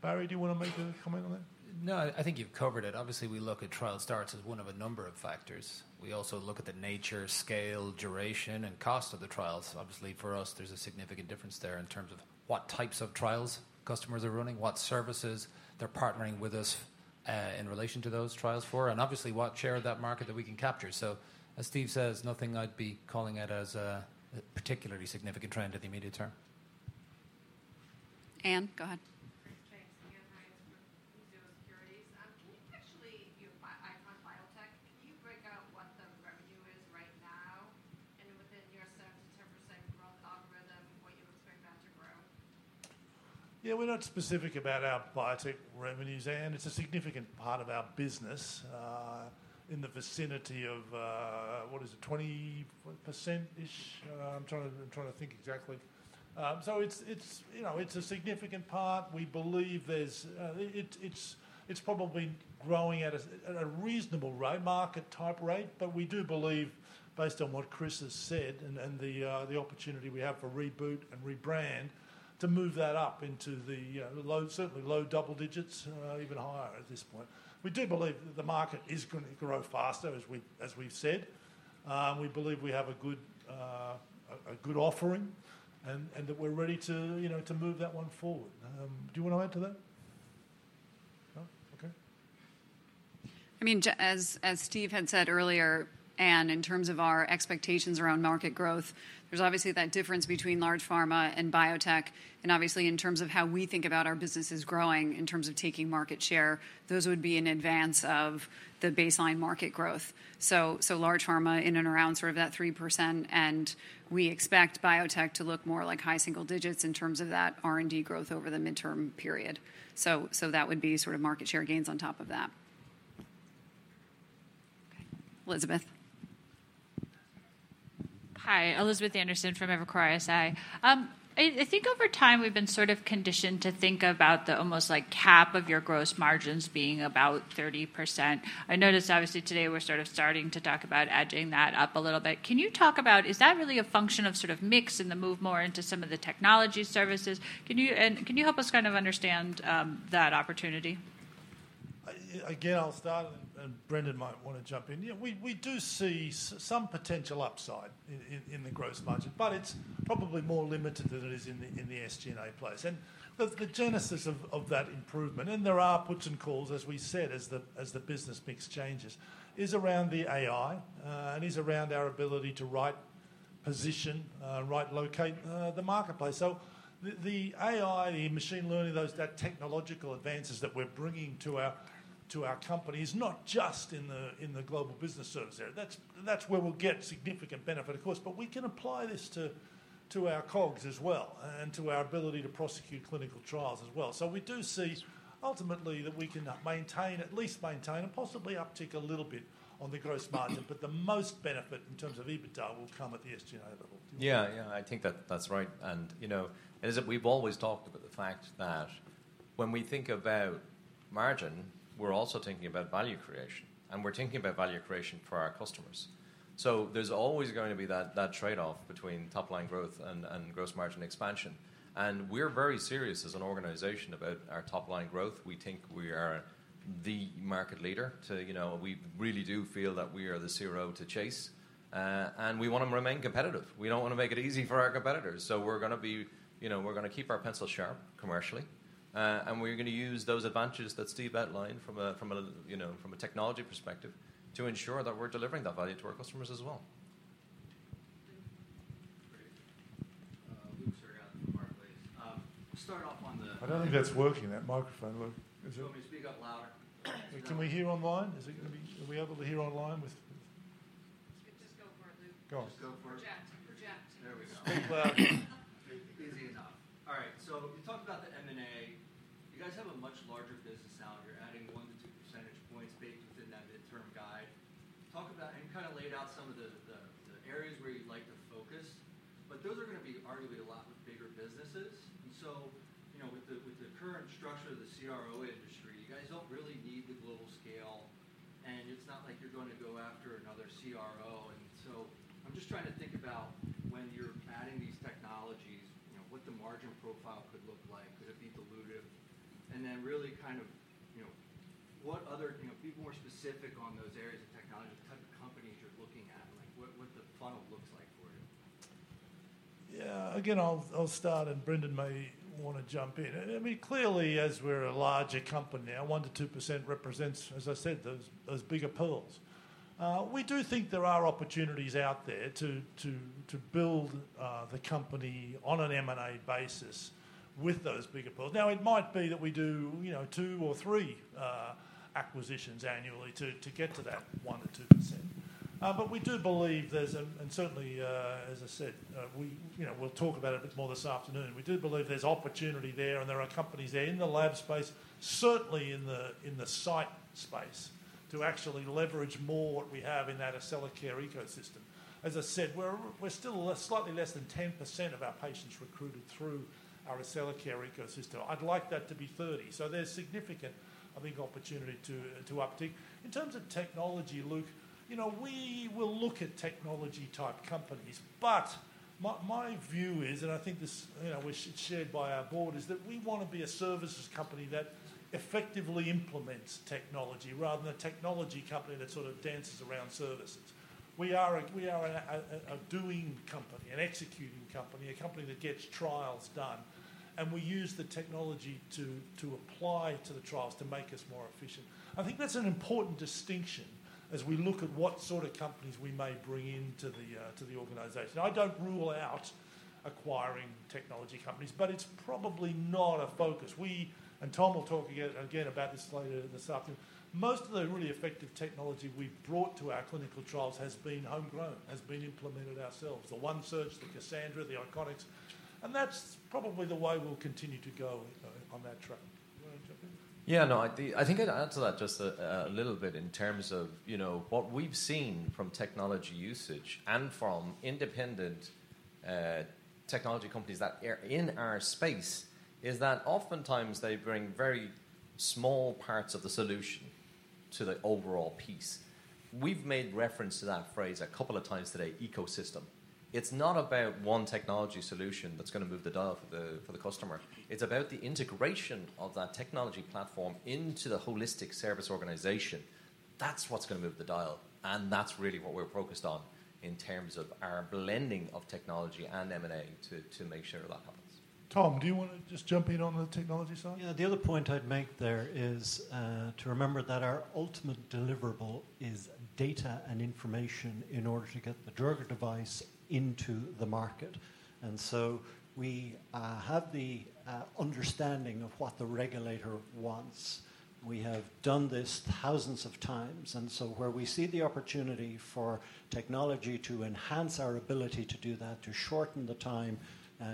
Barry, do you want to make a comment on that? No, I think you've covered it. Obviously, we look at trial starts as one of a number of factors. We also look at the nature, scale, duration, and cost of the trials. Obviously, for us, there's a significant difference there in terms of what types of trials customers are running, what services they're partnering with us in relation to those trials for, and obviously, what share of that market that we can capture. So as Steve says, nothing I'd be calling out as a particularly significant trend in the immediate term. Anne, go ahead. Thanks. Ann Hynes from Mizuho Securities. Can you actually... ICON Biotech, can you break out what the revenue is right now, and within your 7%-10% growth algorithm, what you expect that to grow? Yeah, we're not specific about our biotech revenues, Anne. It's a significant part of our business, in the vicinity of, what is it? 21%-ish. I'm trying to, I'm trying to think exactly. So it's, it's, you know, it's a significant part. We believe there's... It, it's, it's probably growing at a, at a reasonable rate, market-type rate. But we do believe, based on what Chris has said and, and the, the opportunity we have for reboot and rebrand, to move that up into the, low, certainly low double digits, even higher at this point. We do believe that the market is going to grow faster, as we, as we've said. We believe we have a good, a, a good offering and, and that we're ready to, you know, to move that one forward. Do you want to add to that? No? Okay. I mean, as Steve had said earlier, Anne, in terms of our expectations around market growth, there's obviously that difference between large pharma and biotech, and obviously, in terms of how we think about our businesses growing, in terms of taking market share, those would be in advance of the baseline market growth. So, large pharma in and around sort of that 3%, and we expect biotech to look more like high single digits in terms of that R&D growth over the midterm period. So, that would be sort of market share gains on top of that. Okay. Elizabeth. Hi, Elizabeth Anderson from Evercore ISI. I, I think over time, we've been sort of conditioned to think about the almost, like, cap of your gross margins being about 30%. I noticed obviously today we're sort of starting to talk about edging that up a little bit. Can you talk about, is that really a function of sort of mix in the move more into some of the technology services? Can you... And can you help us kind of understand that opportunity? Again, I'll start, and Brendan might want to jump in. Yeah, we do see some potential upside in the gross margin, but it's probably more limited than it is in the SG&A place. And the genesis of that improvement, and there are puts and takes, as we said, as the business mix changes, is around the AI and is around our ability to right-position, right-locate the marketplace. So the AI, the machine learning, those technological advances that we're bringing to our company is not just in the global business service area. That's where we'll get significant benefit, of course. But we can apply this to our COGS as well, and to our ability to prosecute clinical trials as well. So we do see ultimately that we can maintain, at least maintain, and possibly uptick a little bit on the gross margin, but the most benefit in terms of EBITDA will come at the SG&A level. Yeah, yeah, I think that, that's right. And, you know, Elizabeth, we've always talked about the fact that when we think about margin, we're also thinking about value creation, and we're thinking about value creation for our customers. So there's always going to be that, that trade-off between top-line growth and, and gross margin expansion, and we're very serious as an organization about our top-line growth. We think we are the market leader to... You know, we really do feel that we are the CRO to chase, and we want to remain competitive. We don't want to make it easy for our competitors, so we're gonna be-- you know, we're gonna keep our pencil sharp commercially, and we're gonna use those advantages that Steve outlined from a, from a, you know, from a technology perspective, to ensure that we're delivering that value to our customers as well. Luke. Luke Sergott from Barclays. We'll start off on the- I don't think that's working, that microphone. Look, is it- Do you want me to speak up louder? Can we hear online? Is it gonna be - are we able to hear online with... Go. Just go for it. Project, project. There we go. Easy enough. All right, so we talked about the M&A. You guys have a much larger business now, and you're adding 1-2 percentage points baked within that midterm guide. Talk about, and kind of laid out some of the areas where you'd like to focus, but those are going to be arguably a lot bigger businesses. So, you know, with the current structure of the CRO industry, you guys don't really need the global scale, and it's not like you're going to go after another CRO. So I'm just trying to think about when you're adding these technologies, you know, what the margin profile could look like. Could it be dilutive? And then really kind of, you know, what other, you know, be more specific on those areas of technology, the type of companies you're looking at, and like, what the funnel looks like for you. Yeah. Again, I'll start, and Brendan may want to jump in. I mean, clearly, as we're a larger company now, 1%-2% represents, as I said, those bigger pools. We do think there are opportunities out there to build the company on an M&A basis with those bigger pools. Now, it might be that we do, you know, two or three acquisitions annually to get to that 1%-2%. But we do believe there's a... Certainly, as I said, we, you know, we'll talk about it a bit more this afternoon. We do believe there's opportunity there, and there are companies there in the lab space, certainly in the site space, to actually leverage more what we have in that Accellacare ecosystem. As I said, we're still slightly less than 10% of our patients recruited through our Accellacare ecosystem. I'd like that to be 30. So there's significant, I think, opportunity to uptick. In terms of technology, Luke, you know, we will look at technology-type companies, but my view is, and I think this, you know, is shared by our board, is that we want to be a services company that effectively implements technology rather than a technology company that sort of dances around services. We are a doing company, an executing company, a company that gets trials done, and we use the technology to apply to the trials to make us more efficient. I think that's an important distinction as we look at what sort of companies we may bring into the organization. I don't rule out acquiring technology companies, but it's probably not a focus. We, and Tom will talk again, again about this later this afternoon, most of the really effective technology we've brought to our clinical trials has been homegrown, has been implemented ourselves: the One Search, the Cassandra, the ICONIK, and that's probably the way we'll continue to go on, on that track. You want to jump in? Yeah, no, I think I'd add to that just a little bit in terms of, you know, what we've seen from technology usage and from independent technology companies that are in our space is that oftentimes they bring very small parts of the solution to the overall piece. We've made reference to that phrase a couple of times today, ecosystem. It's not about one technology solution that's going to move the dial for the customer. It's about the integration of that technology platform into the holistic service organization. That's what's going to move the dial, and that's really what we're focused on in terms of our blending of technology and M&A to make sure that happens. Tom, do you want to just jump in on the technology side? Yeah. The other point I'd make there is to remember that our ultimate deliverable is data and information in order to get the drug or device into the market. And so we have the understanding of what the regulator wants. We have done this thousands of times, and so where we see the opportunity for technology to enhance our ability to do that, to shorten the time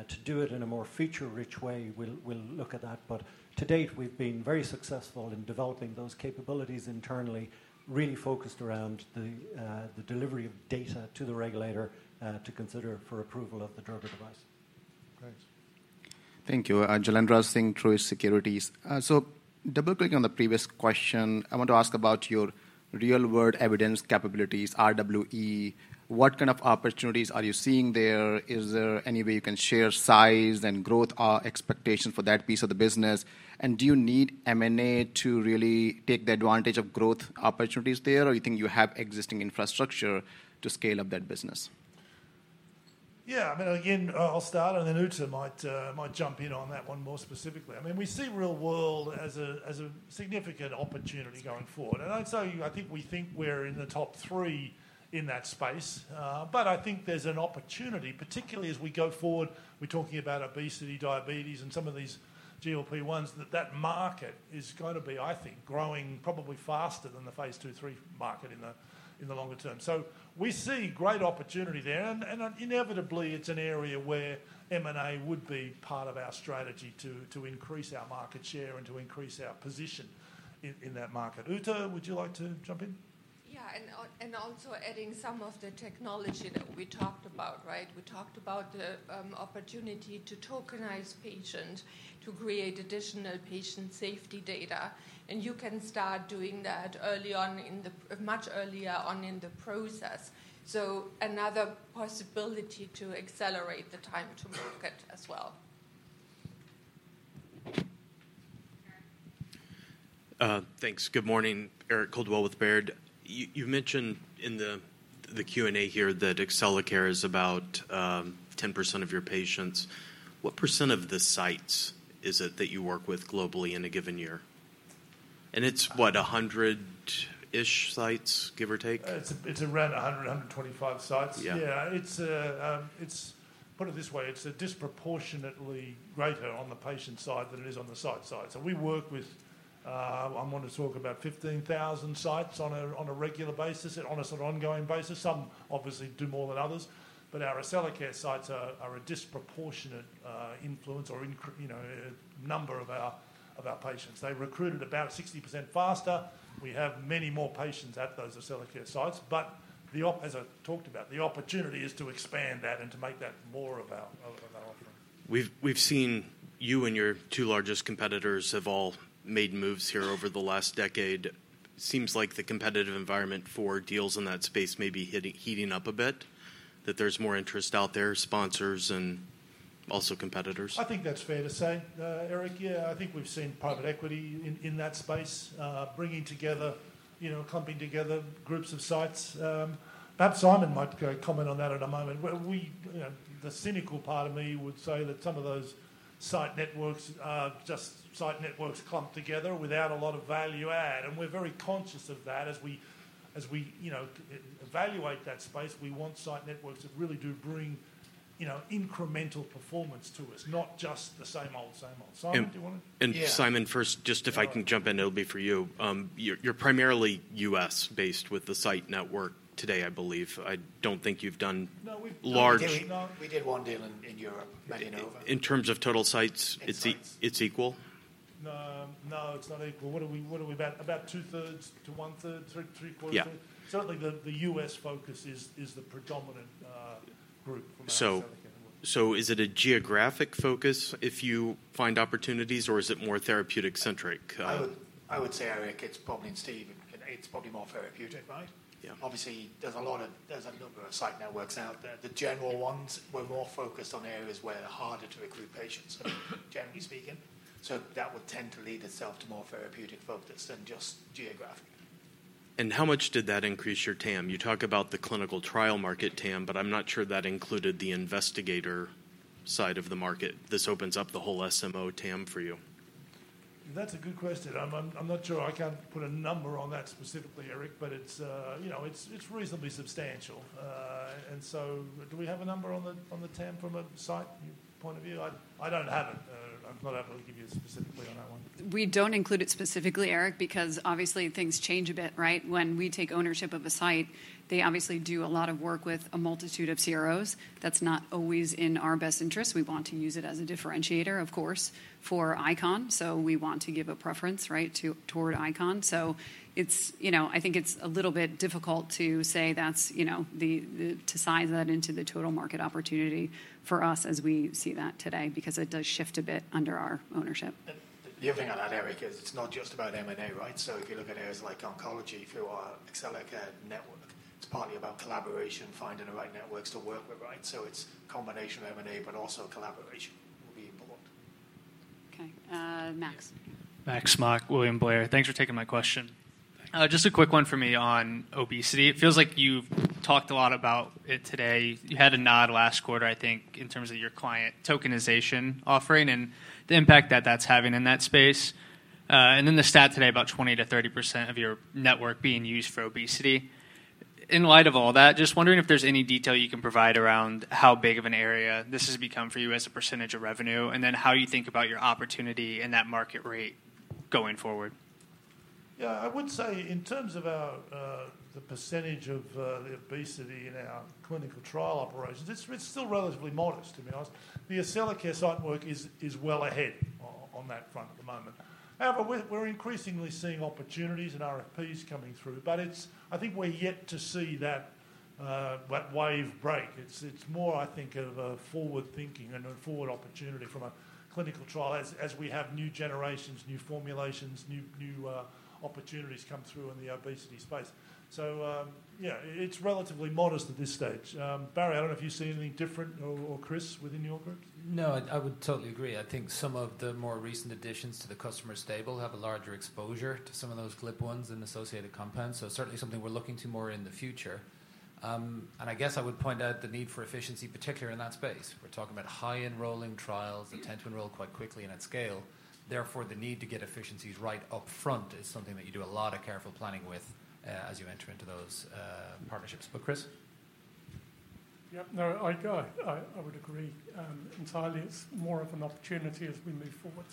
to do it in a more feature-rich way, we'll look at that. But to date, we've been very successful in developing those capabilities internally, really focused around the delivery of data to the regulator to consider for approval of the drug or device. Great. Thank you. Jailendra Singh, Truist Securities. So double-clicking on the previous question, I want to ask about your real-world evidence capabilities, RWE. What kind of opportunities are you seeing there? Is there any way you can share size and growth expectation for that piece of the business? And do you need M&A to really take the advantage of growth opportunities there, or you think you have existing infrastructure to scale up that business? Yeah, I mean, again, I'll start, and then Ute might jump in on that one more specifically. I mean, we see real-world as a significant opportunity going forward. And I'd say I think we think we're in the top three in that space. But I think there's an opportunity, particularly as we go forward, we're talking about obesity, diabetes, and some of these GLP-1s, that market is going to be, I think, growing probably faster than the phase II, phase III market in the longer term. So we see great opportunity there, and inevitably, it's an area where M&A would be part of our strategy to increase our market share and to increase our position in that market. Ute, would you like to jump in? Yeah, and also adding some of the technology that we talked about, right? We talked about the opportunity to tokenize patient, to create additional patient safety data, and you can start doing that much earlier on in the process. So another possibility to accelerate the time to market as well. Thanks. Good morning, Eric Coldwell with Baird. You, you mentioned in the, the Q&A here that Accellacare is about 10% of your patients. What % of the sites is it that you work with globally in a given year? It's what, 100-ish sites, give or take? It's around 125 sites. Yeah. Yeah, it's. Put it this way: It's disproportionately greater on the patient side than it is on the site side. So we work with. I want to talk about 15,000 sites on a regular basis and on a sort of ongoing basis. Some obviously do more than others, but our Accellacare sites are a disproportionate influence or increase, you know, a number of our patients. They recruited about 60% faster. We have many more patients at those Accellacare sites, but the opportunity, as I talked about, is to expand that and to make that more of our offering. We've seen you and your two largest competitors have all made moves here over the last decade. Seems like the competitive environment for deals in that space may be heating up a bit, that there's more interest out there, sponsors and also competitors. I think that's fair to say, Eric. Yeah, I think we've seen private equity in that space bringing together, you know, clumping together groups of sites. Perhaps Simon might go comment on that in a moment. Well, you know, the cynical part of me would say that some of those site networks are just site networks clumped together without a lot of value add, and we're very conscious of that as we evaluate that space. We want site networks that really do bring, you know, incremental performance to us, not just the same old, same old. Simon, do you want to- And- Yeah. Simon, first, just if I can jump in, it'll be for you. You're primarily U.S.-based with the site network today, I believe. I don't think you've done- No, we've- -large- We did one deal in Europe, but, you know- In terms of total sites- It's sites... it's equal? No, no, it's not equal. What are we, what are we about? About two-thirds to one-third, three, three-quarter? Yeah. Certainly, the U.S. focus is the predominant group from our perspective. So, is it a geographic focus if you find opportunities, or is it more therapeutic centric? I would, I would say, Eric, it's probably... and Steve, it's probably more therapeutic, right? Yeah. Obviously, there's a number of site networks out there. The general ones were more focused on areas where they're harder to recruit patients, generally speaking. So that would tend to lead itself to more therapeutic focus than just geographic. How much did that increase your TAM? You talk about the clinical trial market TAM, but I'm not sure that included the investigator side of the market. This opens up the whole SMO TAM for you. That's a good question. I'm not sure. I can't put a number on that specifically, Eric, but it's, you know, it's reasonably substantial. And so do we have a number on the TAM from a site point of view? I don't have it. I'm not able to give you specifically on that one. We don't include it specifically, Eric, because obviously things change a bit, right? When we take ownership of a site, they obviously do a lot of work with a multitude of CROs. That's not always in our best interest. We want to use it as a differentiator, of course, for ICON, so we want to give a preference, right, toward ICON. So it's... You know, I think it's a little bit difficult to say that's, you know, to size that into the total market opportunity for us as we see that today, because it does shift a bit under our ownership. The other thing I'd add, Eric, is it's not just about M&A, right? So if you look at areas like oncology through our Accellacare network, it's partly about collaboration, finding the right networks to work with, right? So it's a combination of M&A, but also collaboration will be important. Okay, Max. Max Smock, William Blair. Thanks for taking my question. Just a quick one for me on obesity. It feels like you've talked a lot about it today. You had a nod last quarter, I think, in terms of your client tokenization offering and the impact that that's having in that space. And then the stat today, about 20%-30% of your network being used for obesity. In light of all that, just wondering if there's any detail you can provide around how big of an area this has become for you as a percentage of revenue, and then how you think about your opportunity and that market rate going forward. Yeah, I would say in terms of our, the percentage of, the obesity in our clinical trial operations, it's, it's still relatively modest. I mean, the Accellacare site work is, is well ahead on, on that front at the moment. However, we're, we're increasingly seeing opportunities and RFPs coming through, but it's. I think we're yet to see that, that wave break. It's, it's more, I think, of a forward thinking and a forward opportunity from a clinical trial as, as we have new generations, new formulations, new, new, opportunities come through in the obesity space. So, yeah, it's relatively modest at this stage. Barry, I don't know if you see anything different or, or Chris, within your group? No, I, I would totally agree. I think some of the more recent additions to the customer stable have a larger exposure to some of those GLP-1s and associated compounds. So certainly something we're looking to more in the future. And I guess I would point out the need for efficiency, particularly in that space. We're talking about high enrolling trials that tend to enroll quite quickly and at scale. Therefore, the need to get efficiencies right up front is something that you do a lot of careful planning with, as you enter into those, partnerships. But Chris? Yep. No, I would agree entirely. It's more of an opportunity as we move forward.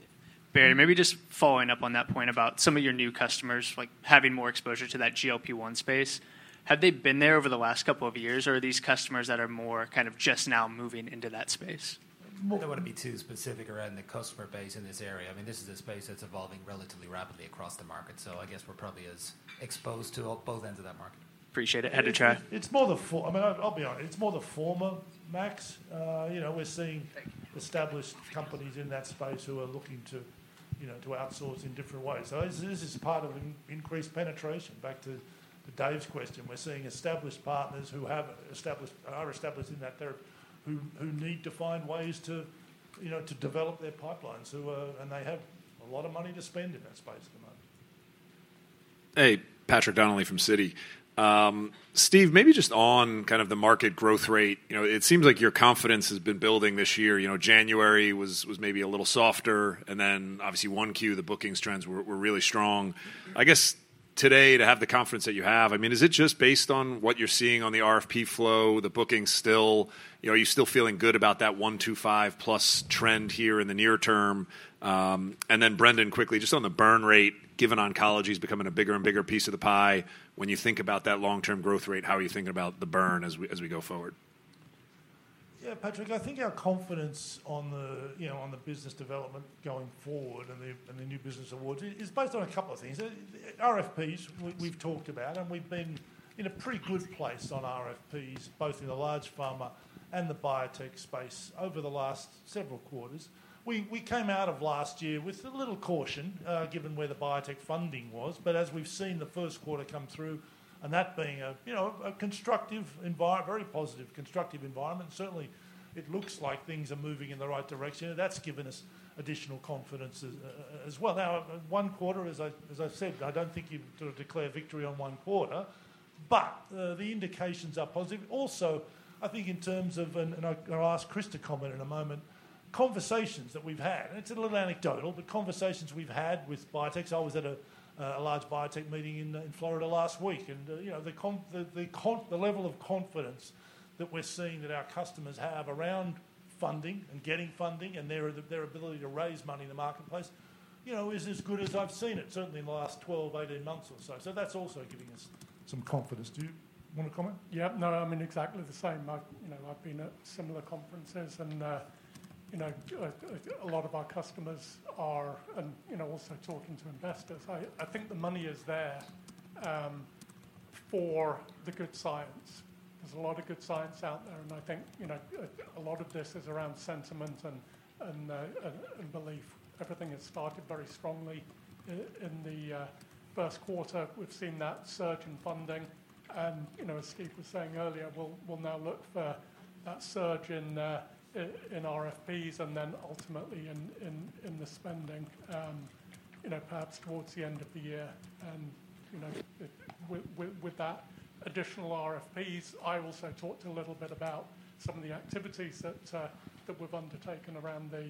Yeah. Barry, maybe just following up on that point about some of your new customers, like, having more exposure to that GLP-1 space. Have they been there over the last couple of years, or are these customers that are more kind of just now moving into that space? I don't want to be too specific around the customer base in this area. I mean, this is a space that's evolving relatively rapidly across the market, so I guess we're probably as exposed to both ends of that market. Appreciate it. Had to try. It's more the former, I mean, I'll be honest, it's more the former, Max. You know, we're seeing- Thank you... established companies in that space who are looking to, you know, to outsource in different ways. So this is part of an increased penetration. Back to Dave's question, we're seeing established partners who are established in that therapy, who need to find ways to, you know, to develop their pipelines, and they have a lot of money to spend in that space at the moment. Hey, Patrick Donnelly from Citi. Steve, maybe just on kind of the market growth rate, you know, it seems like your confidence has been building this year. You know, January was maybe a little softer, and then obviously, 1Q, the bookings trends were really strong. I guess today, to have the confidence that you have, I mean, is it just based on what you're seeing on the RFP flow, the bookings still? You know, are you still feeling good about that 1 to 5+ trend here in the near term? And then Brendan, quickly, just on the burn rate, given oncology is becoming a bigger and bigger piece of the pie, when you think about that long-term growth rate, how are you thinking about the burn as we go forward? Yeah, Patrick, I think our confidence on the, you know, on the business development going forward and the, and the new business awards is based on a couple of things. RFPs, we've talked about, and we've been in a pretty good place on RFPs, both in the large pharma and the biotech space over the last several quarters. We came out of last year with a little caution, given where the biotech funding was, but as we've seen the first quarter come through, and that being a, you know, a very positive, constructive environment, certainly it looks like things are moving in the right direction, and that's given us additional confidence as well. Now, one quarter, as I've said, I don't think you'd sort of declare victory on one quarter, but the indications are positive. Also, I think in terms of, and I'll ask Chris to comment in a moment, conversations that we've had, and it's a little anecdotal, but conversations we've had with biotechs. I was at a large biotech meeting in Florida last week, and you know, the level of confidence that we're seeing that our customers have around funding and getting funding, and their ability to raise money in the marketplace, you know, is as good as I've seen it, certainly in the last 12, 18 months or so. So that's also giving us some confidence. Do you want to comment? Yeah. No, I mean, exactly the same. I, you know, I've been at similar conferences, and, you know, a lot of our customers are, and, you know, also talking to investors. I think the money is there, for the good science. There's a lot of good science out there, and I think, you know, a lot of this is around sentiment and, and belief. Everything has started very strongly in the first quarter. We've seen that surge in funding, and, you know, as Steve was saying earlier, we'll now look for that surge in RFPs and then ultimately in the spending, you know, perhaps towards the end of the year. You know, with that additional RFPs, I also talked a little bit about some of the activities that we've undertaken around the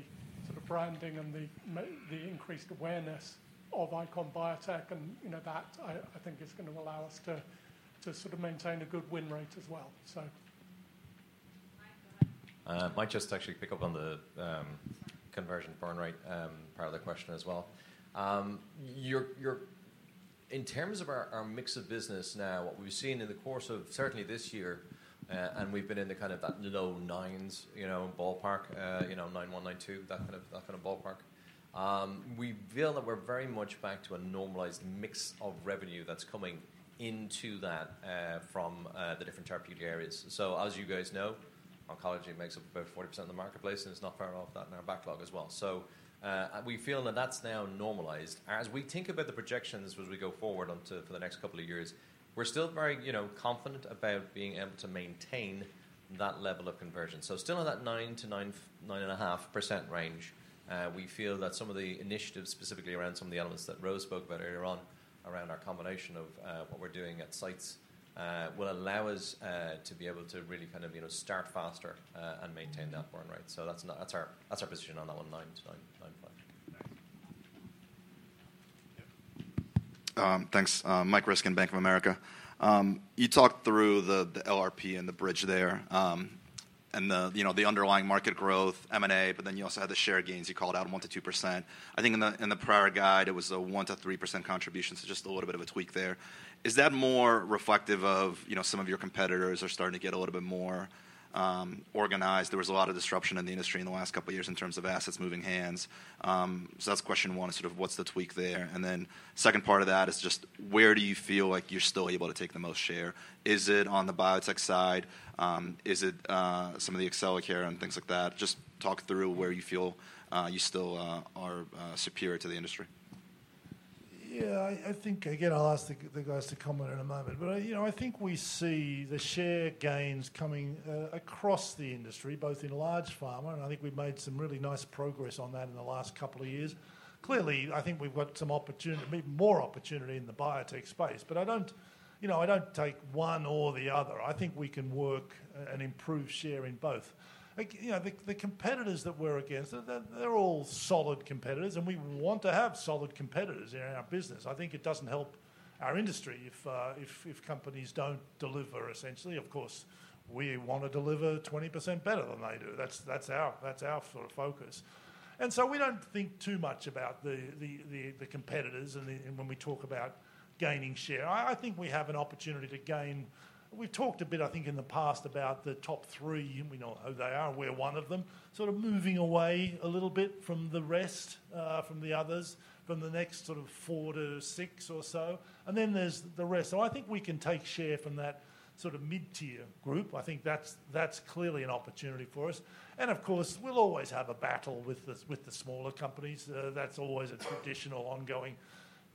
sort of branding and the increased awareness of ICON Biotech, and, you know, that I think is going to allow us to sort of maintain a good win rate as well. So- I might just actually pick up on the conversion burn rate part of the question as well. In terms of our mix of business now, what we've seen in the course of certainly this year, and we've been in the kind of low 9s, you know, ballpark, you know, 9.1-9.2, that kind of ballpark. We feel that we're very much back to a normalized mix of revenue that's coming into that from the different therapeutic areas. So, as you guys know, oncology makes up about 40% of the marketplace, and it's not far off that in our backlog as well. So, we feel that that's now normalized. As we think about the projections as we go forward for the next couple of years, we're still very, you know, confident about being able to maintain that level of conversion. So still in that 9%-9.5% range. We feel that some of the initiatives, specifically around some of the elements that Rose spoke about earlier on, around our combination of what we're doing at sites, will allow us to be able to really kind of, you know, start faster and maintain that burn rate. So that's our position on that one, 9%-9.5%. Thanks. Thanks. Michael Ryskin, Bank of America. You talked through the LRP and the bridge there, and you know, the underlying market growth, M&A, but then you also had the share gains you called out 1%-2%. I think in the prior guide, it was a 1%-3% contribution, so just a little bit of a tweak there. Is that more reflective of, you know, some of your competitors are starting to get a little bit more organized? There was a lot of disruption in the industry in the last couple of years in terms of assets changing hands. So that's question one, is sort of what's the tweak there? And then second part of that is just where do you feel like you're still able to take the most share? Is it on the biotech side? Is it some of the Accellacare and things like that? Just talk through where you feel you still are superior to the industry. Yeah, I think, again, I'll ask the guys to comment in a moment. But, you know, I think we see the share gains coming across the industry, both in large pharma, and I think we've made some really nice progress on that in the last couple of years. Clearly, I think we've got some opportunity, maybe more opportunity in the biotech space, but I don't, you know, I don't take one or the other. I think we can work and improve share in both. Like, you know, the competitors that we're against, they're all solid competitors, and we want to have solid competitors in our business. I think it doesn't help our industry if companies don't deliver essentially. Of course, we want to deliver 20% better than they do. That's our sort of focus. And so we don't think too much about the competitors and the when we talk about gaining share. I think we have an opportunity to gain. We've talked a bit, I think, in the past about the top three, and we know who they are, we're one of them, sort of moving away a little bit from the rest, from the others, from the next sort of four to six or so, and then there's the rest. So I think we can take share from that sort of mid-tier group. I think that's clearly an opportunity for us. And of course, we'll always have a battle with the smaller companies. That's always a traditional ongoing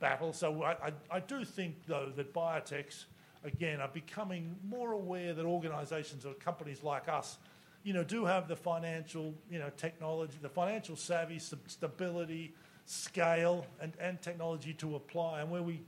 battle. So I do think, though, that biotechs, again, are becoming more aware that organizations or companies like us-... You know, do have the financial, you know, technology, the financial savvy, stability, scale, and technology to apply. And where we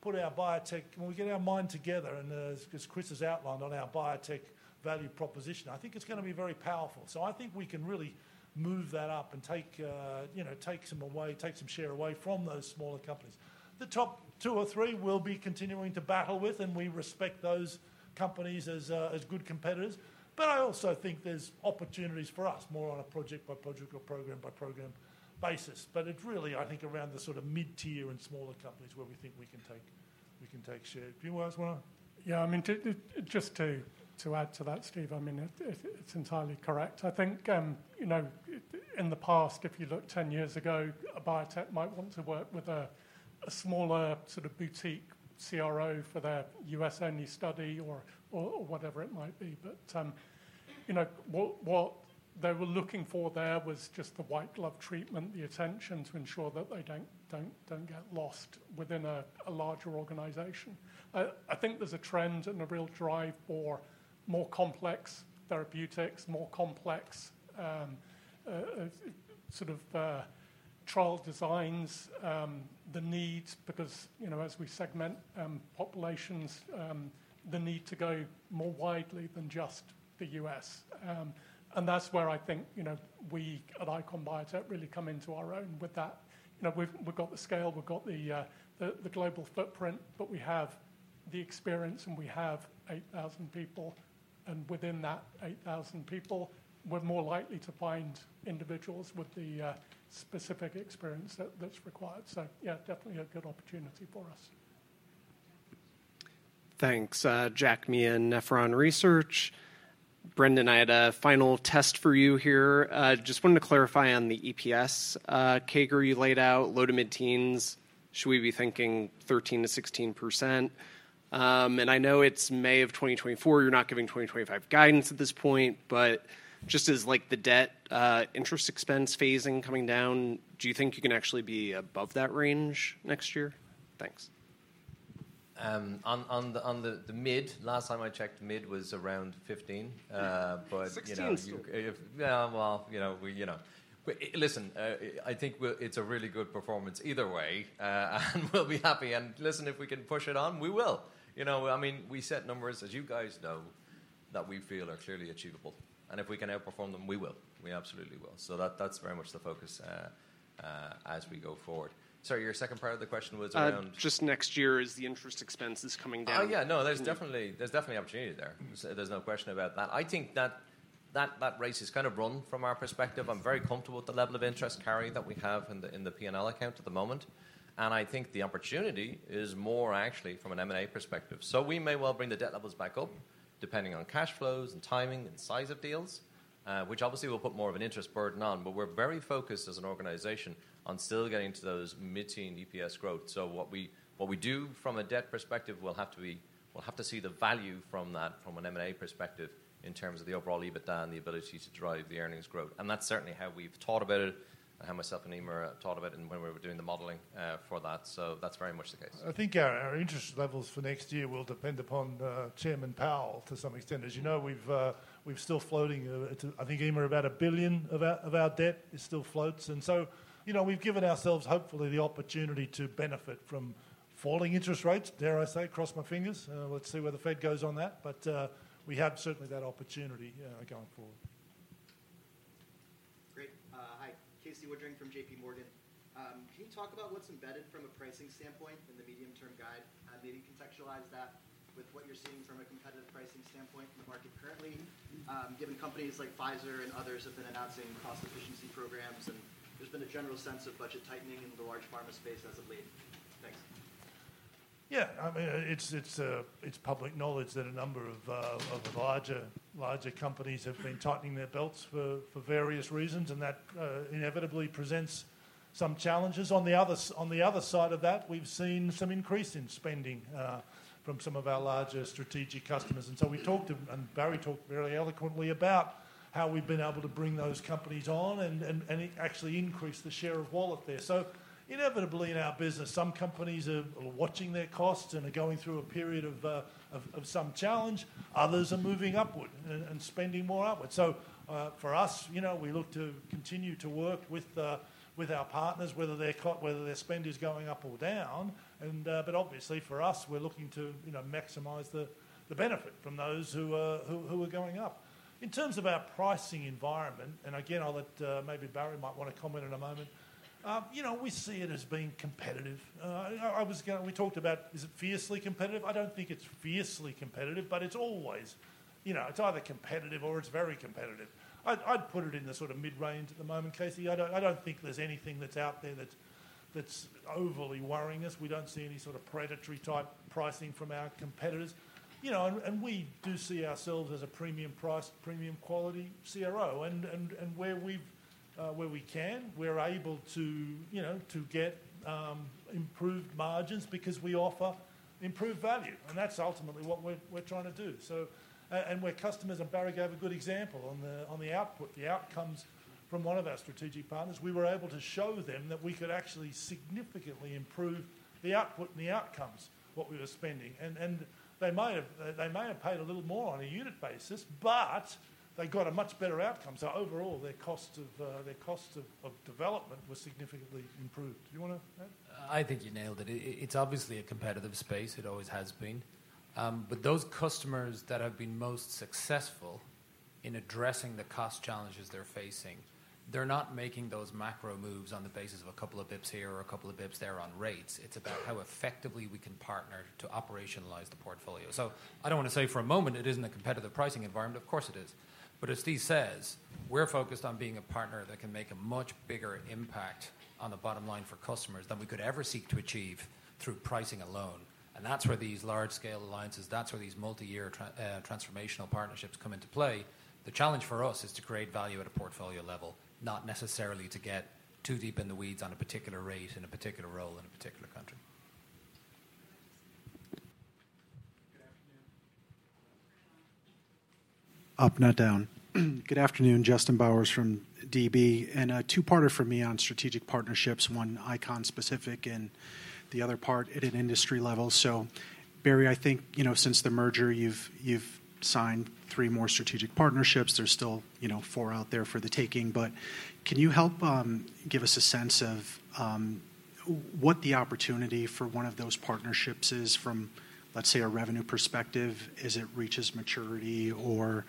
put our biotech, when we get our mind together, and as Chris has outlined on our biotech value proposition, I think it's gonna be very powerful. So I think we can really move that up and take, you know, take some away, take some share away from those smaller companies. The top two or three we'll be continuing to battle with, and we respect those companies as good competitors. But I also think there's opportunities for us, more on a project-by-project or program-by-program basis. But it really, I think, around the sort of mid-tier and smaller companies where we think we can take, we can take share. Do you guys wanna- Yeah, I mean, just to add to that, Steve, I mean, it, it's entirely correct. I think, you know, in the past, if you look 10 years ago, a biotech might want to work with a smaller sort of boutique CRO for their U.S.-only study or whatever it might be. But, you know, what they were looking for there was just the white glove treatment, the attention to ensure that they don't get lost within a larger organization. I think there's a trend and a real drive for more complex therapeutics, more complex sort of trial designs. The need because, you know, as we segment populations, the need to go more widely than just the U.S. And that's where I think, you know, we at ICON Biotech really come into our own with that. You know, we've got the scale, we've got the global footprint, but we have the experience, and we have 8,000 people. And within that 8,000 people, we're more likely to find individuals with the specific experience that's required. So yeah, definitely a good opportunity for us. Thanks. Jack Meehan, Nephron Research. Brendan, I had a final test for you here. Just wanted to clarify on the EPS, CAGR you laid out, low to mid-teens. Should we be thinking 13%-16%? And I know it's May of 2024, you're not giving 2025 guidance at this point, but just as like the debt, interest expense phasing coming down, do you think you can actually be above that range next year? Thanks. On the mid, last time I checked, mid was around 15. But, you know- Sixteen still. If... Yeah, well, you know, we, you know. Listen, it's a really good performance either way, and we'll be happy. And listen, if we can push it on, we will. You know, I mean, we set numbers, as you guys know, that we feel are clearly achievable, and if we can outperform them, we will. We absolutely will. So that, that's very much the focus, as we go forward. Sorry, your second part of the question was around? Just next year, is the interest expenses coming down? Oh, yeah. No, there's definitely, there's definitely opportunity there. There's no question about that. I think that that, that race is kind of run from our perspective. I'm very comfortable with the level of interest carry that we have in the, in the P&L account at the moment, and I think the opportunity is more actually from an M&A perspective. So we may well bring the debt levels back up, depending on cash flows and timing and size of deals, which obviously will put more of an interest burden on. But we're very focused as an organization on still getting to those mid-teen EPS growth. So what we do from a debt perspective will have to be. We'll have to see the value from that from an M&A perspective in terms of the overall EBITDA and the ability to drive the earnings growth, and that's certainly how we've thought about it and how myself and Eimear have thought about it and when we were doing the modeling for that. So that's very much the case. I think our interest levels for next year will depend upon Chairman Powell to some extent. As you know, we've still floating, I think, Eimear, about $1 billion of our debt. It still floats, and so, you know, we've given ourselves hopefully the opportunity to benefit from falling interest rates, dare I say, cross my fingers. Let's see where the Fed goes on that, but we have certainly that opportunity going forward. Great. Hi. Casey Woodring from J.P. Morgan. Can you talk about what's embedded from a pricing standpoint in the medium-term guide? Maybe contextualize that with what you're seeing from a competitive pricing standpoint in the market currently, given companies like Pfizer and others have been announcing cost efficiency programs, and there's been a general sense of budget tightening in the large pharma space as of late. Thanks. Yeah. I mean, it's public knowledge that a number of larger companies have been tightening their belts for various reasons, and that inevitably presents some challenges. On the other side of that, we've seen some increase in spending from some of our larger strategic customers, and so we talked, and Barry talked very eloquently about how we've been able to bring those companies on and actually increase the share of wallet there. So inevitably, in our business, some companies are watching their costs and are going through a period of some challenge. Others are moving upward and spending more upward. So, for us, you know, we look to continue to work with our partners, whether their spend is going up or down. But obviously for us, we're looking to, you know, maximize the benefit from those who are going up. In terms of our pricing environment, and again, I'll let maybe Barry might want to comment in a moment. You know, we see it as being competitive. I was gonna... We talked about, is it fiercely competitive? I don't think it's fiercely competitive, but it's always, you know, it's either competitive or it's very competitive. I'd put it in the sort of mid-range at the moment, Casey. I don't think there's anything that's out there that's overly worrying us. We don't see any sort of predatory-type pricing from our competitors, you know, and we do see ourselves as a premium price, premium quality CRO. And where we can, we're able to, you know, to get improved margins because we offer improved value, and that's ultimately what we're trying to do. So and where customers, and Barry gave a good example on the output, the outcomes from one of our strategic partners. We were able to show them that we could actually significantly improve the output and the outcomes, what we were spending, and they might have paid a little more on a unit basis, but they got a much better outcome. So overall, their cost of development was significantly improved. Do you wanna, Barry? I think you nailed it. It's obviously a competitive space. It always has been. But those customers that have been most successful-... in addressing the cost challenges they're facing, they're not making those macro moves on the basis of a couple of basis points here or a couple of basis points there on rates. It's about how effectively we can partner to operationalize the portfolio. So I don't want to say for a moment it isn't a competitive pricing environment, of course it is. But as Steve says, we're focused on being a partner that can make a much bigger impact on the bottom line for customers than we could ever seek to achieve through pricing alone, and that's where these large-scale alliances, that's where these multi-year transformational partnerships come into play. The challenge for us is to create value at a portfolio level, not necessarily to get too deep in the weeds on a particular rate, in a particular role, in a particular country. Good afternoon. Up, not down. Good afternoon, Justin Bowers from DB, and a two-parter from me on strategic partnerships, one ICON-specific and the other part at an industry level. So Barry, I think, you know, since the merger, you've signed three more strategic partnerships. There's still, you know, four out there for the taking, but can you help give us a sense of what the opportunity for one of those partnerships is from, let's say, a revenue perspective as it reaches maturity or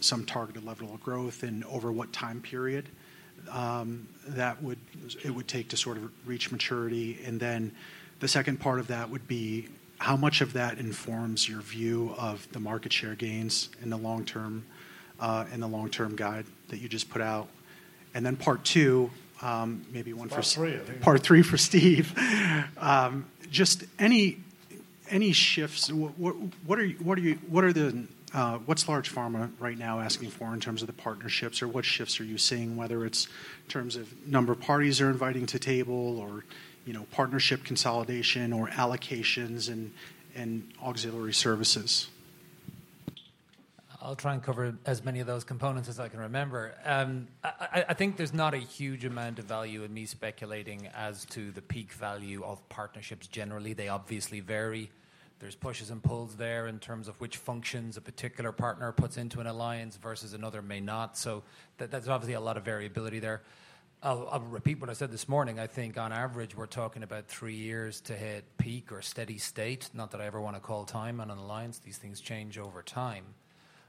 some targeted level of growth and over what time period that would- Sure. it would take to sort of reach maturity? And then the second part of that would be: How much of that informs your view of the market share gains in the long term, in the long-term guide that you just put out? And then part two, maybe one for- Part three, I think. Part three for Steve. Just any shifts. What's large pharma right now asking for in terms of the partnerships or what shifts are you seeing, whether it's in terms of number of parties are inviting to table or, you know, partnership consolidation or allocations and auxiliary services? I'll try and cover as many of those components as I can remember. I think there's not a huge amount of value in me speculating as to the peak value of partnerships generally. They obviously vary. There's pushes and pulls there in terms of which functions a particular partner puts into an alliance versus another may not. So that's obviously a lot of variability there. I'll repeat what I said this morning. I think on average, we're talking about three years to hit peak or steady state, not that I ever want to call time on an alliance. These things change over time.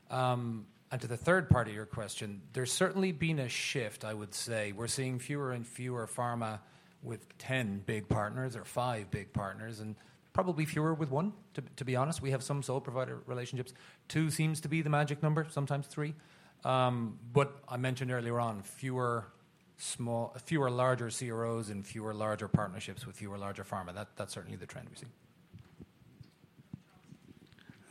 And to the third part of your question, there's certainly been a shift, I would say. We're seeing fewer and fewer pharma with 10 big partners or five big partners, and probably fewer with 1, to be honest. We have some sole provider relationships. Two seems to be the magic number, sometimes three. But I mentioned earlier on, fewer larger CROs and fewer larger partnerships with fewer larger pharma. That, that's certainly the trend we see.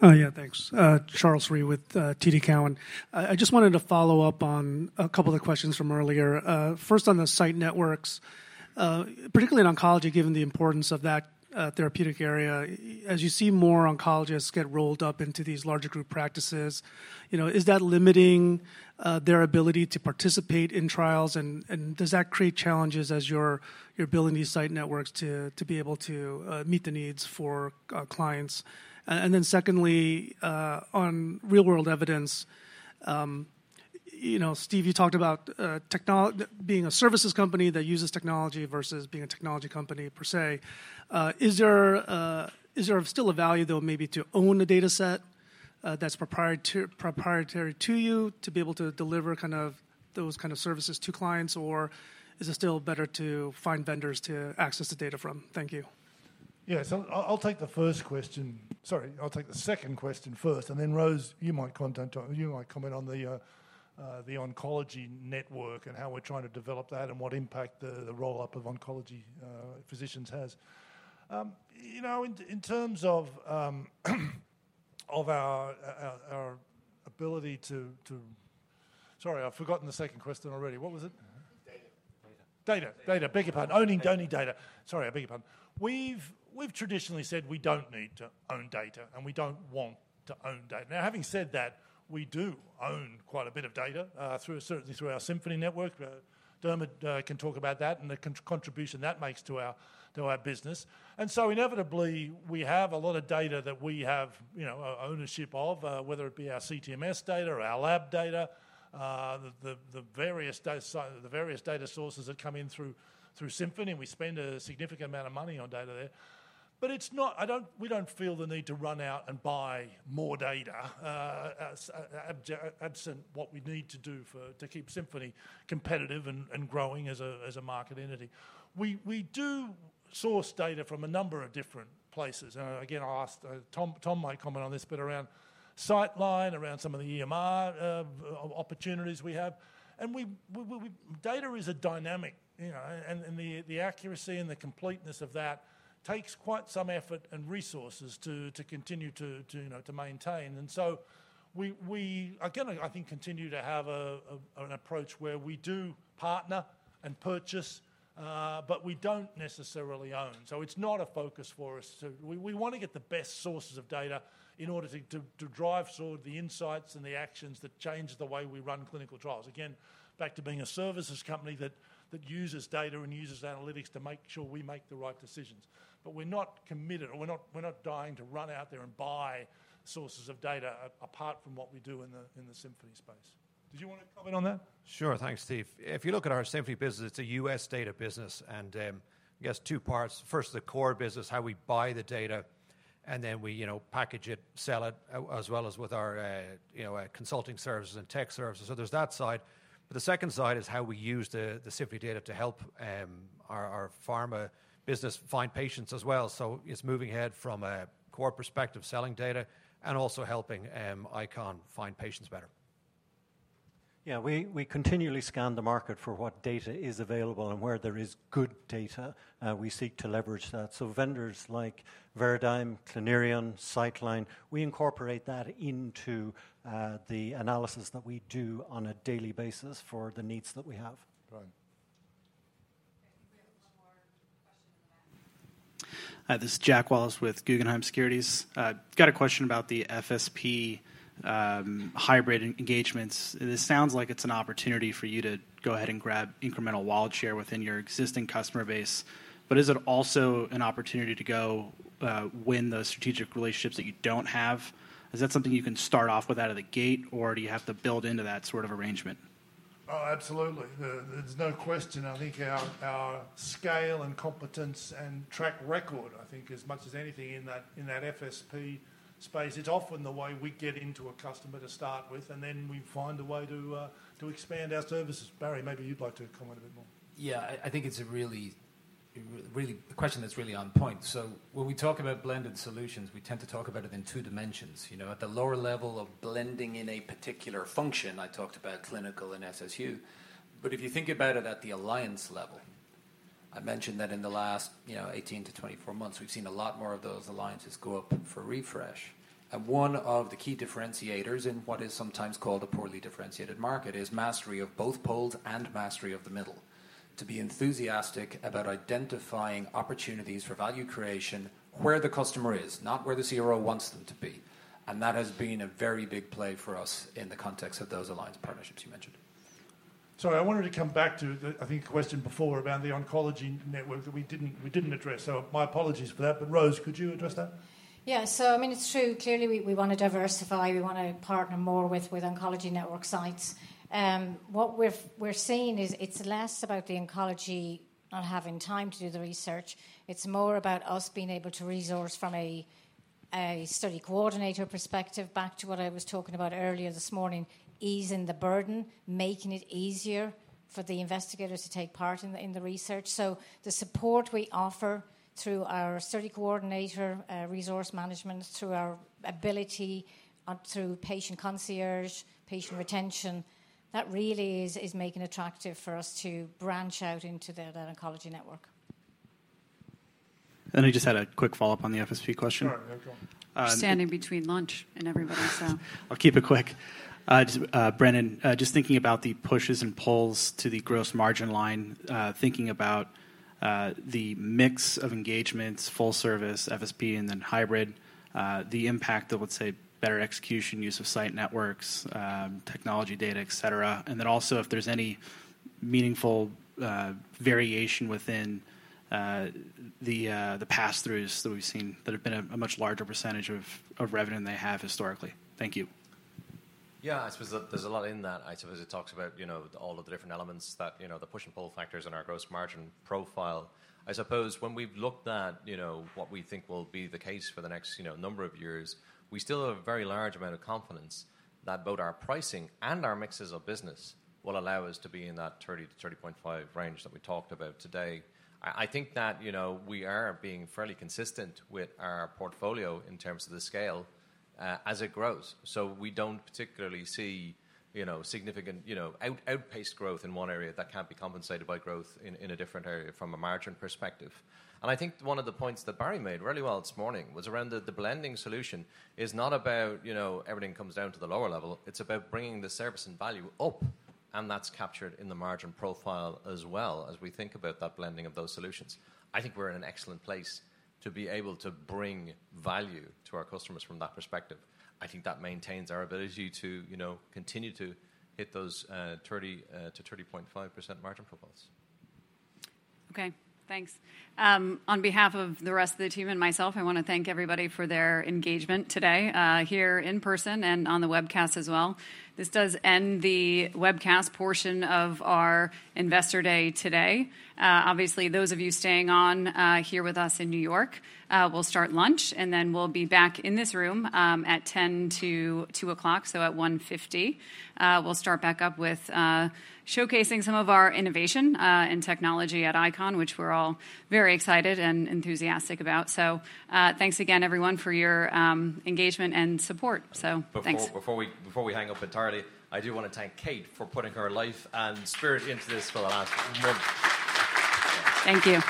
Yeah, thanks. Charles Rhyee with TD Cowen. I just wanted to follow up on a couple of the questions from earlier. First, on the site networks, particularly in oncology, given the importance of that therapeutic area, as you see more oncologists get rolled up into these larger group practices, you know, is that limiting their ability to participate in trials, and does that create challenges as you're building these site networks to be able to meet the needs for clients? Then secondly, on real-world evidence, you know, Steve, you talked about being a services company that uses technology versus being a technology company per se. Is there still a value, though, maybe to own a data set that's proprietary to you, to be able to deliver kind of those kind of services to clients, or is it still better to find vendors to access the data from? Thank you. Yes, I'll, I'll take the first question. Sorry, I'll take the second question first, and then, Rose, you might comment on the oncology network and how we're trying to develop that and what impact the roll-up of oncology physicians has. You know, in terms of our ability to... Sorry, I've forgotten the second question already. What was it? Data. Data. Data, data. Beg your pardon. Owning data. Sorry, I beg your pardon. We've traditionally said we don't need to own data, and we don't want to own data. Now, having said that, we do own quite a bit of data through certainly through our Symphony network. Dermot can talk about that and the contribution that makes to our business. And so inevitably, we have a lot of data that we have, you know, ownership of, whether it be our CTMS data or our lab data, the various data sources that come in through Symphony, and we spend a significant amount of money on data there. But it's not. I don't, we don't feel the need to run out and buy more data absent what we need to do for, to keep Symphony competitive and growing as a market entity. We do source data from a number of different places, and again, I'll ask Tom. Tom might comment on this, but around Citeline, around some of the EMR opportunities we have, and we... Data is a dynamic, you know, and the accuracy and the completeness of that takes quite some effort and resources to continue to, you know, to maintain. And so we are gonna, I think, continue to have an approach where we do partner and purchase, but we don't necessarily own, so it's not a focus for us to... We want to get the best sources of data in order to drive toward the insights and the actions that change the way we run clinical trials. Again, back to being a services company that uses data and uses analytics to make sure we make the right decisions. But we're not committed, or we're not dying to run out there and buy sources of data, apart from what we do in the Symphony space. Did you want to comment on that? Sure. Thanks, Steve. If you look at our Symphony business, it's a U.S. data business, and, I guess two parts. First, the core business, how we buy the data, and then we, you know, package it, sell it, as well as with our, you know, consulting services and tech services. So there's that side, but the second side is how we use the, the Symphony data to help, our, our pharma business find patients as well. So it's moving ahead from a core perspective, selling data, and also helping, ICON find patients better. Yeah, we continually scan the market for what data is available, and where there is good data, we seek to leverage that. So vendors like Veradigm, Clinerion, Citeline, we incorporate that into the analysis that we do on a daily basis for the needs that we have. Right. Okay, we have one more question left. This is Jack Wallace with Guggenheim Securities. Got a question about the FSP, hybrid engagements. This sounds like it's an opportunity for you to go ahead and grab incremental wallet share within your existing customer base, but is it also an opportunity to go, win those strategic relationships that you don't have? Is that something you can start off with out of the gate, or do you have to build into that sort of arrangement? Oh, absolutely. There's no question. I think our, our scale and competence and track record, I think, as much as anything in that, in that FSP space, it's often the way we get into a customer to start with, and then we find a way to expand our services. Barry, maybe you'd like to comment a bit more. Yeah, I think it's a really, really a question that's really on point. So when we talk about blended solutions, we tend to talk about it in two dimensions. You know, at the lower level of blending in a particular function, I talked about clinical and SSU. But if you think about it at the alliance level, I mentioned that in the last, you know, 18-24 months, we've seen a lot more of those alliances go up for refresh. And one of the key differentiators in what is sometimes called a poorly differentiated market is mastery of both poles and mastery of the middle. To be enthusiastic about identifying opportunities for value creation where the customer is, not where the CRO wants them to be, and that has been a very big play for us in the context of those alliance partnerships you mentioned. Sorry, I wanted to come back to the, I think, question before about the oncology network that we didn't, we didn't address, so my apologies for that. But, Rose, could you address that? Yeah. So I mean, it's true, clearly, we wanna diversify, we wanna partner more with oncology network sites. What we're seeing is it's less about the oncology not having time to do the research. It's more about us being able to resource from a study coordinator perspective, back to what I was talking about earlier this morning, easing the burden, making it easier for the investigators to take part in the research. So the support we offer through our study coordinator resource management, through our ability through patient concierge, patient retention, that really is making it attractive for us to branch out into that oncology network. I just had a quick follow-up on the FSP question. Sure, no problem. You're standing between lunch and everybody, so... I'll keep it quick. Just, Brendan, just thinking about the pushes and pulls to the gross margin line, thinking about the mix of engagements, full service, FSP, and then hybrid, the impact of, let's say, better execution, use of site networks, technology data, et cetera. And then also, if there's any meaningful variation within the pass-throughs that we've seen that have been a much larger percentage of revenue than they have historically. Thank you. Yeah, I suppose there, there's a lot in that. I suppose it talks about, you know, all of the different elements that, you know, the push and pull factors in our gross margin profile. I suppose when we've looked at, you know, what we think will be the case for the next, you know, number of years, we still have a very large amount of confidence that both our pricing and our mixes of business will allow us to be in that 30-30.5 range that we talked about today. I think that, you know, we are being fairly consistent with our portfolio in terms of the scale, as it grows. So we don't particularly see, you know, significant, you know, outpaced growth in one area that can't be compensated by growth in a different area from a margin perspective. I think one of the points that Barry made really well this morning was around the blending solution is not about, you know, everything comes down to the lower level. It's about bringing the service and value up, and that's captured in the margin profile as well as we think about that blending of those solutions. I think we're in an excellent place to be able to bring value to our customers from that perspective. I think that maintains our ability to, you know, continue to hit those 30%-30.5% margin profiles. Okay, thanks. On behalf of the rest of the team and myself, I wanna thank everybody for their engagement today, here in person and on the webcast as well. This does end the webcast portion of our Investor Day today. Obviously, those of you staying on, here with us in New York, we'll start lunch, and then we'll be back in this room at 1:50. We'll start back up with showcasing some of our innovation and technology at ICON, which we're all very excited and enthusiastic about. So, thanks again, everyone, for your engagement and support. So thanks. Before we hang up entirely, I do wanna thank Kate for putting her life and spirit into this for the last month. Thank you.